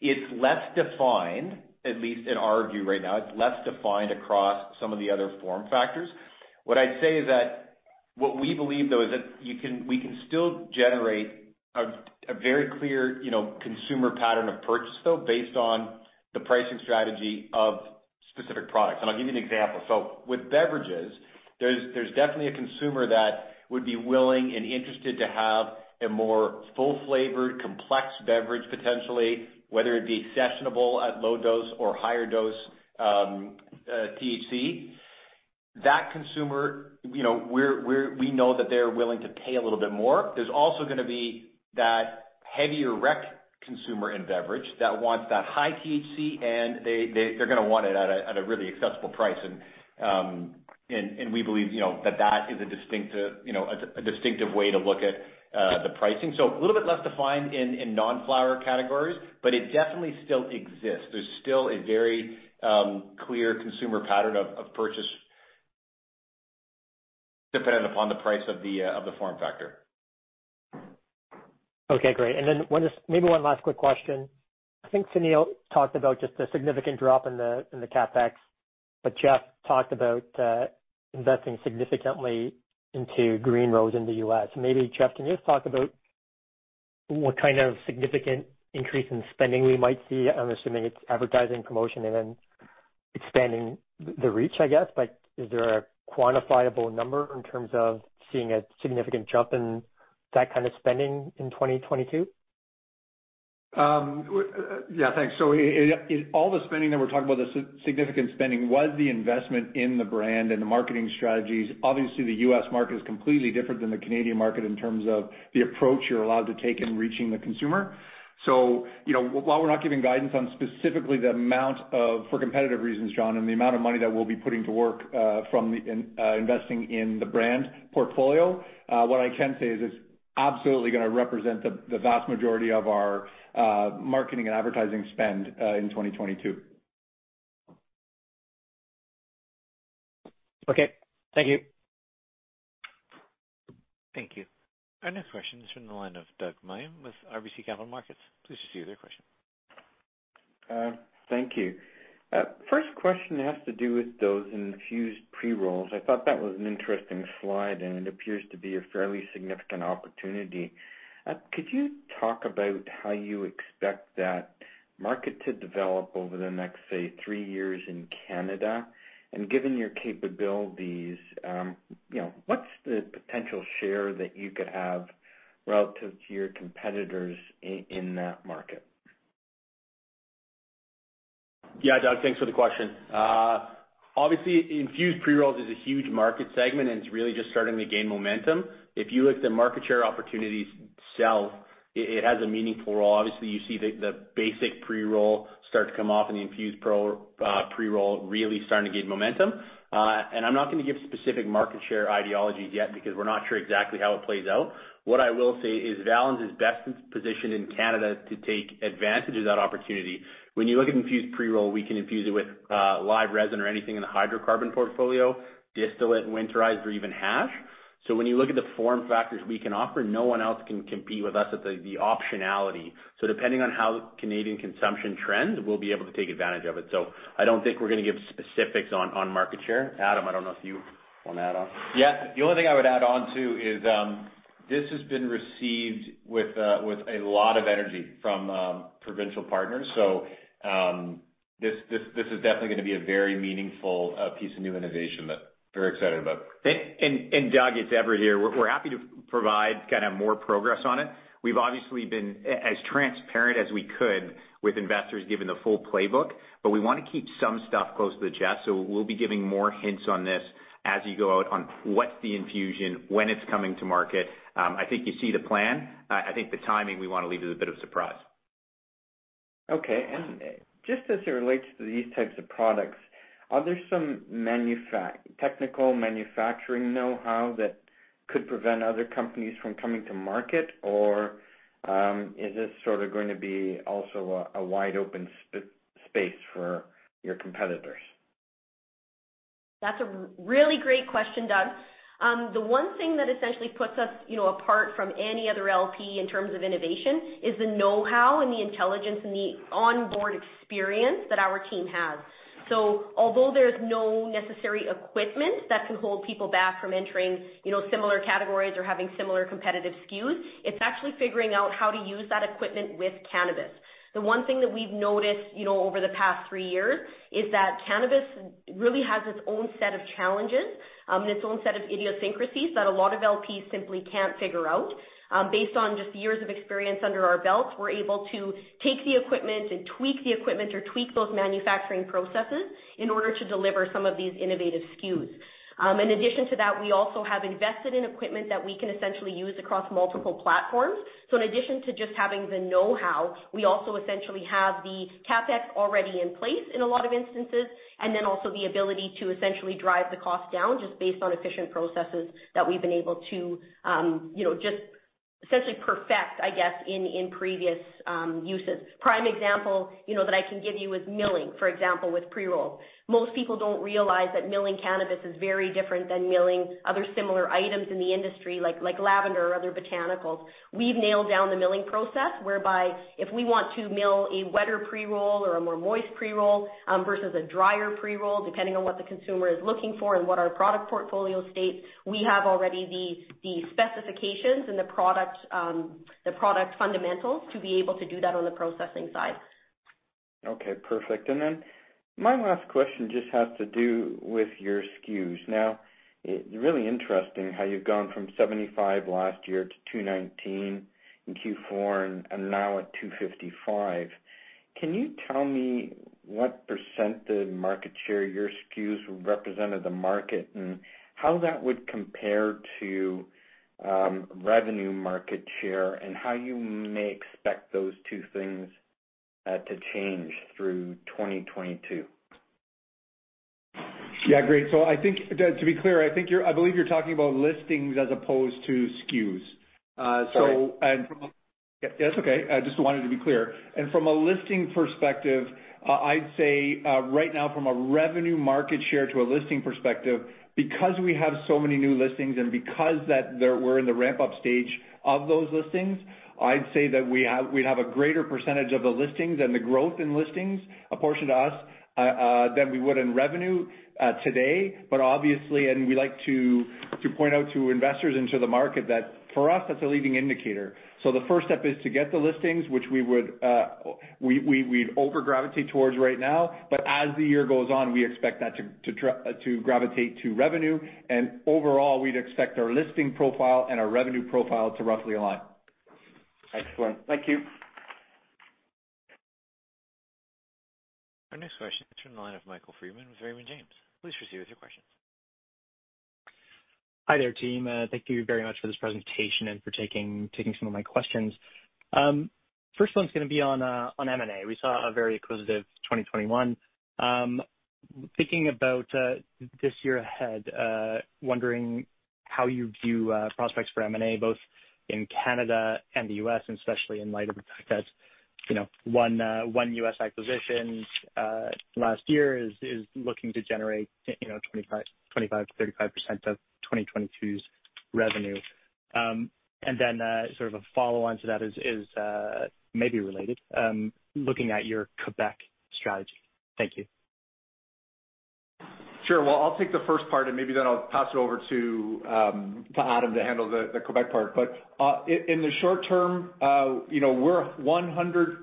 It's less defined, at least in our view right now, it's less defined across some of the other form factors. What I'd say is that we believe though is that you can, we can still generate a very clear, you know, consumer pattern of purchase though, based on the pricing strategy of specific products. I'll give you an example. With beverages, there's definitely a consumer that would be willing and interested to have a more full-flavored, complex beverage potentially, whether it be sessionable at low dose or higher dose, THC. That consumer, you know, we know that they're willing to pay a little bit more. There's also gonna be that heavier rec consumer in beverage that wants that high THC, and they're gonna want it at a really accessible price. We believe, you know, that is a distinctive way to look at the pricing. A little bit less defined in non-flower categories, but it definitely still exists. There's still a very clear consumer pattern of purchase dependent upon the price of the form factor. Okay, great. Maybe one last quick question. I think Sunil talked about the significant drop in the CapEx, but Jeff talked about investing significantly into Green Roads in the U.S. Maybe Jeff, can you just talk about what kind of significant increase in spending we might see? I'm assuming it's advertising promotion and then expanding the reach, I guess. Like, is there a quantifiable number in terms of seeing a significant jump in that kind of spending in 2022? Yeah, thanks. In all the spending that we're talking about, the significant spending was the investment in the brand and the marketing strategies. Obviously, the U.S. market is completely different than the Canadian market in terms of the approach you're allowed to take in reaching the consumer. You know, while we're not giving guidance on specifically the amount for competitive reasons, John, and the amount of money that we'll be putting to work from investing in the brand portfolio, what I can say is it's absolutely gonna represent the vast majority of our marketing and advertising spend in 2022. Okay. Thank you. Thank you. Our next question is from the line of Doug Meyer with RBC Capital Markets. Please proceed with your question. Thank you. First question has to do with those infused pre-rolls. I thought that was an interesting slide, and it appears to be a fairly significant opportunity. Could you talk about how you expect that market to develop over the next, say, three years in Canada? And given your capabilities, you know, what's the potential share that you could have relative to your competitors in that market? Yeah, Doug, thanks for the question. Obviously, infused pre-rolls is a huge market segment, and it's really just starting to gain momentum. If you look at the market share opportunities itself, it has a meaningful role. Obviously, you see the basic pre-roll start to come off, and the infused pre-roll really starting to gain momentum. I'm not gonna give specific market share targets yet because we're not sure exactly how it plays out. What I will say is Valens is best positioned in Canada to take advantage of that opportunity. When you look at infused pre-roll, we can infuse it with live resin or anything in the hydrocarbon portfolio, distillate and winterized or even hash. So when you look at the form factors we can offer, no one else can compete with us at the optionality. depending on how Canadian consumption trends, we'll be able to take advantage of it. I don't think we're gonna give specifics on market share. Adam, I don't know if you wanna add on. Yeah. The only thing I would add on to is this has been received with a lot of energy from provincial partners. This is definitely gonna be a very meaningful piece of new innovation that we're excited about. Doug, it's Everett here. We're happy to provide kind of more progress on it. We've obviously been as transparent as we could with investors given the full playbook, but we wanna keep some stuff close to the chest, so we'll be giving more hints on this as you go out on what's the infusion, when it's coming to market. I think you see the plan. I think the timing we wanna leave as a bit of surprise. Okay. Just as it relates to these types of products, are there some technical manufacturing know-how that could prevent other companies from coming to market? Or, is this sort of going to be also a wide open space for your competitors? That's a really great question, Doug. The one thing that essentially puts us, you know, apart from any other LP in terms of innovation is the know-how and the intelligence and the onboard experience that our team has. Although there's no necessary equipment that can hold people back from entering, you know, similar categories or having similar competitive SKUs, it's actually figuring out how to use that equipment with cannabis. The one thing that we've noticed, you know, over the past three years is that cannabis really has its own set of challenges, its own set of idiosyncrasies that a lot of LPs simply can't figure out. Based on just years of experience under our belts, we're able to take the equipment and tweak the equipment or tweak those manufacturing processes in order to deliver some of these innovative SKUs. In addition to that, we also have invested in equipment that we can essentially use across multiple platforms. In addition to just having the know-how, we also essentially have the CapEx already in place in a lot of instances, and then also the ability to essentially drive the cost down just based on efficient processes that we've been able to, you know, just essentially perfect, I guess, in previous uses. Prime example, you know, that I can give you is milling, for example, with pre-rolls. Most people don't realize that milling cannabis is very different than milling other similar items in the industry, like lavender or other botanicals. We've nailed down the milling process whereby if we want to mill a wetter pre-roll or a more moist pre-roll, versus a drier pre-roll, depending on what the consumer is looking for and what our product portfolio states, we have already the specifications and the product fundamentals to be able to do that on the processing side. Okay, perfect. My last question just has to do with your SKUs. Now, it's really interesting how you've gone from 75 last year to 219 in Q4 and now at 255. Can you tell me what % the market share your SKUs represented the market, and how that would compare to revenue market share and how you may expect those two things to change through 2022? Yeah, great. To be clear, I believe you're talking about listings as opposed to SKUs. Sorry. Yeah, that's okay. I just wanted to be clear. From a listing perspective, I'd say right now from a revenue market share to a listing perspective, because we have so many new listings and because we're in the ramp-up stage of those listings, I'd say that we'd have a greater percentage of the listings and the growth in listings, a portion to us, than we would in revenue today. Obviously, we like to point out to investors and to the market that for us, that's a leading indicator. The first step is to get the listings which we'd over-gravitate towards right now. As the year goes on, we expect that to gravitate to revenue. Overall, we'd expect our listing profile and our revenue profile to roughly align. Excellent. Thank you. Our next question comes from the line of Michael Freeman with Raymond James. Please proceed with your questions. Hi there, team. Thank you very much for this presentation and for taking some of my questions. First one's gonna be on M&A. We saw a very acquisitive 2021. Thinking about this year ahead, wondering how you view prospects for M&A, both in Canada and the U.S., and especially in light of the fact that, you know, one U.S. acquisition last year is looking to generate, you know, 25%-35% of 2022's revenue. Sort of a follow-on to that is, maybe related, looking at your Quebec strategy. Thank you. Sure. Well, I'll take the first part, and maybe then I'll pass it over to Adam to handle the Quebec part. In the short term, you know, we're 100%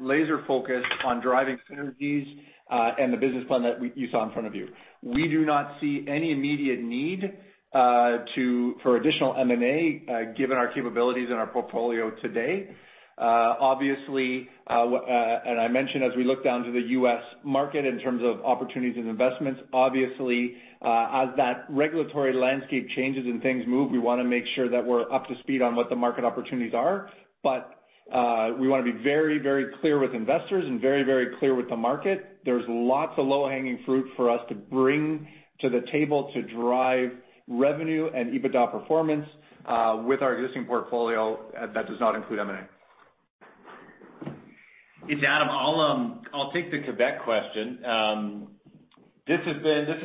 laser focused on driving synergies, and the business plan that you saw in front of you. We do not see any immediate need for additional M&A, given our capabilities and our portfolio today. Obviously, I mentioned as we look down to the U.S. market in terms of opportunities and investments, obviously, as that regulatory landscape changes and things move, we wanna make sure that we're up to speed on what the market opportunities are. We wanna be very, very clear with investors and very, very clear with the market. There's lots of low-hanging fruit for us to bring to the table to drive revenue and EBITDA performance with our existing portfolio that does not include M&A. It's Adam. I'll take the Quebec question. This has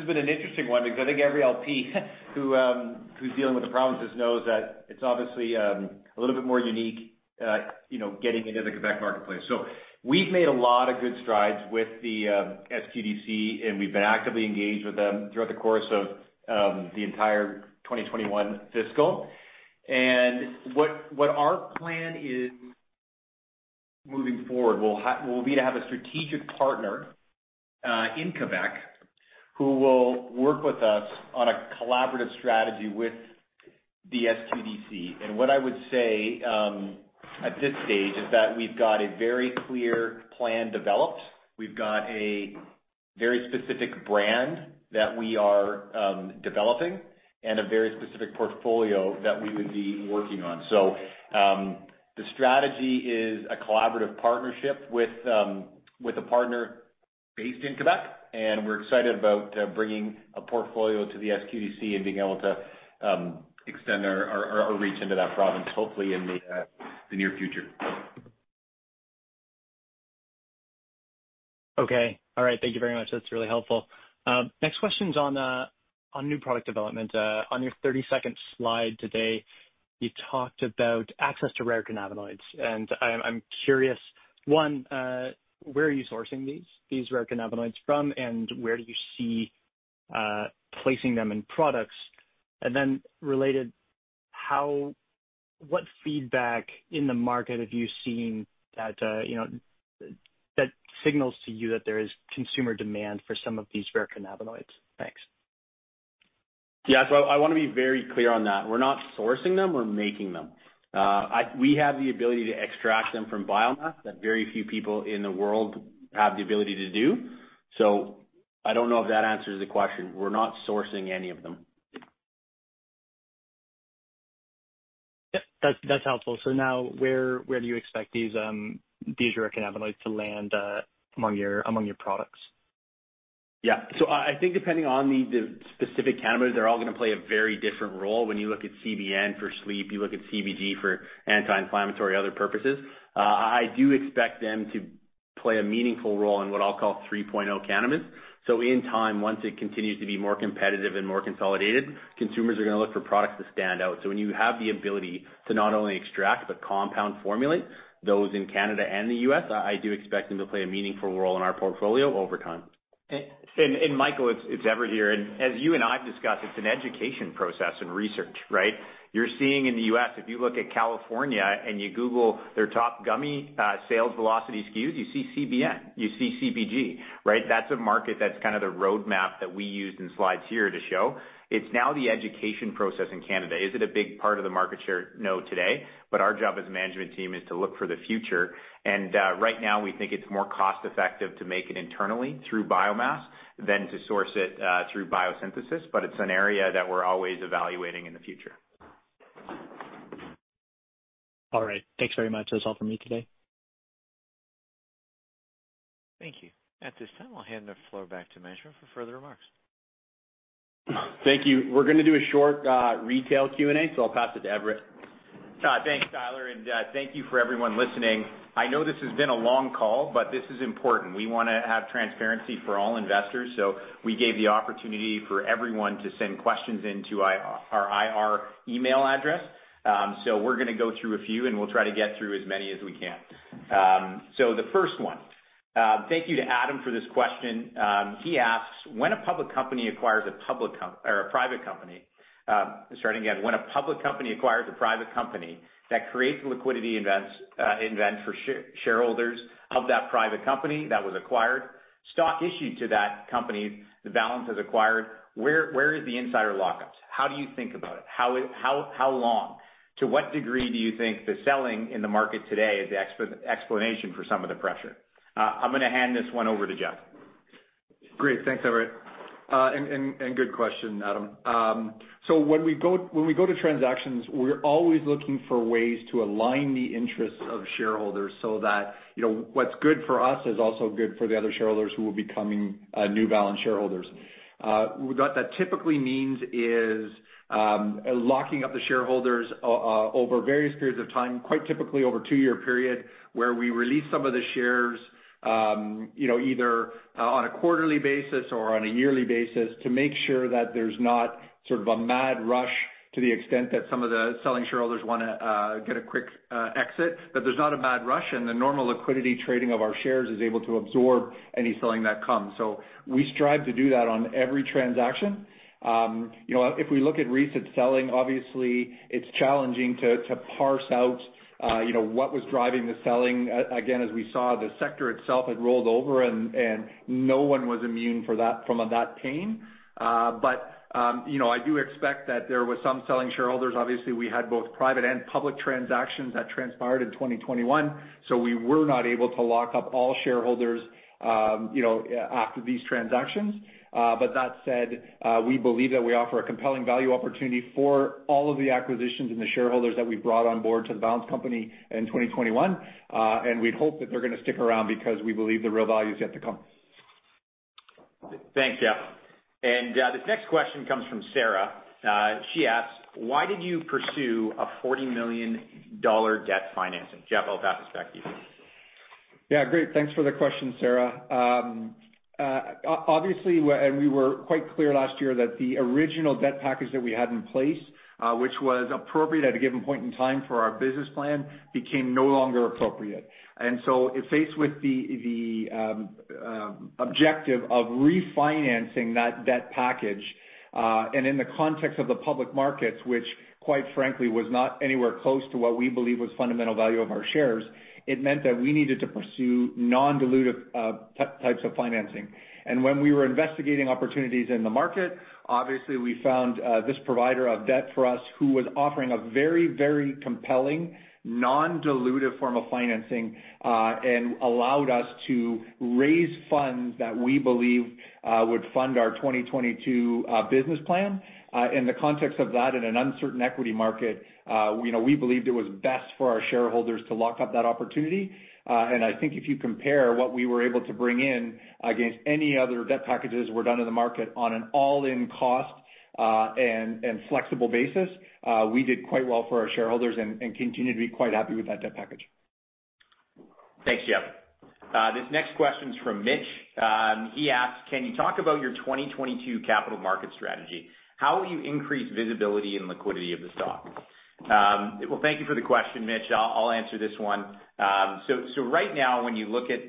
been an interesting one because I think every LP who's dealing with the provinces knows that it's obviously a little bit more unique, you know, getting into the Quebec marketplace. We've made a lot of good strides with the SQDC, and we've been actively engaged with them throughout the course of the entire 2021 fiscal. What our plan is moving forward will be to have a strategic partner in Quebec who will work with us on a collaborative strategy with the SQDC. What I would say at this stage is that we've got a very clear plan developed. We've got a very specific brand that we are developing and a very specific portfolio that we would be working on. The strategy is a collaborative partnership with a partner based in Québec, and we're excited about bringing a portfolio to the SQDC and being able to extend our reach into that province, hopefully in the near future. Okay. All right. Thank you very much. That's really helpful. Next question's on new product development. On your 32nd slide today, you talked about access to rare cannabinoids. I'm curious, one, where are you sourcing these rare cannabinoids from, and where do you see placing them in products? Then related, what feedback in the market have you seen that you know signals to you that there is consumer demand for some of these rare cannabinoids? Thanks. Yeah. I wanna be very clear on that. We're not sourcing them, we're making them. We have the ability to extract them from biomass that very few people in the world have the ability to do. I don't know if that answers the question. We're not sourcing any of them. Yeah. That's helpful. Now, where do you expect these rare cannabinoids to land among your products? Yeah. I think depending on the specific cannabis, they're all gonna play a very different role. When you look at CBN for sleep, you look at CBG for anti-inflammatory, other purposes, I do expect them to play a meaningful role in what I'll call 3.0 cannabis. In time, once it continues to be more competitive and more consolidated, consumers are gonna look for products that stand out. When you have the ability to not only extract, but compound formulate, those in Canada and the U.S., I do expect them to play a meaningful role in our portfolio over time. Michael, it's Everett here. As you and I have discussed, it's an education process and research, right? You're seeing in the U.S., if you look at California and you Google their top gummy sales velocity SKUs, you see CBN, you see CBG, right? That's a market that's kind of the roadmap that we used in slides here to show. It's now the education process in Canada. Is it a big part of the market share? No, today. Our job as a management team is to look for the future. Right now we think it's more cost-effective to make it internally through biomass than to source it through biosynthesis. It's an area that we're always evaluating in the future. All right. Thanks very much. That's all for me today. Thank you. At this time, I'll hand the floor back to management for further remarks. Thank you. We're gonna do a short, retail Q&A, so I'll pass it to Everett. Thanks, Tyler, and thank you for everyone listening. I know this has been a long call, but this is important. We wanna have transparency for all investors, so we gave the opportunity for everyone to send questions into our IR email address. We're gonna go through a few, and we'll try to get through as many as we can. The first one. Thank you to Adam for this question. He asks, "When a public company acquires a private company, that creates a liquidity event for shareholders of that private company that was acquired. Stock issued to that company, Valens has acquired. Where is the insider lockups? How do you think about it? How long? To what degree do you think the selling in the market today is the explanation for some of the pressure? I'm gonna hand this one over to Jeff. Great. Thanks, Everett. Good question, Adam. When we go to transactions, we're always looking for ways to align the interests of shareholders so that, you know, what's good for us is also good for the other shareholders who will be becoming new Valens shareholders. What that typically means is locking up the shareholders over various periods of time, quite typically over a two-year period, where we release some of the shares, you know, either on a quarterly basis or on a yearly basis to make sure that there's not sort of a mad rush to the extent that some of the selling shareholders wanna get a quick exit. That there's not a mad rush, and the normal liquidity trading of our shares is able to absorb any selling that comes. We strive to do that on every transaction. You know, if we look at recent selling, obviously it's challenging to parse out, you know, what was driving the selling. Again, as we saw, the sector itself had rolled over and no one was immune from that pain. You know, I do expect that there was some selling shareholders. Obviously, we had both private and public transactions that transpired in 2021, so we were not able to lock up all shareholders, you know, after these transactions. That said, we believe that we offer a compelling value opportunity for all of the acquisitions and the shareholders that we've brought on board to The Valens Company in 2021. We'd hope that they're gonna stick around because we believe the real value is yet to come. Thanks, Jeff Fallows. This next question comes from Sarah. She asks, "Why did you pursue a 40 million dollar debt financing?" Jeff Fallows, I'll pass this back to you. Yeah. Great. Thanks for the question, Sarah. Obviously, we were quite clear last year that the original debt package that we had in place, which was appropriate at a given point in time for our business plan, became no longer appropriate. Faced with the objective of refinancing that debt package, and in the context of the public markets, which quite frankly was not anywhere close to what we believe was fundamental value of our shares, it meant that we needed to pursue non-dilutive types of financing. When we were investigating opportunities in the market, obviously we found this provider of debt for us who was offering a very, very compelling non-dilutive form of financing, and allowed us to raise funds that we believe would fund our 2022 business plan. In the context of that in an uncertain equity market, you know, we believed it was best for our shareholders to lock up that opportunity. I think if you compare what we were able to bring in against any other debt packages that were done in the market on an all-in cost, and flexible basis, we did quite well for our shareholders and continue to be quite happy with that debt package. Thanks, Jeff. This next question is from Mitch. He asks, "Can you talk about your 2022 capital market strategy? How will you increase visibility and liquidity of the stock?" Thank you for the question, Mitch. I'll answer this one. Right now when you look at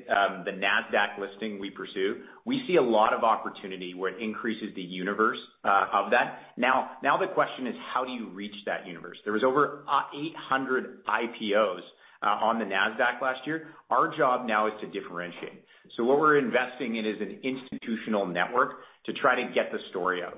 the Nasdaq listing we pursue, we see a lot of opportunity where it increases the universe of that. Now the question is, how do you reach that universe? There was over 800 IPOs on the Nasdaq last year. Our job now is to differentiate. What we're investing in is an institutional network to try to get the story out.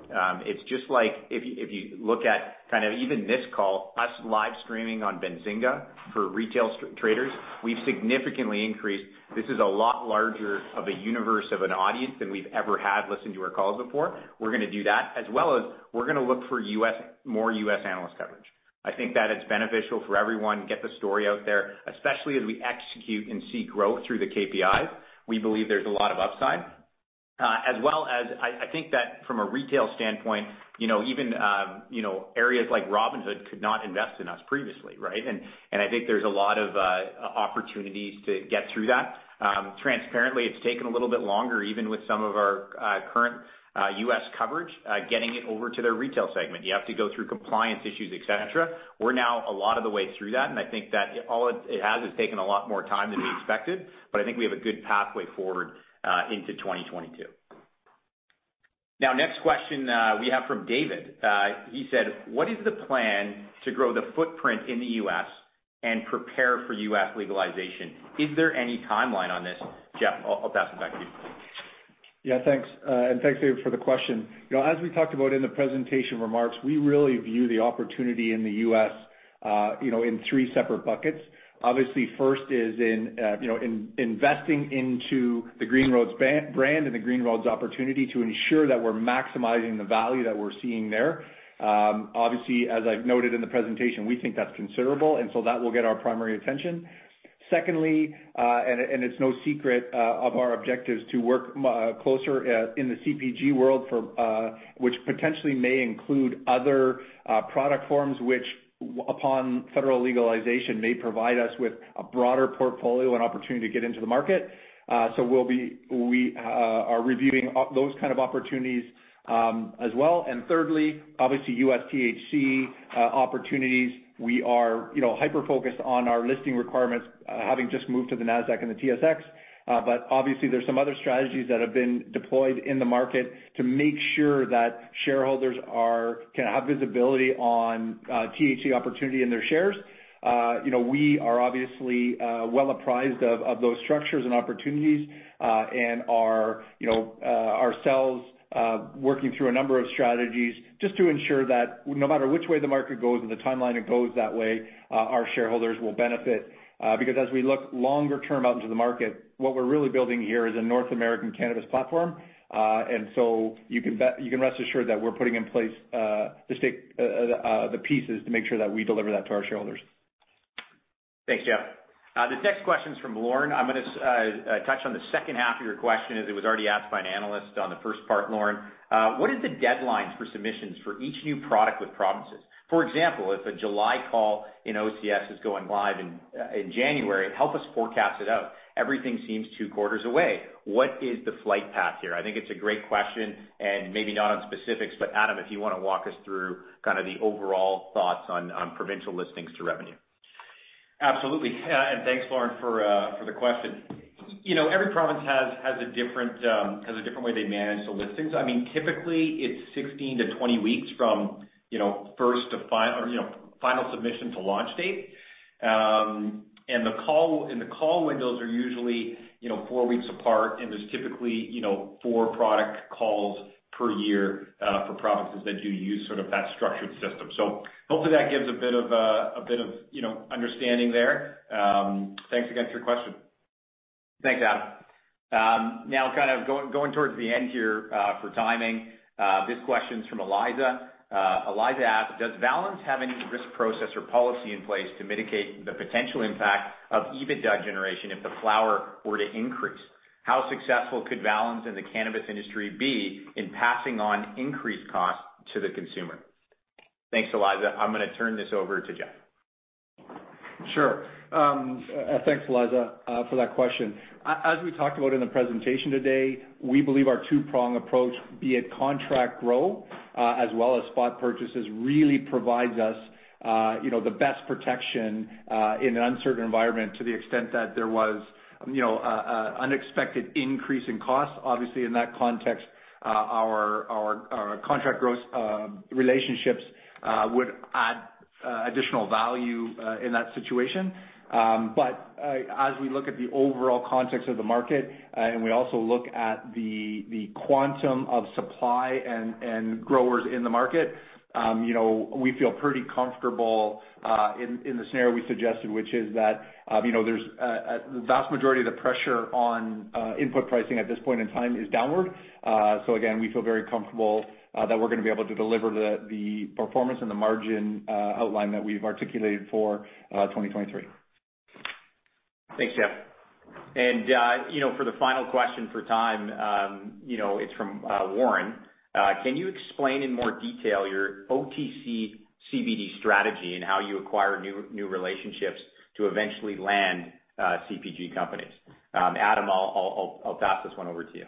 It's just like if you look at kind of even this call, us live streaming on Benzinga for retail traders, we've significantly increased. This is a lot larger of a universe of an audience than we've ever had listen to our calls before. We're gonna do that, as well as we're gonna look for more U.S. analyst coverage. I think that it's beneficial for everyone, get the story out there, especially as we execute and see growth through the KPIs. We believe there's a lot of upside. As well as I think that from a retail standpoint, you know, even you know areas like Robinhood could not invest in us previously, right? I think there's a lot of opportunities to get through that. Transparently, it's taken a little bit longer, even with some of our current U.S. coverage getting it over to their retail segment. You have to go through compliance issues, et cetera. We're now a lot of the way through that, and I think that all it has is taken a lot more time than we expected, but I think we have a good pathway forward into 2022. Next question, we have from David. He said, "What is the plan to grow the footprint in the U.S. and prepare for U.S. legalization? Is there any timeline on this?" Jeff, I'll pass it back to you. Yeah, thanks. Thanks, David, for the question. You know, as we talked about in the presentation remarks, we really view the opportunity in the U.S., you know, in three separate buckets. Obviously, first is in investing into the Green Roads brand and the Green Roads opportunity to ensure that we're maximizing the value that we're seeing there. Obviously, as I've noted in the presentation, we think that's considerable, and so that will get our primary attention. Secondly, and it's no secret of our objectives to work closer in the CPG world, which potentially may include other product forms, which upon federal legalization may provide us with a broader portfolio and opportunity to get into the market. We'll be reviewing those kind of opportunities as well. Thirdly, obviously, U.S. THC opportunities, we are, you know, hyper-focused on our listing requirements, having just moved to the Nasdaq and the TSX. Obviously there's some other strategies that have been deployed in the market to make sure that shareholders can have visibility on THC opportunity in their shares. You know, we are obviously well apprised of those structures and opportunities, and are, you know, ourselves working through a number of strategies just to ensure that no matter which way the market goes and the timeline it goes that way, our shareholders will benefit. Because as we look longer term out into the market, what we're really building here is a North American cannabis platform. You can rest assured that we're putting in place the pieces to make sure that we deliver that to our shareholders. Thanks, Jeff. This next question's from Lauren. I'm gonna touch on the second half of your question, as it was already asked by an analyst on the first part, Lauren. "What is the deadlines for submissions for each new product with provinces? For example, if a July call in OCS is going live in January, help us forecast it out. Everything seems two quarters away. What is the flight path here?" I think it's a great question, and maybe not on specifics, but Adam, if you wanna walk us through kind of the overall thoughts on provincial listings to revenue. Absolutely. Thanks, Lauren, for the question. You know, every province has a different way they manage the listings. I mean, typically, it's 16-20 weeks from first to final submission to launch date. The call windows are usually four weeks apart, and there's typically four product calls per year for provinces that do use sort of that structured system. Hopefully that gives a bit of understanding there. Thanks again for your question. Thanks, Adam. Now kind of going towards the end here for timing. This question's from Eliza. Eliza asked, "Does Valens have any risk process or policy in place to mitigate the potential impact of EBITDA generation if the flower were to increase? How successful could Valens and the cannabis industry be in passing on increased costs to the consumer?" Thanks, Eliza. I'm gonna turn this over to Jeff. Sure. Thanks, Eliza, for that question. As we talked about in the presentation today, we believe our two-prong approach, be it contract grow, as well as spot purchases, really provides us, you know, the best protection in an uncertain environment to the extent that there was, you know, unexpected increase in costs. Obviously, in that context, our contract growth relationships would add additional value in that situation. As we look at the overall context of the market, and we also look at the quantum of supply and growers in the market, you know, we feel pretty comfortable in the scenario we suggested, which is that, you know, there's the vast majority of the pressure on input pricing at this point in time is downward. Again, we feel very comfortable that we're gonna be able to deliver the performance and the margin outline that we've articulated for 2023. Thanks, Jeff. For the final question for time, it's from Warren. "Can you explain in more detail your OTC CBD strategy and how you acquire new relationships to eventually land CPG companies?" Adam, I'll pass this one over to you.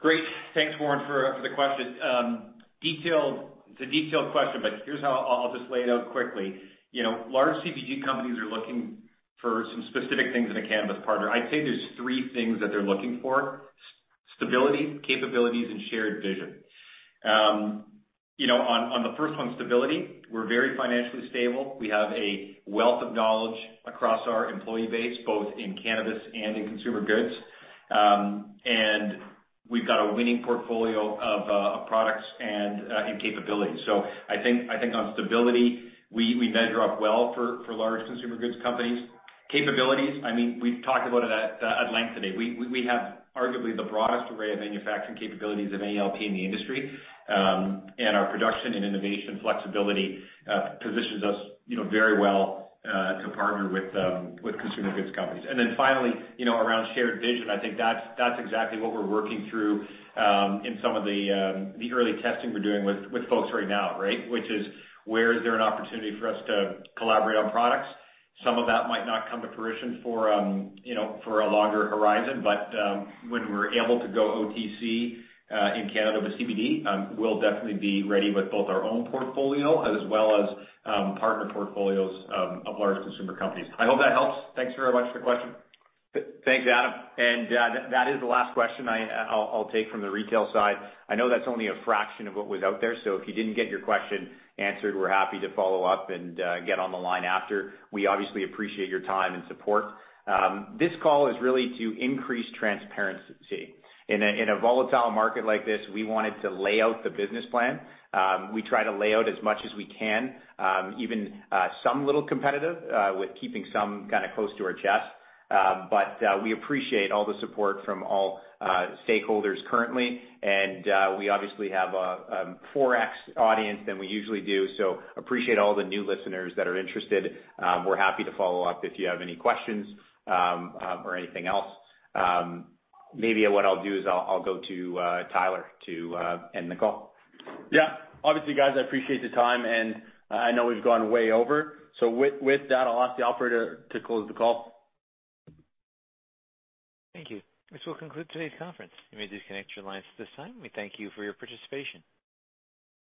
Great. Thanks, Warren, for the question. It's a detailed question, but here's how I'll just lay it out quickly. You know, large CPG companies are looking for some specific things in a cannabis partner. I'd say there's three things that they're looking for stability, capabilities, and shared vision. You know, on the first one, stability, we're very financially stable. We have a wealth of knowledge across our employee base, both in cannabis and in consumer goods. And we've got a winning portfolio of products and capabilities. So I think on stability, we measure up well for large consumer goods companies. Capabilities, I mean, we've talked about it at length today. We have arguably the broadest array of manufacturing capabilities of any LP in the industry. Our production and innovation flexibility positions us, you know, very well to partner with consumer goods companies. Finally, you know, around shared vision, I think that's exactly what we're working through in some of the early testing we're doing with folks right now, right? Which is, where is there an opportunity for us to collaborate on products? Some of that might not come to fruition for you know, for a longer horizon, but when we're able to go OTC in Canada with CBD, we'll definitely be ready with both our own portfolio as well as partner portfolios of large consumer companies. I hope that helps. Thanks very much for the question. Thanks, Adam. That is the last question I'll take from the retail side. I know that's only a fraction of what was out there, so if you didn't get your question answered, we're happy to follow up and get on the line after. We obviously appreciate your time and support. This call is really to increase transparency. In a volatile market like this, we wanted to lay out the business plan. We try to lay out as much as we can, even some little competitive with keeping some kind of close to our chest. We appreciate all the support from all stakeholders currently. We obviously have 4x audience than we usually do. Appreciate all the new listeners that are interested. We're happy to follow up if you have any questions, or anything else. Maybe what I'll do is I'll go to Tyler to end the call. Yeah. Obviously, guys, I appreciate the time, and I know we've gone way over. With that, I'll ask the operator to close the call. Thank you. This will conclude today's conference. You may disconnect your lines at this time. We thank you for your participation.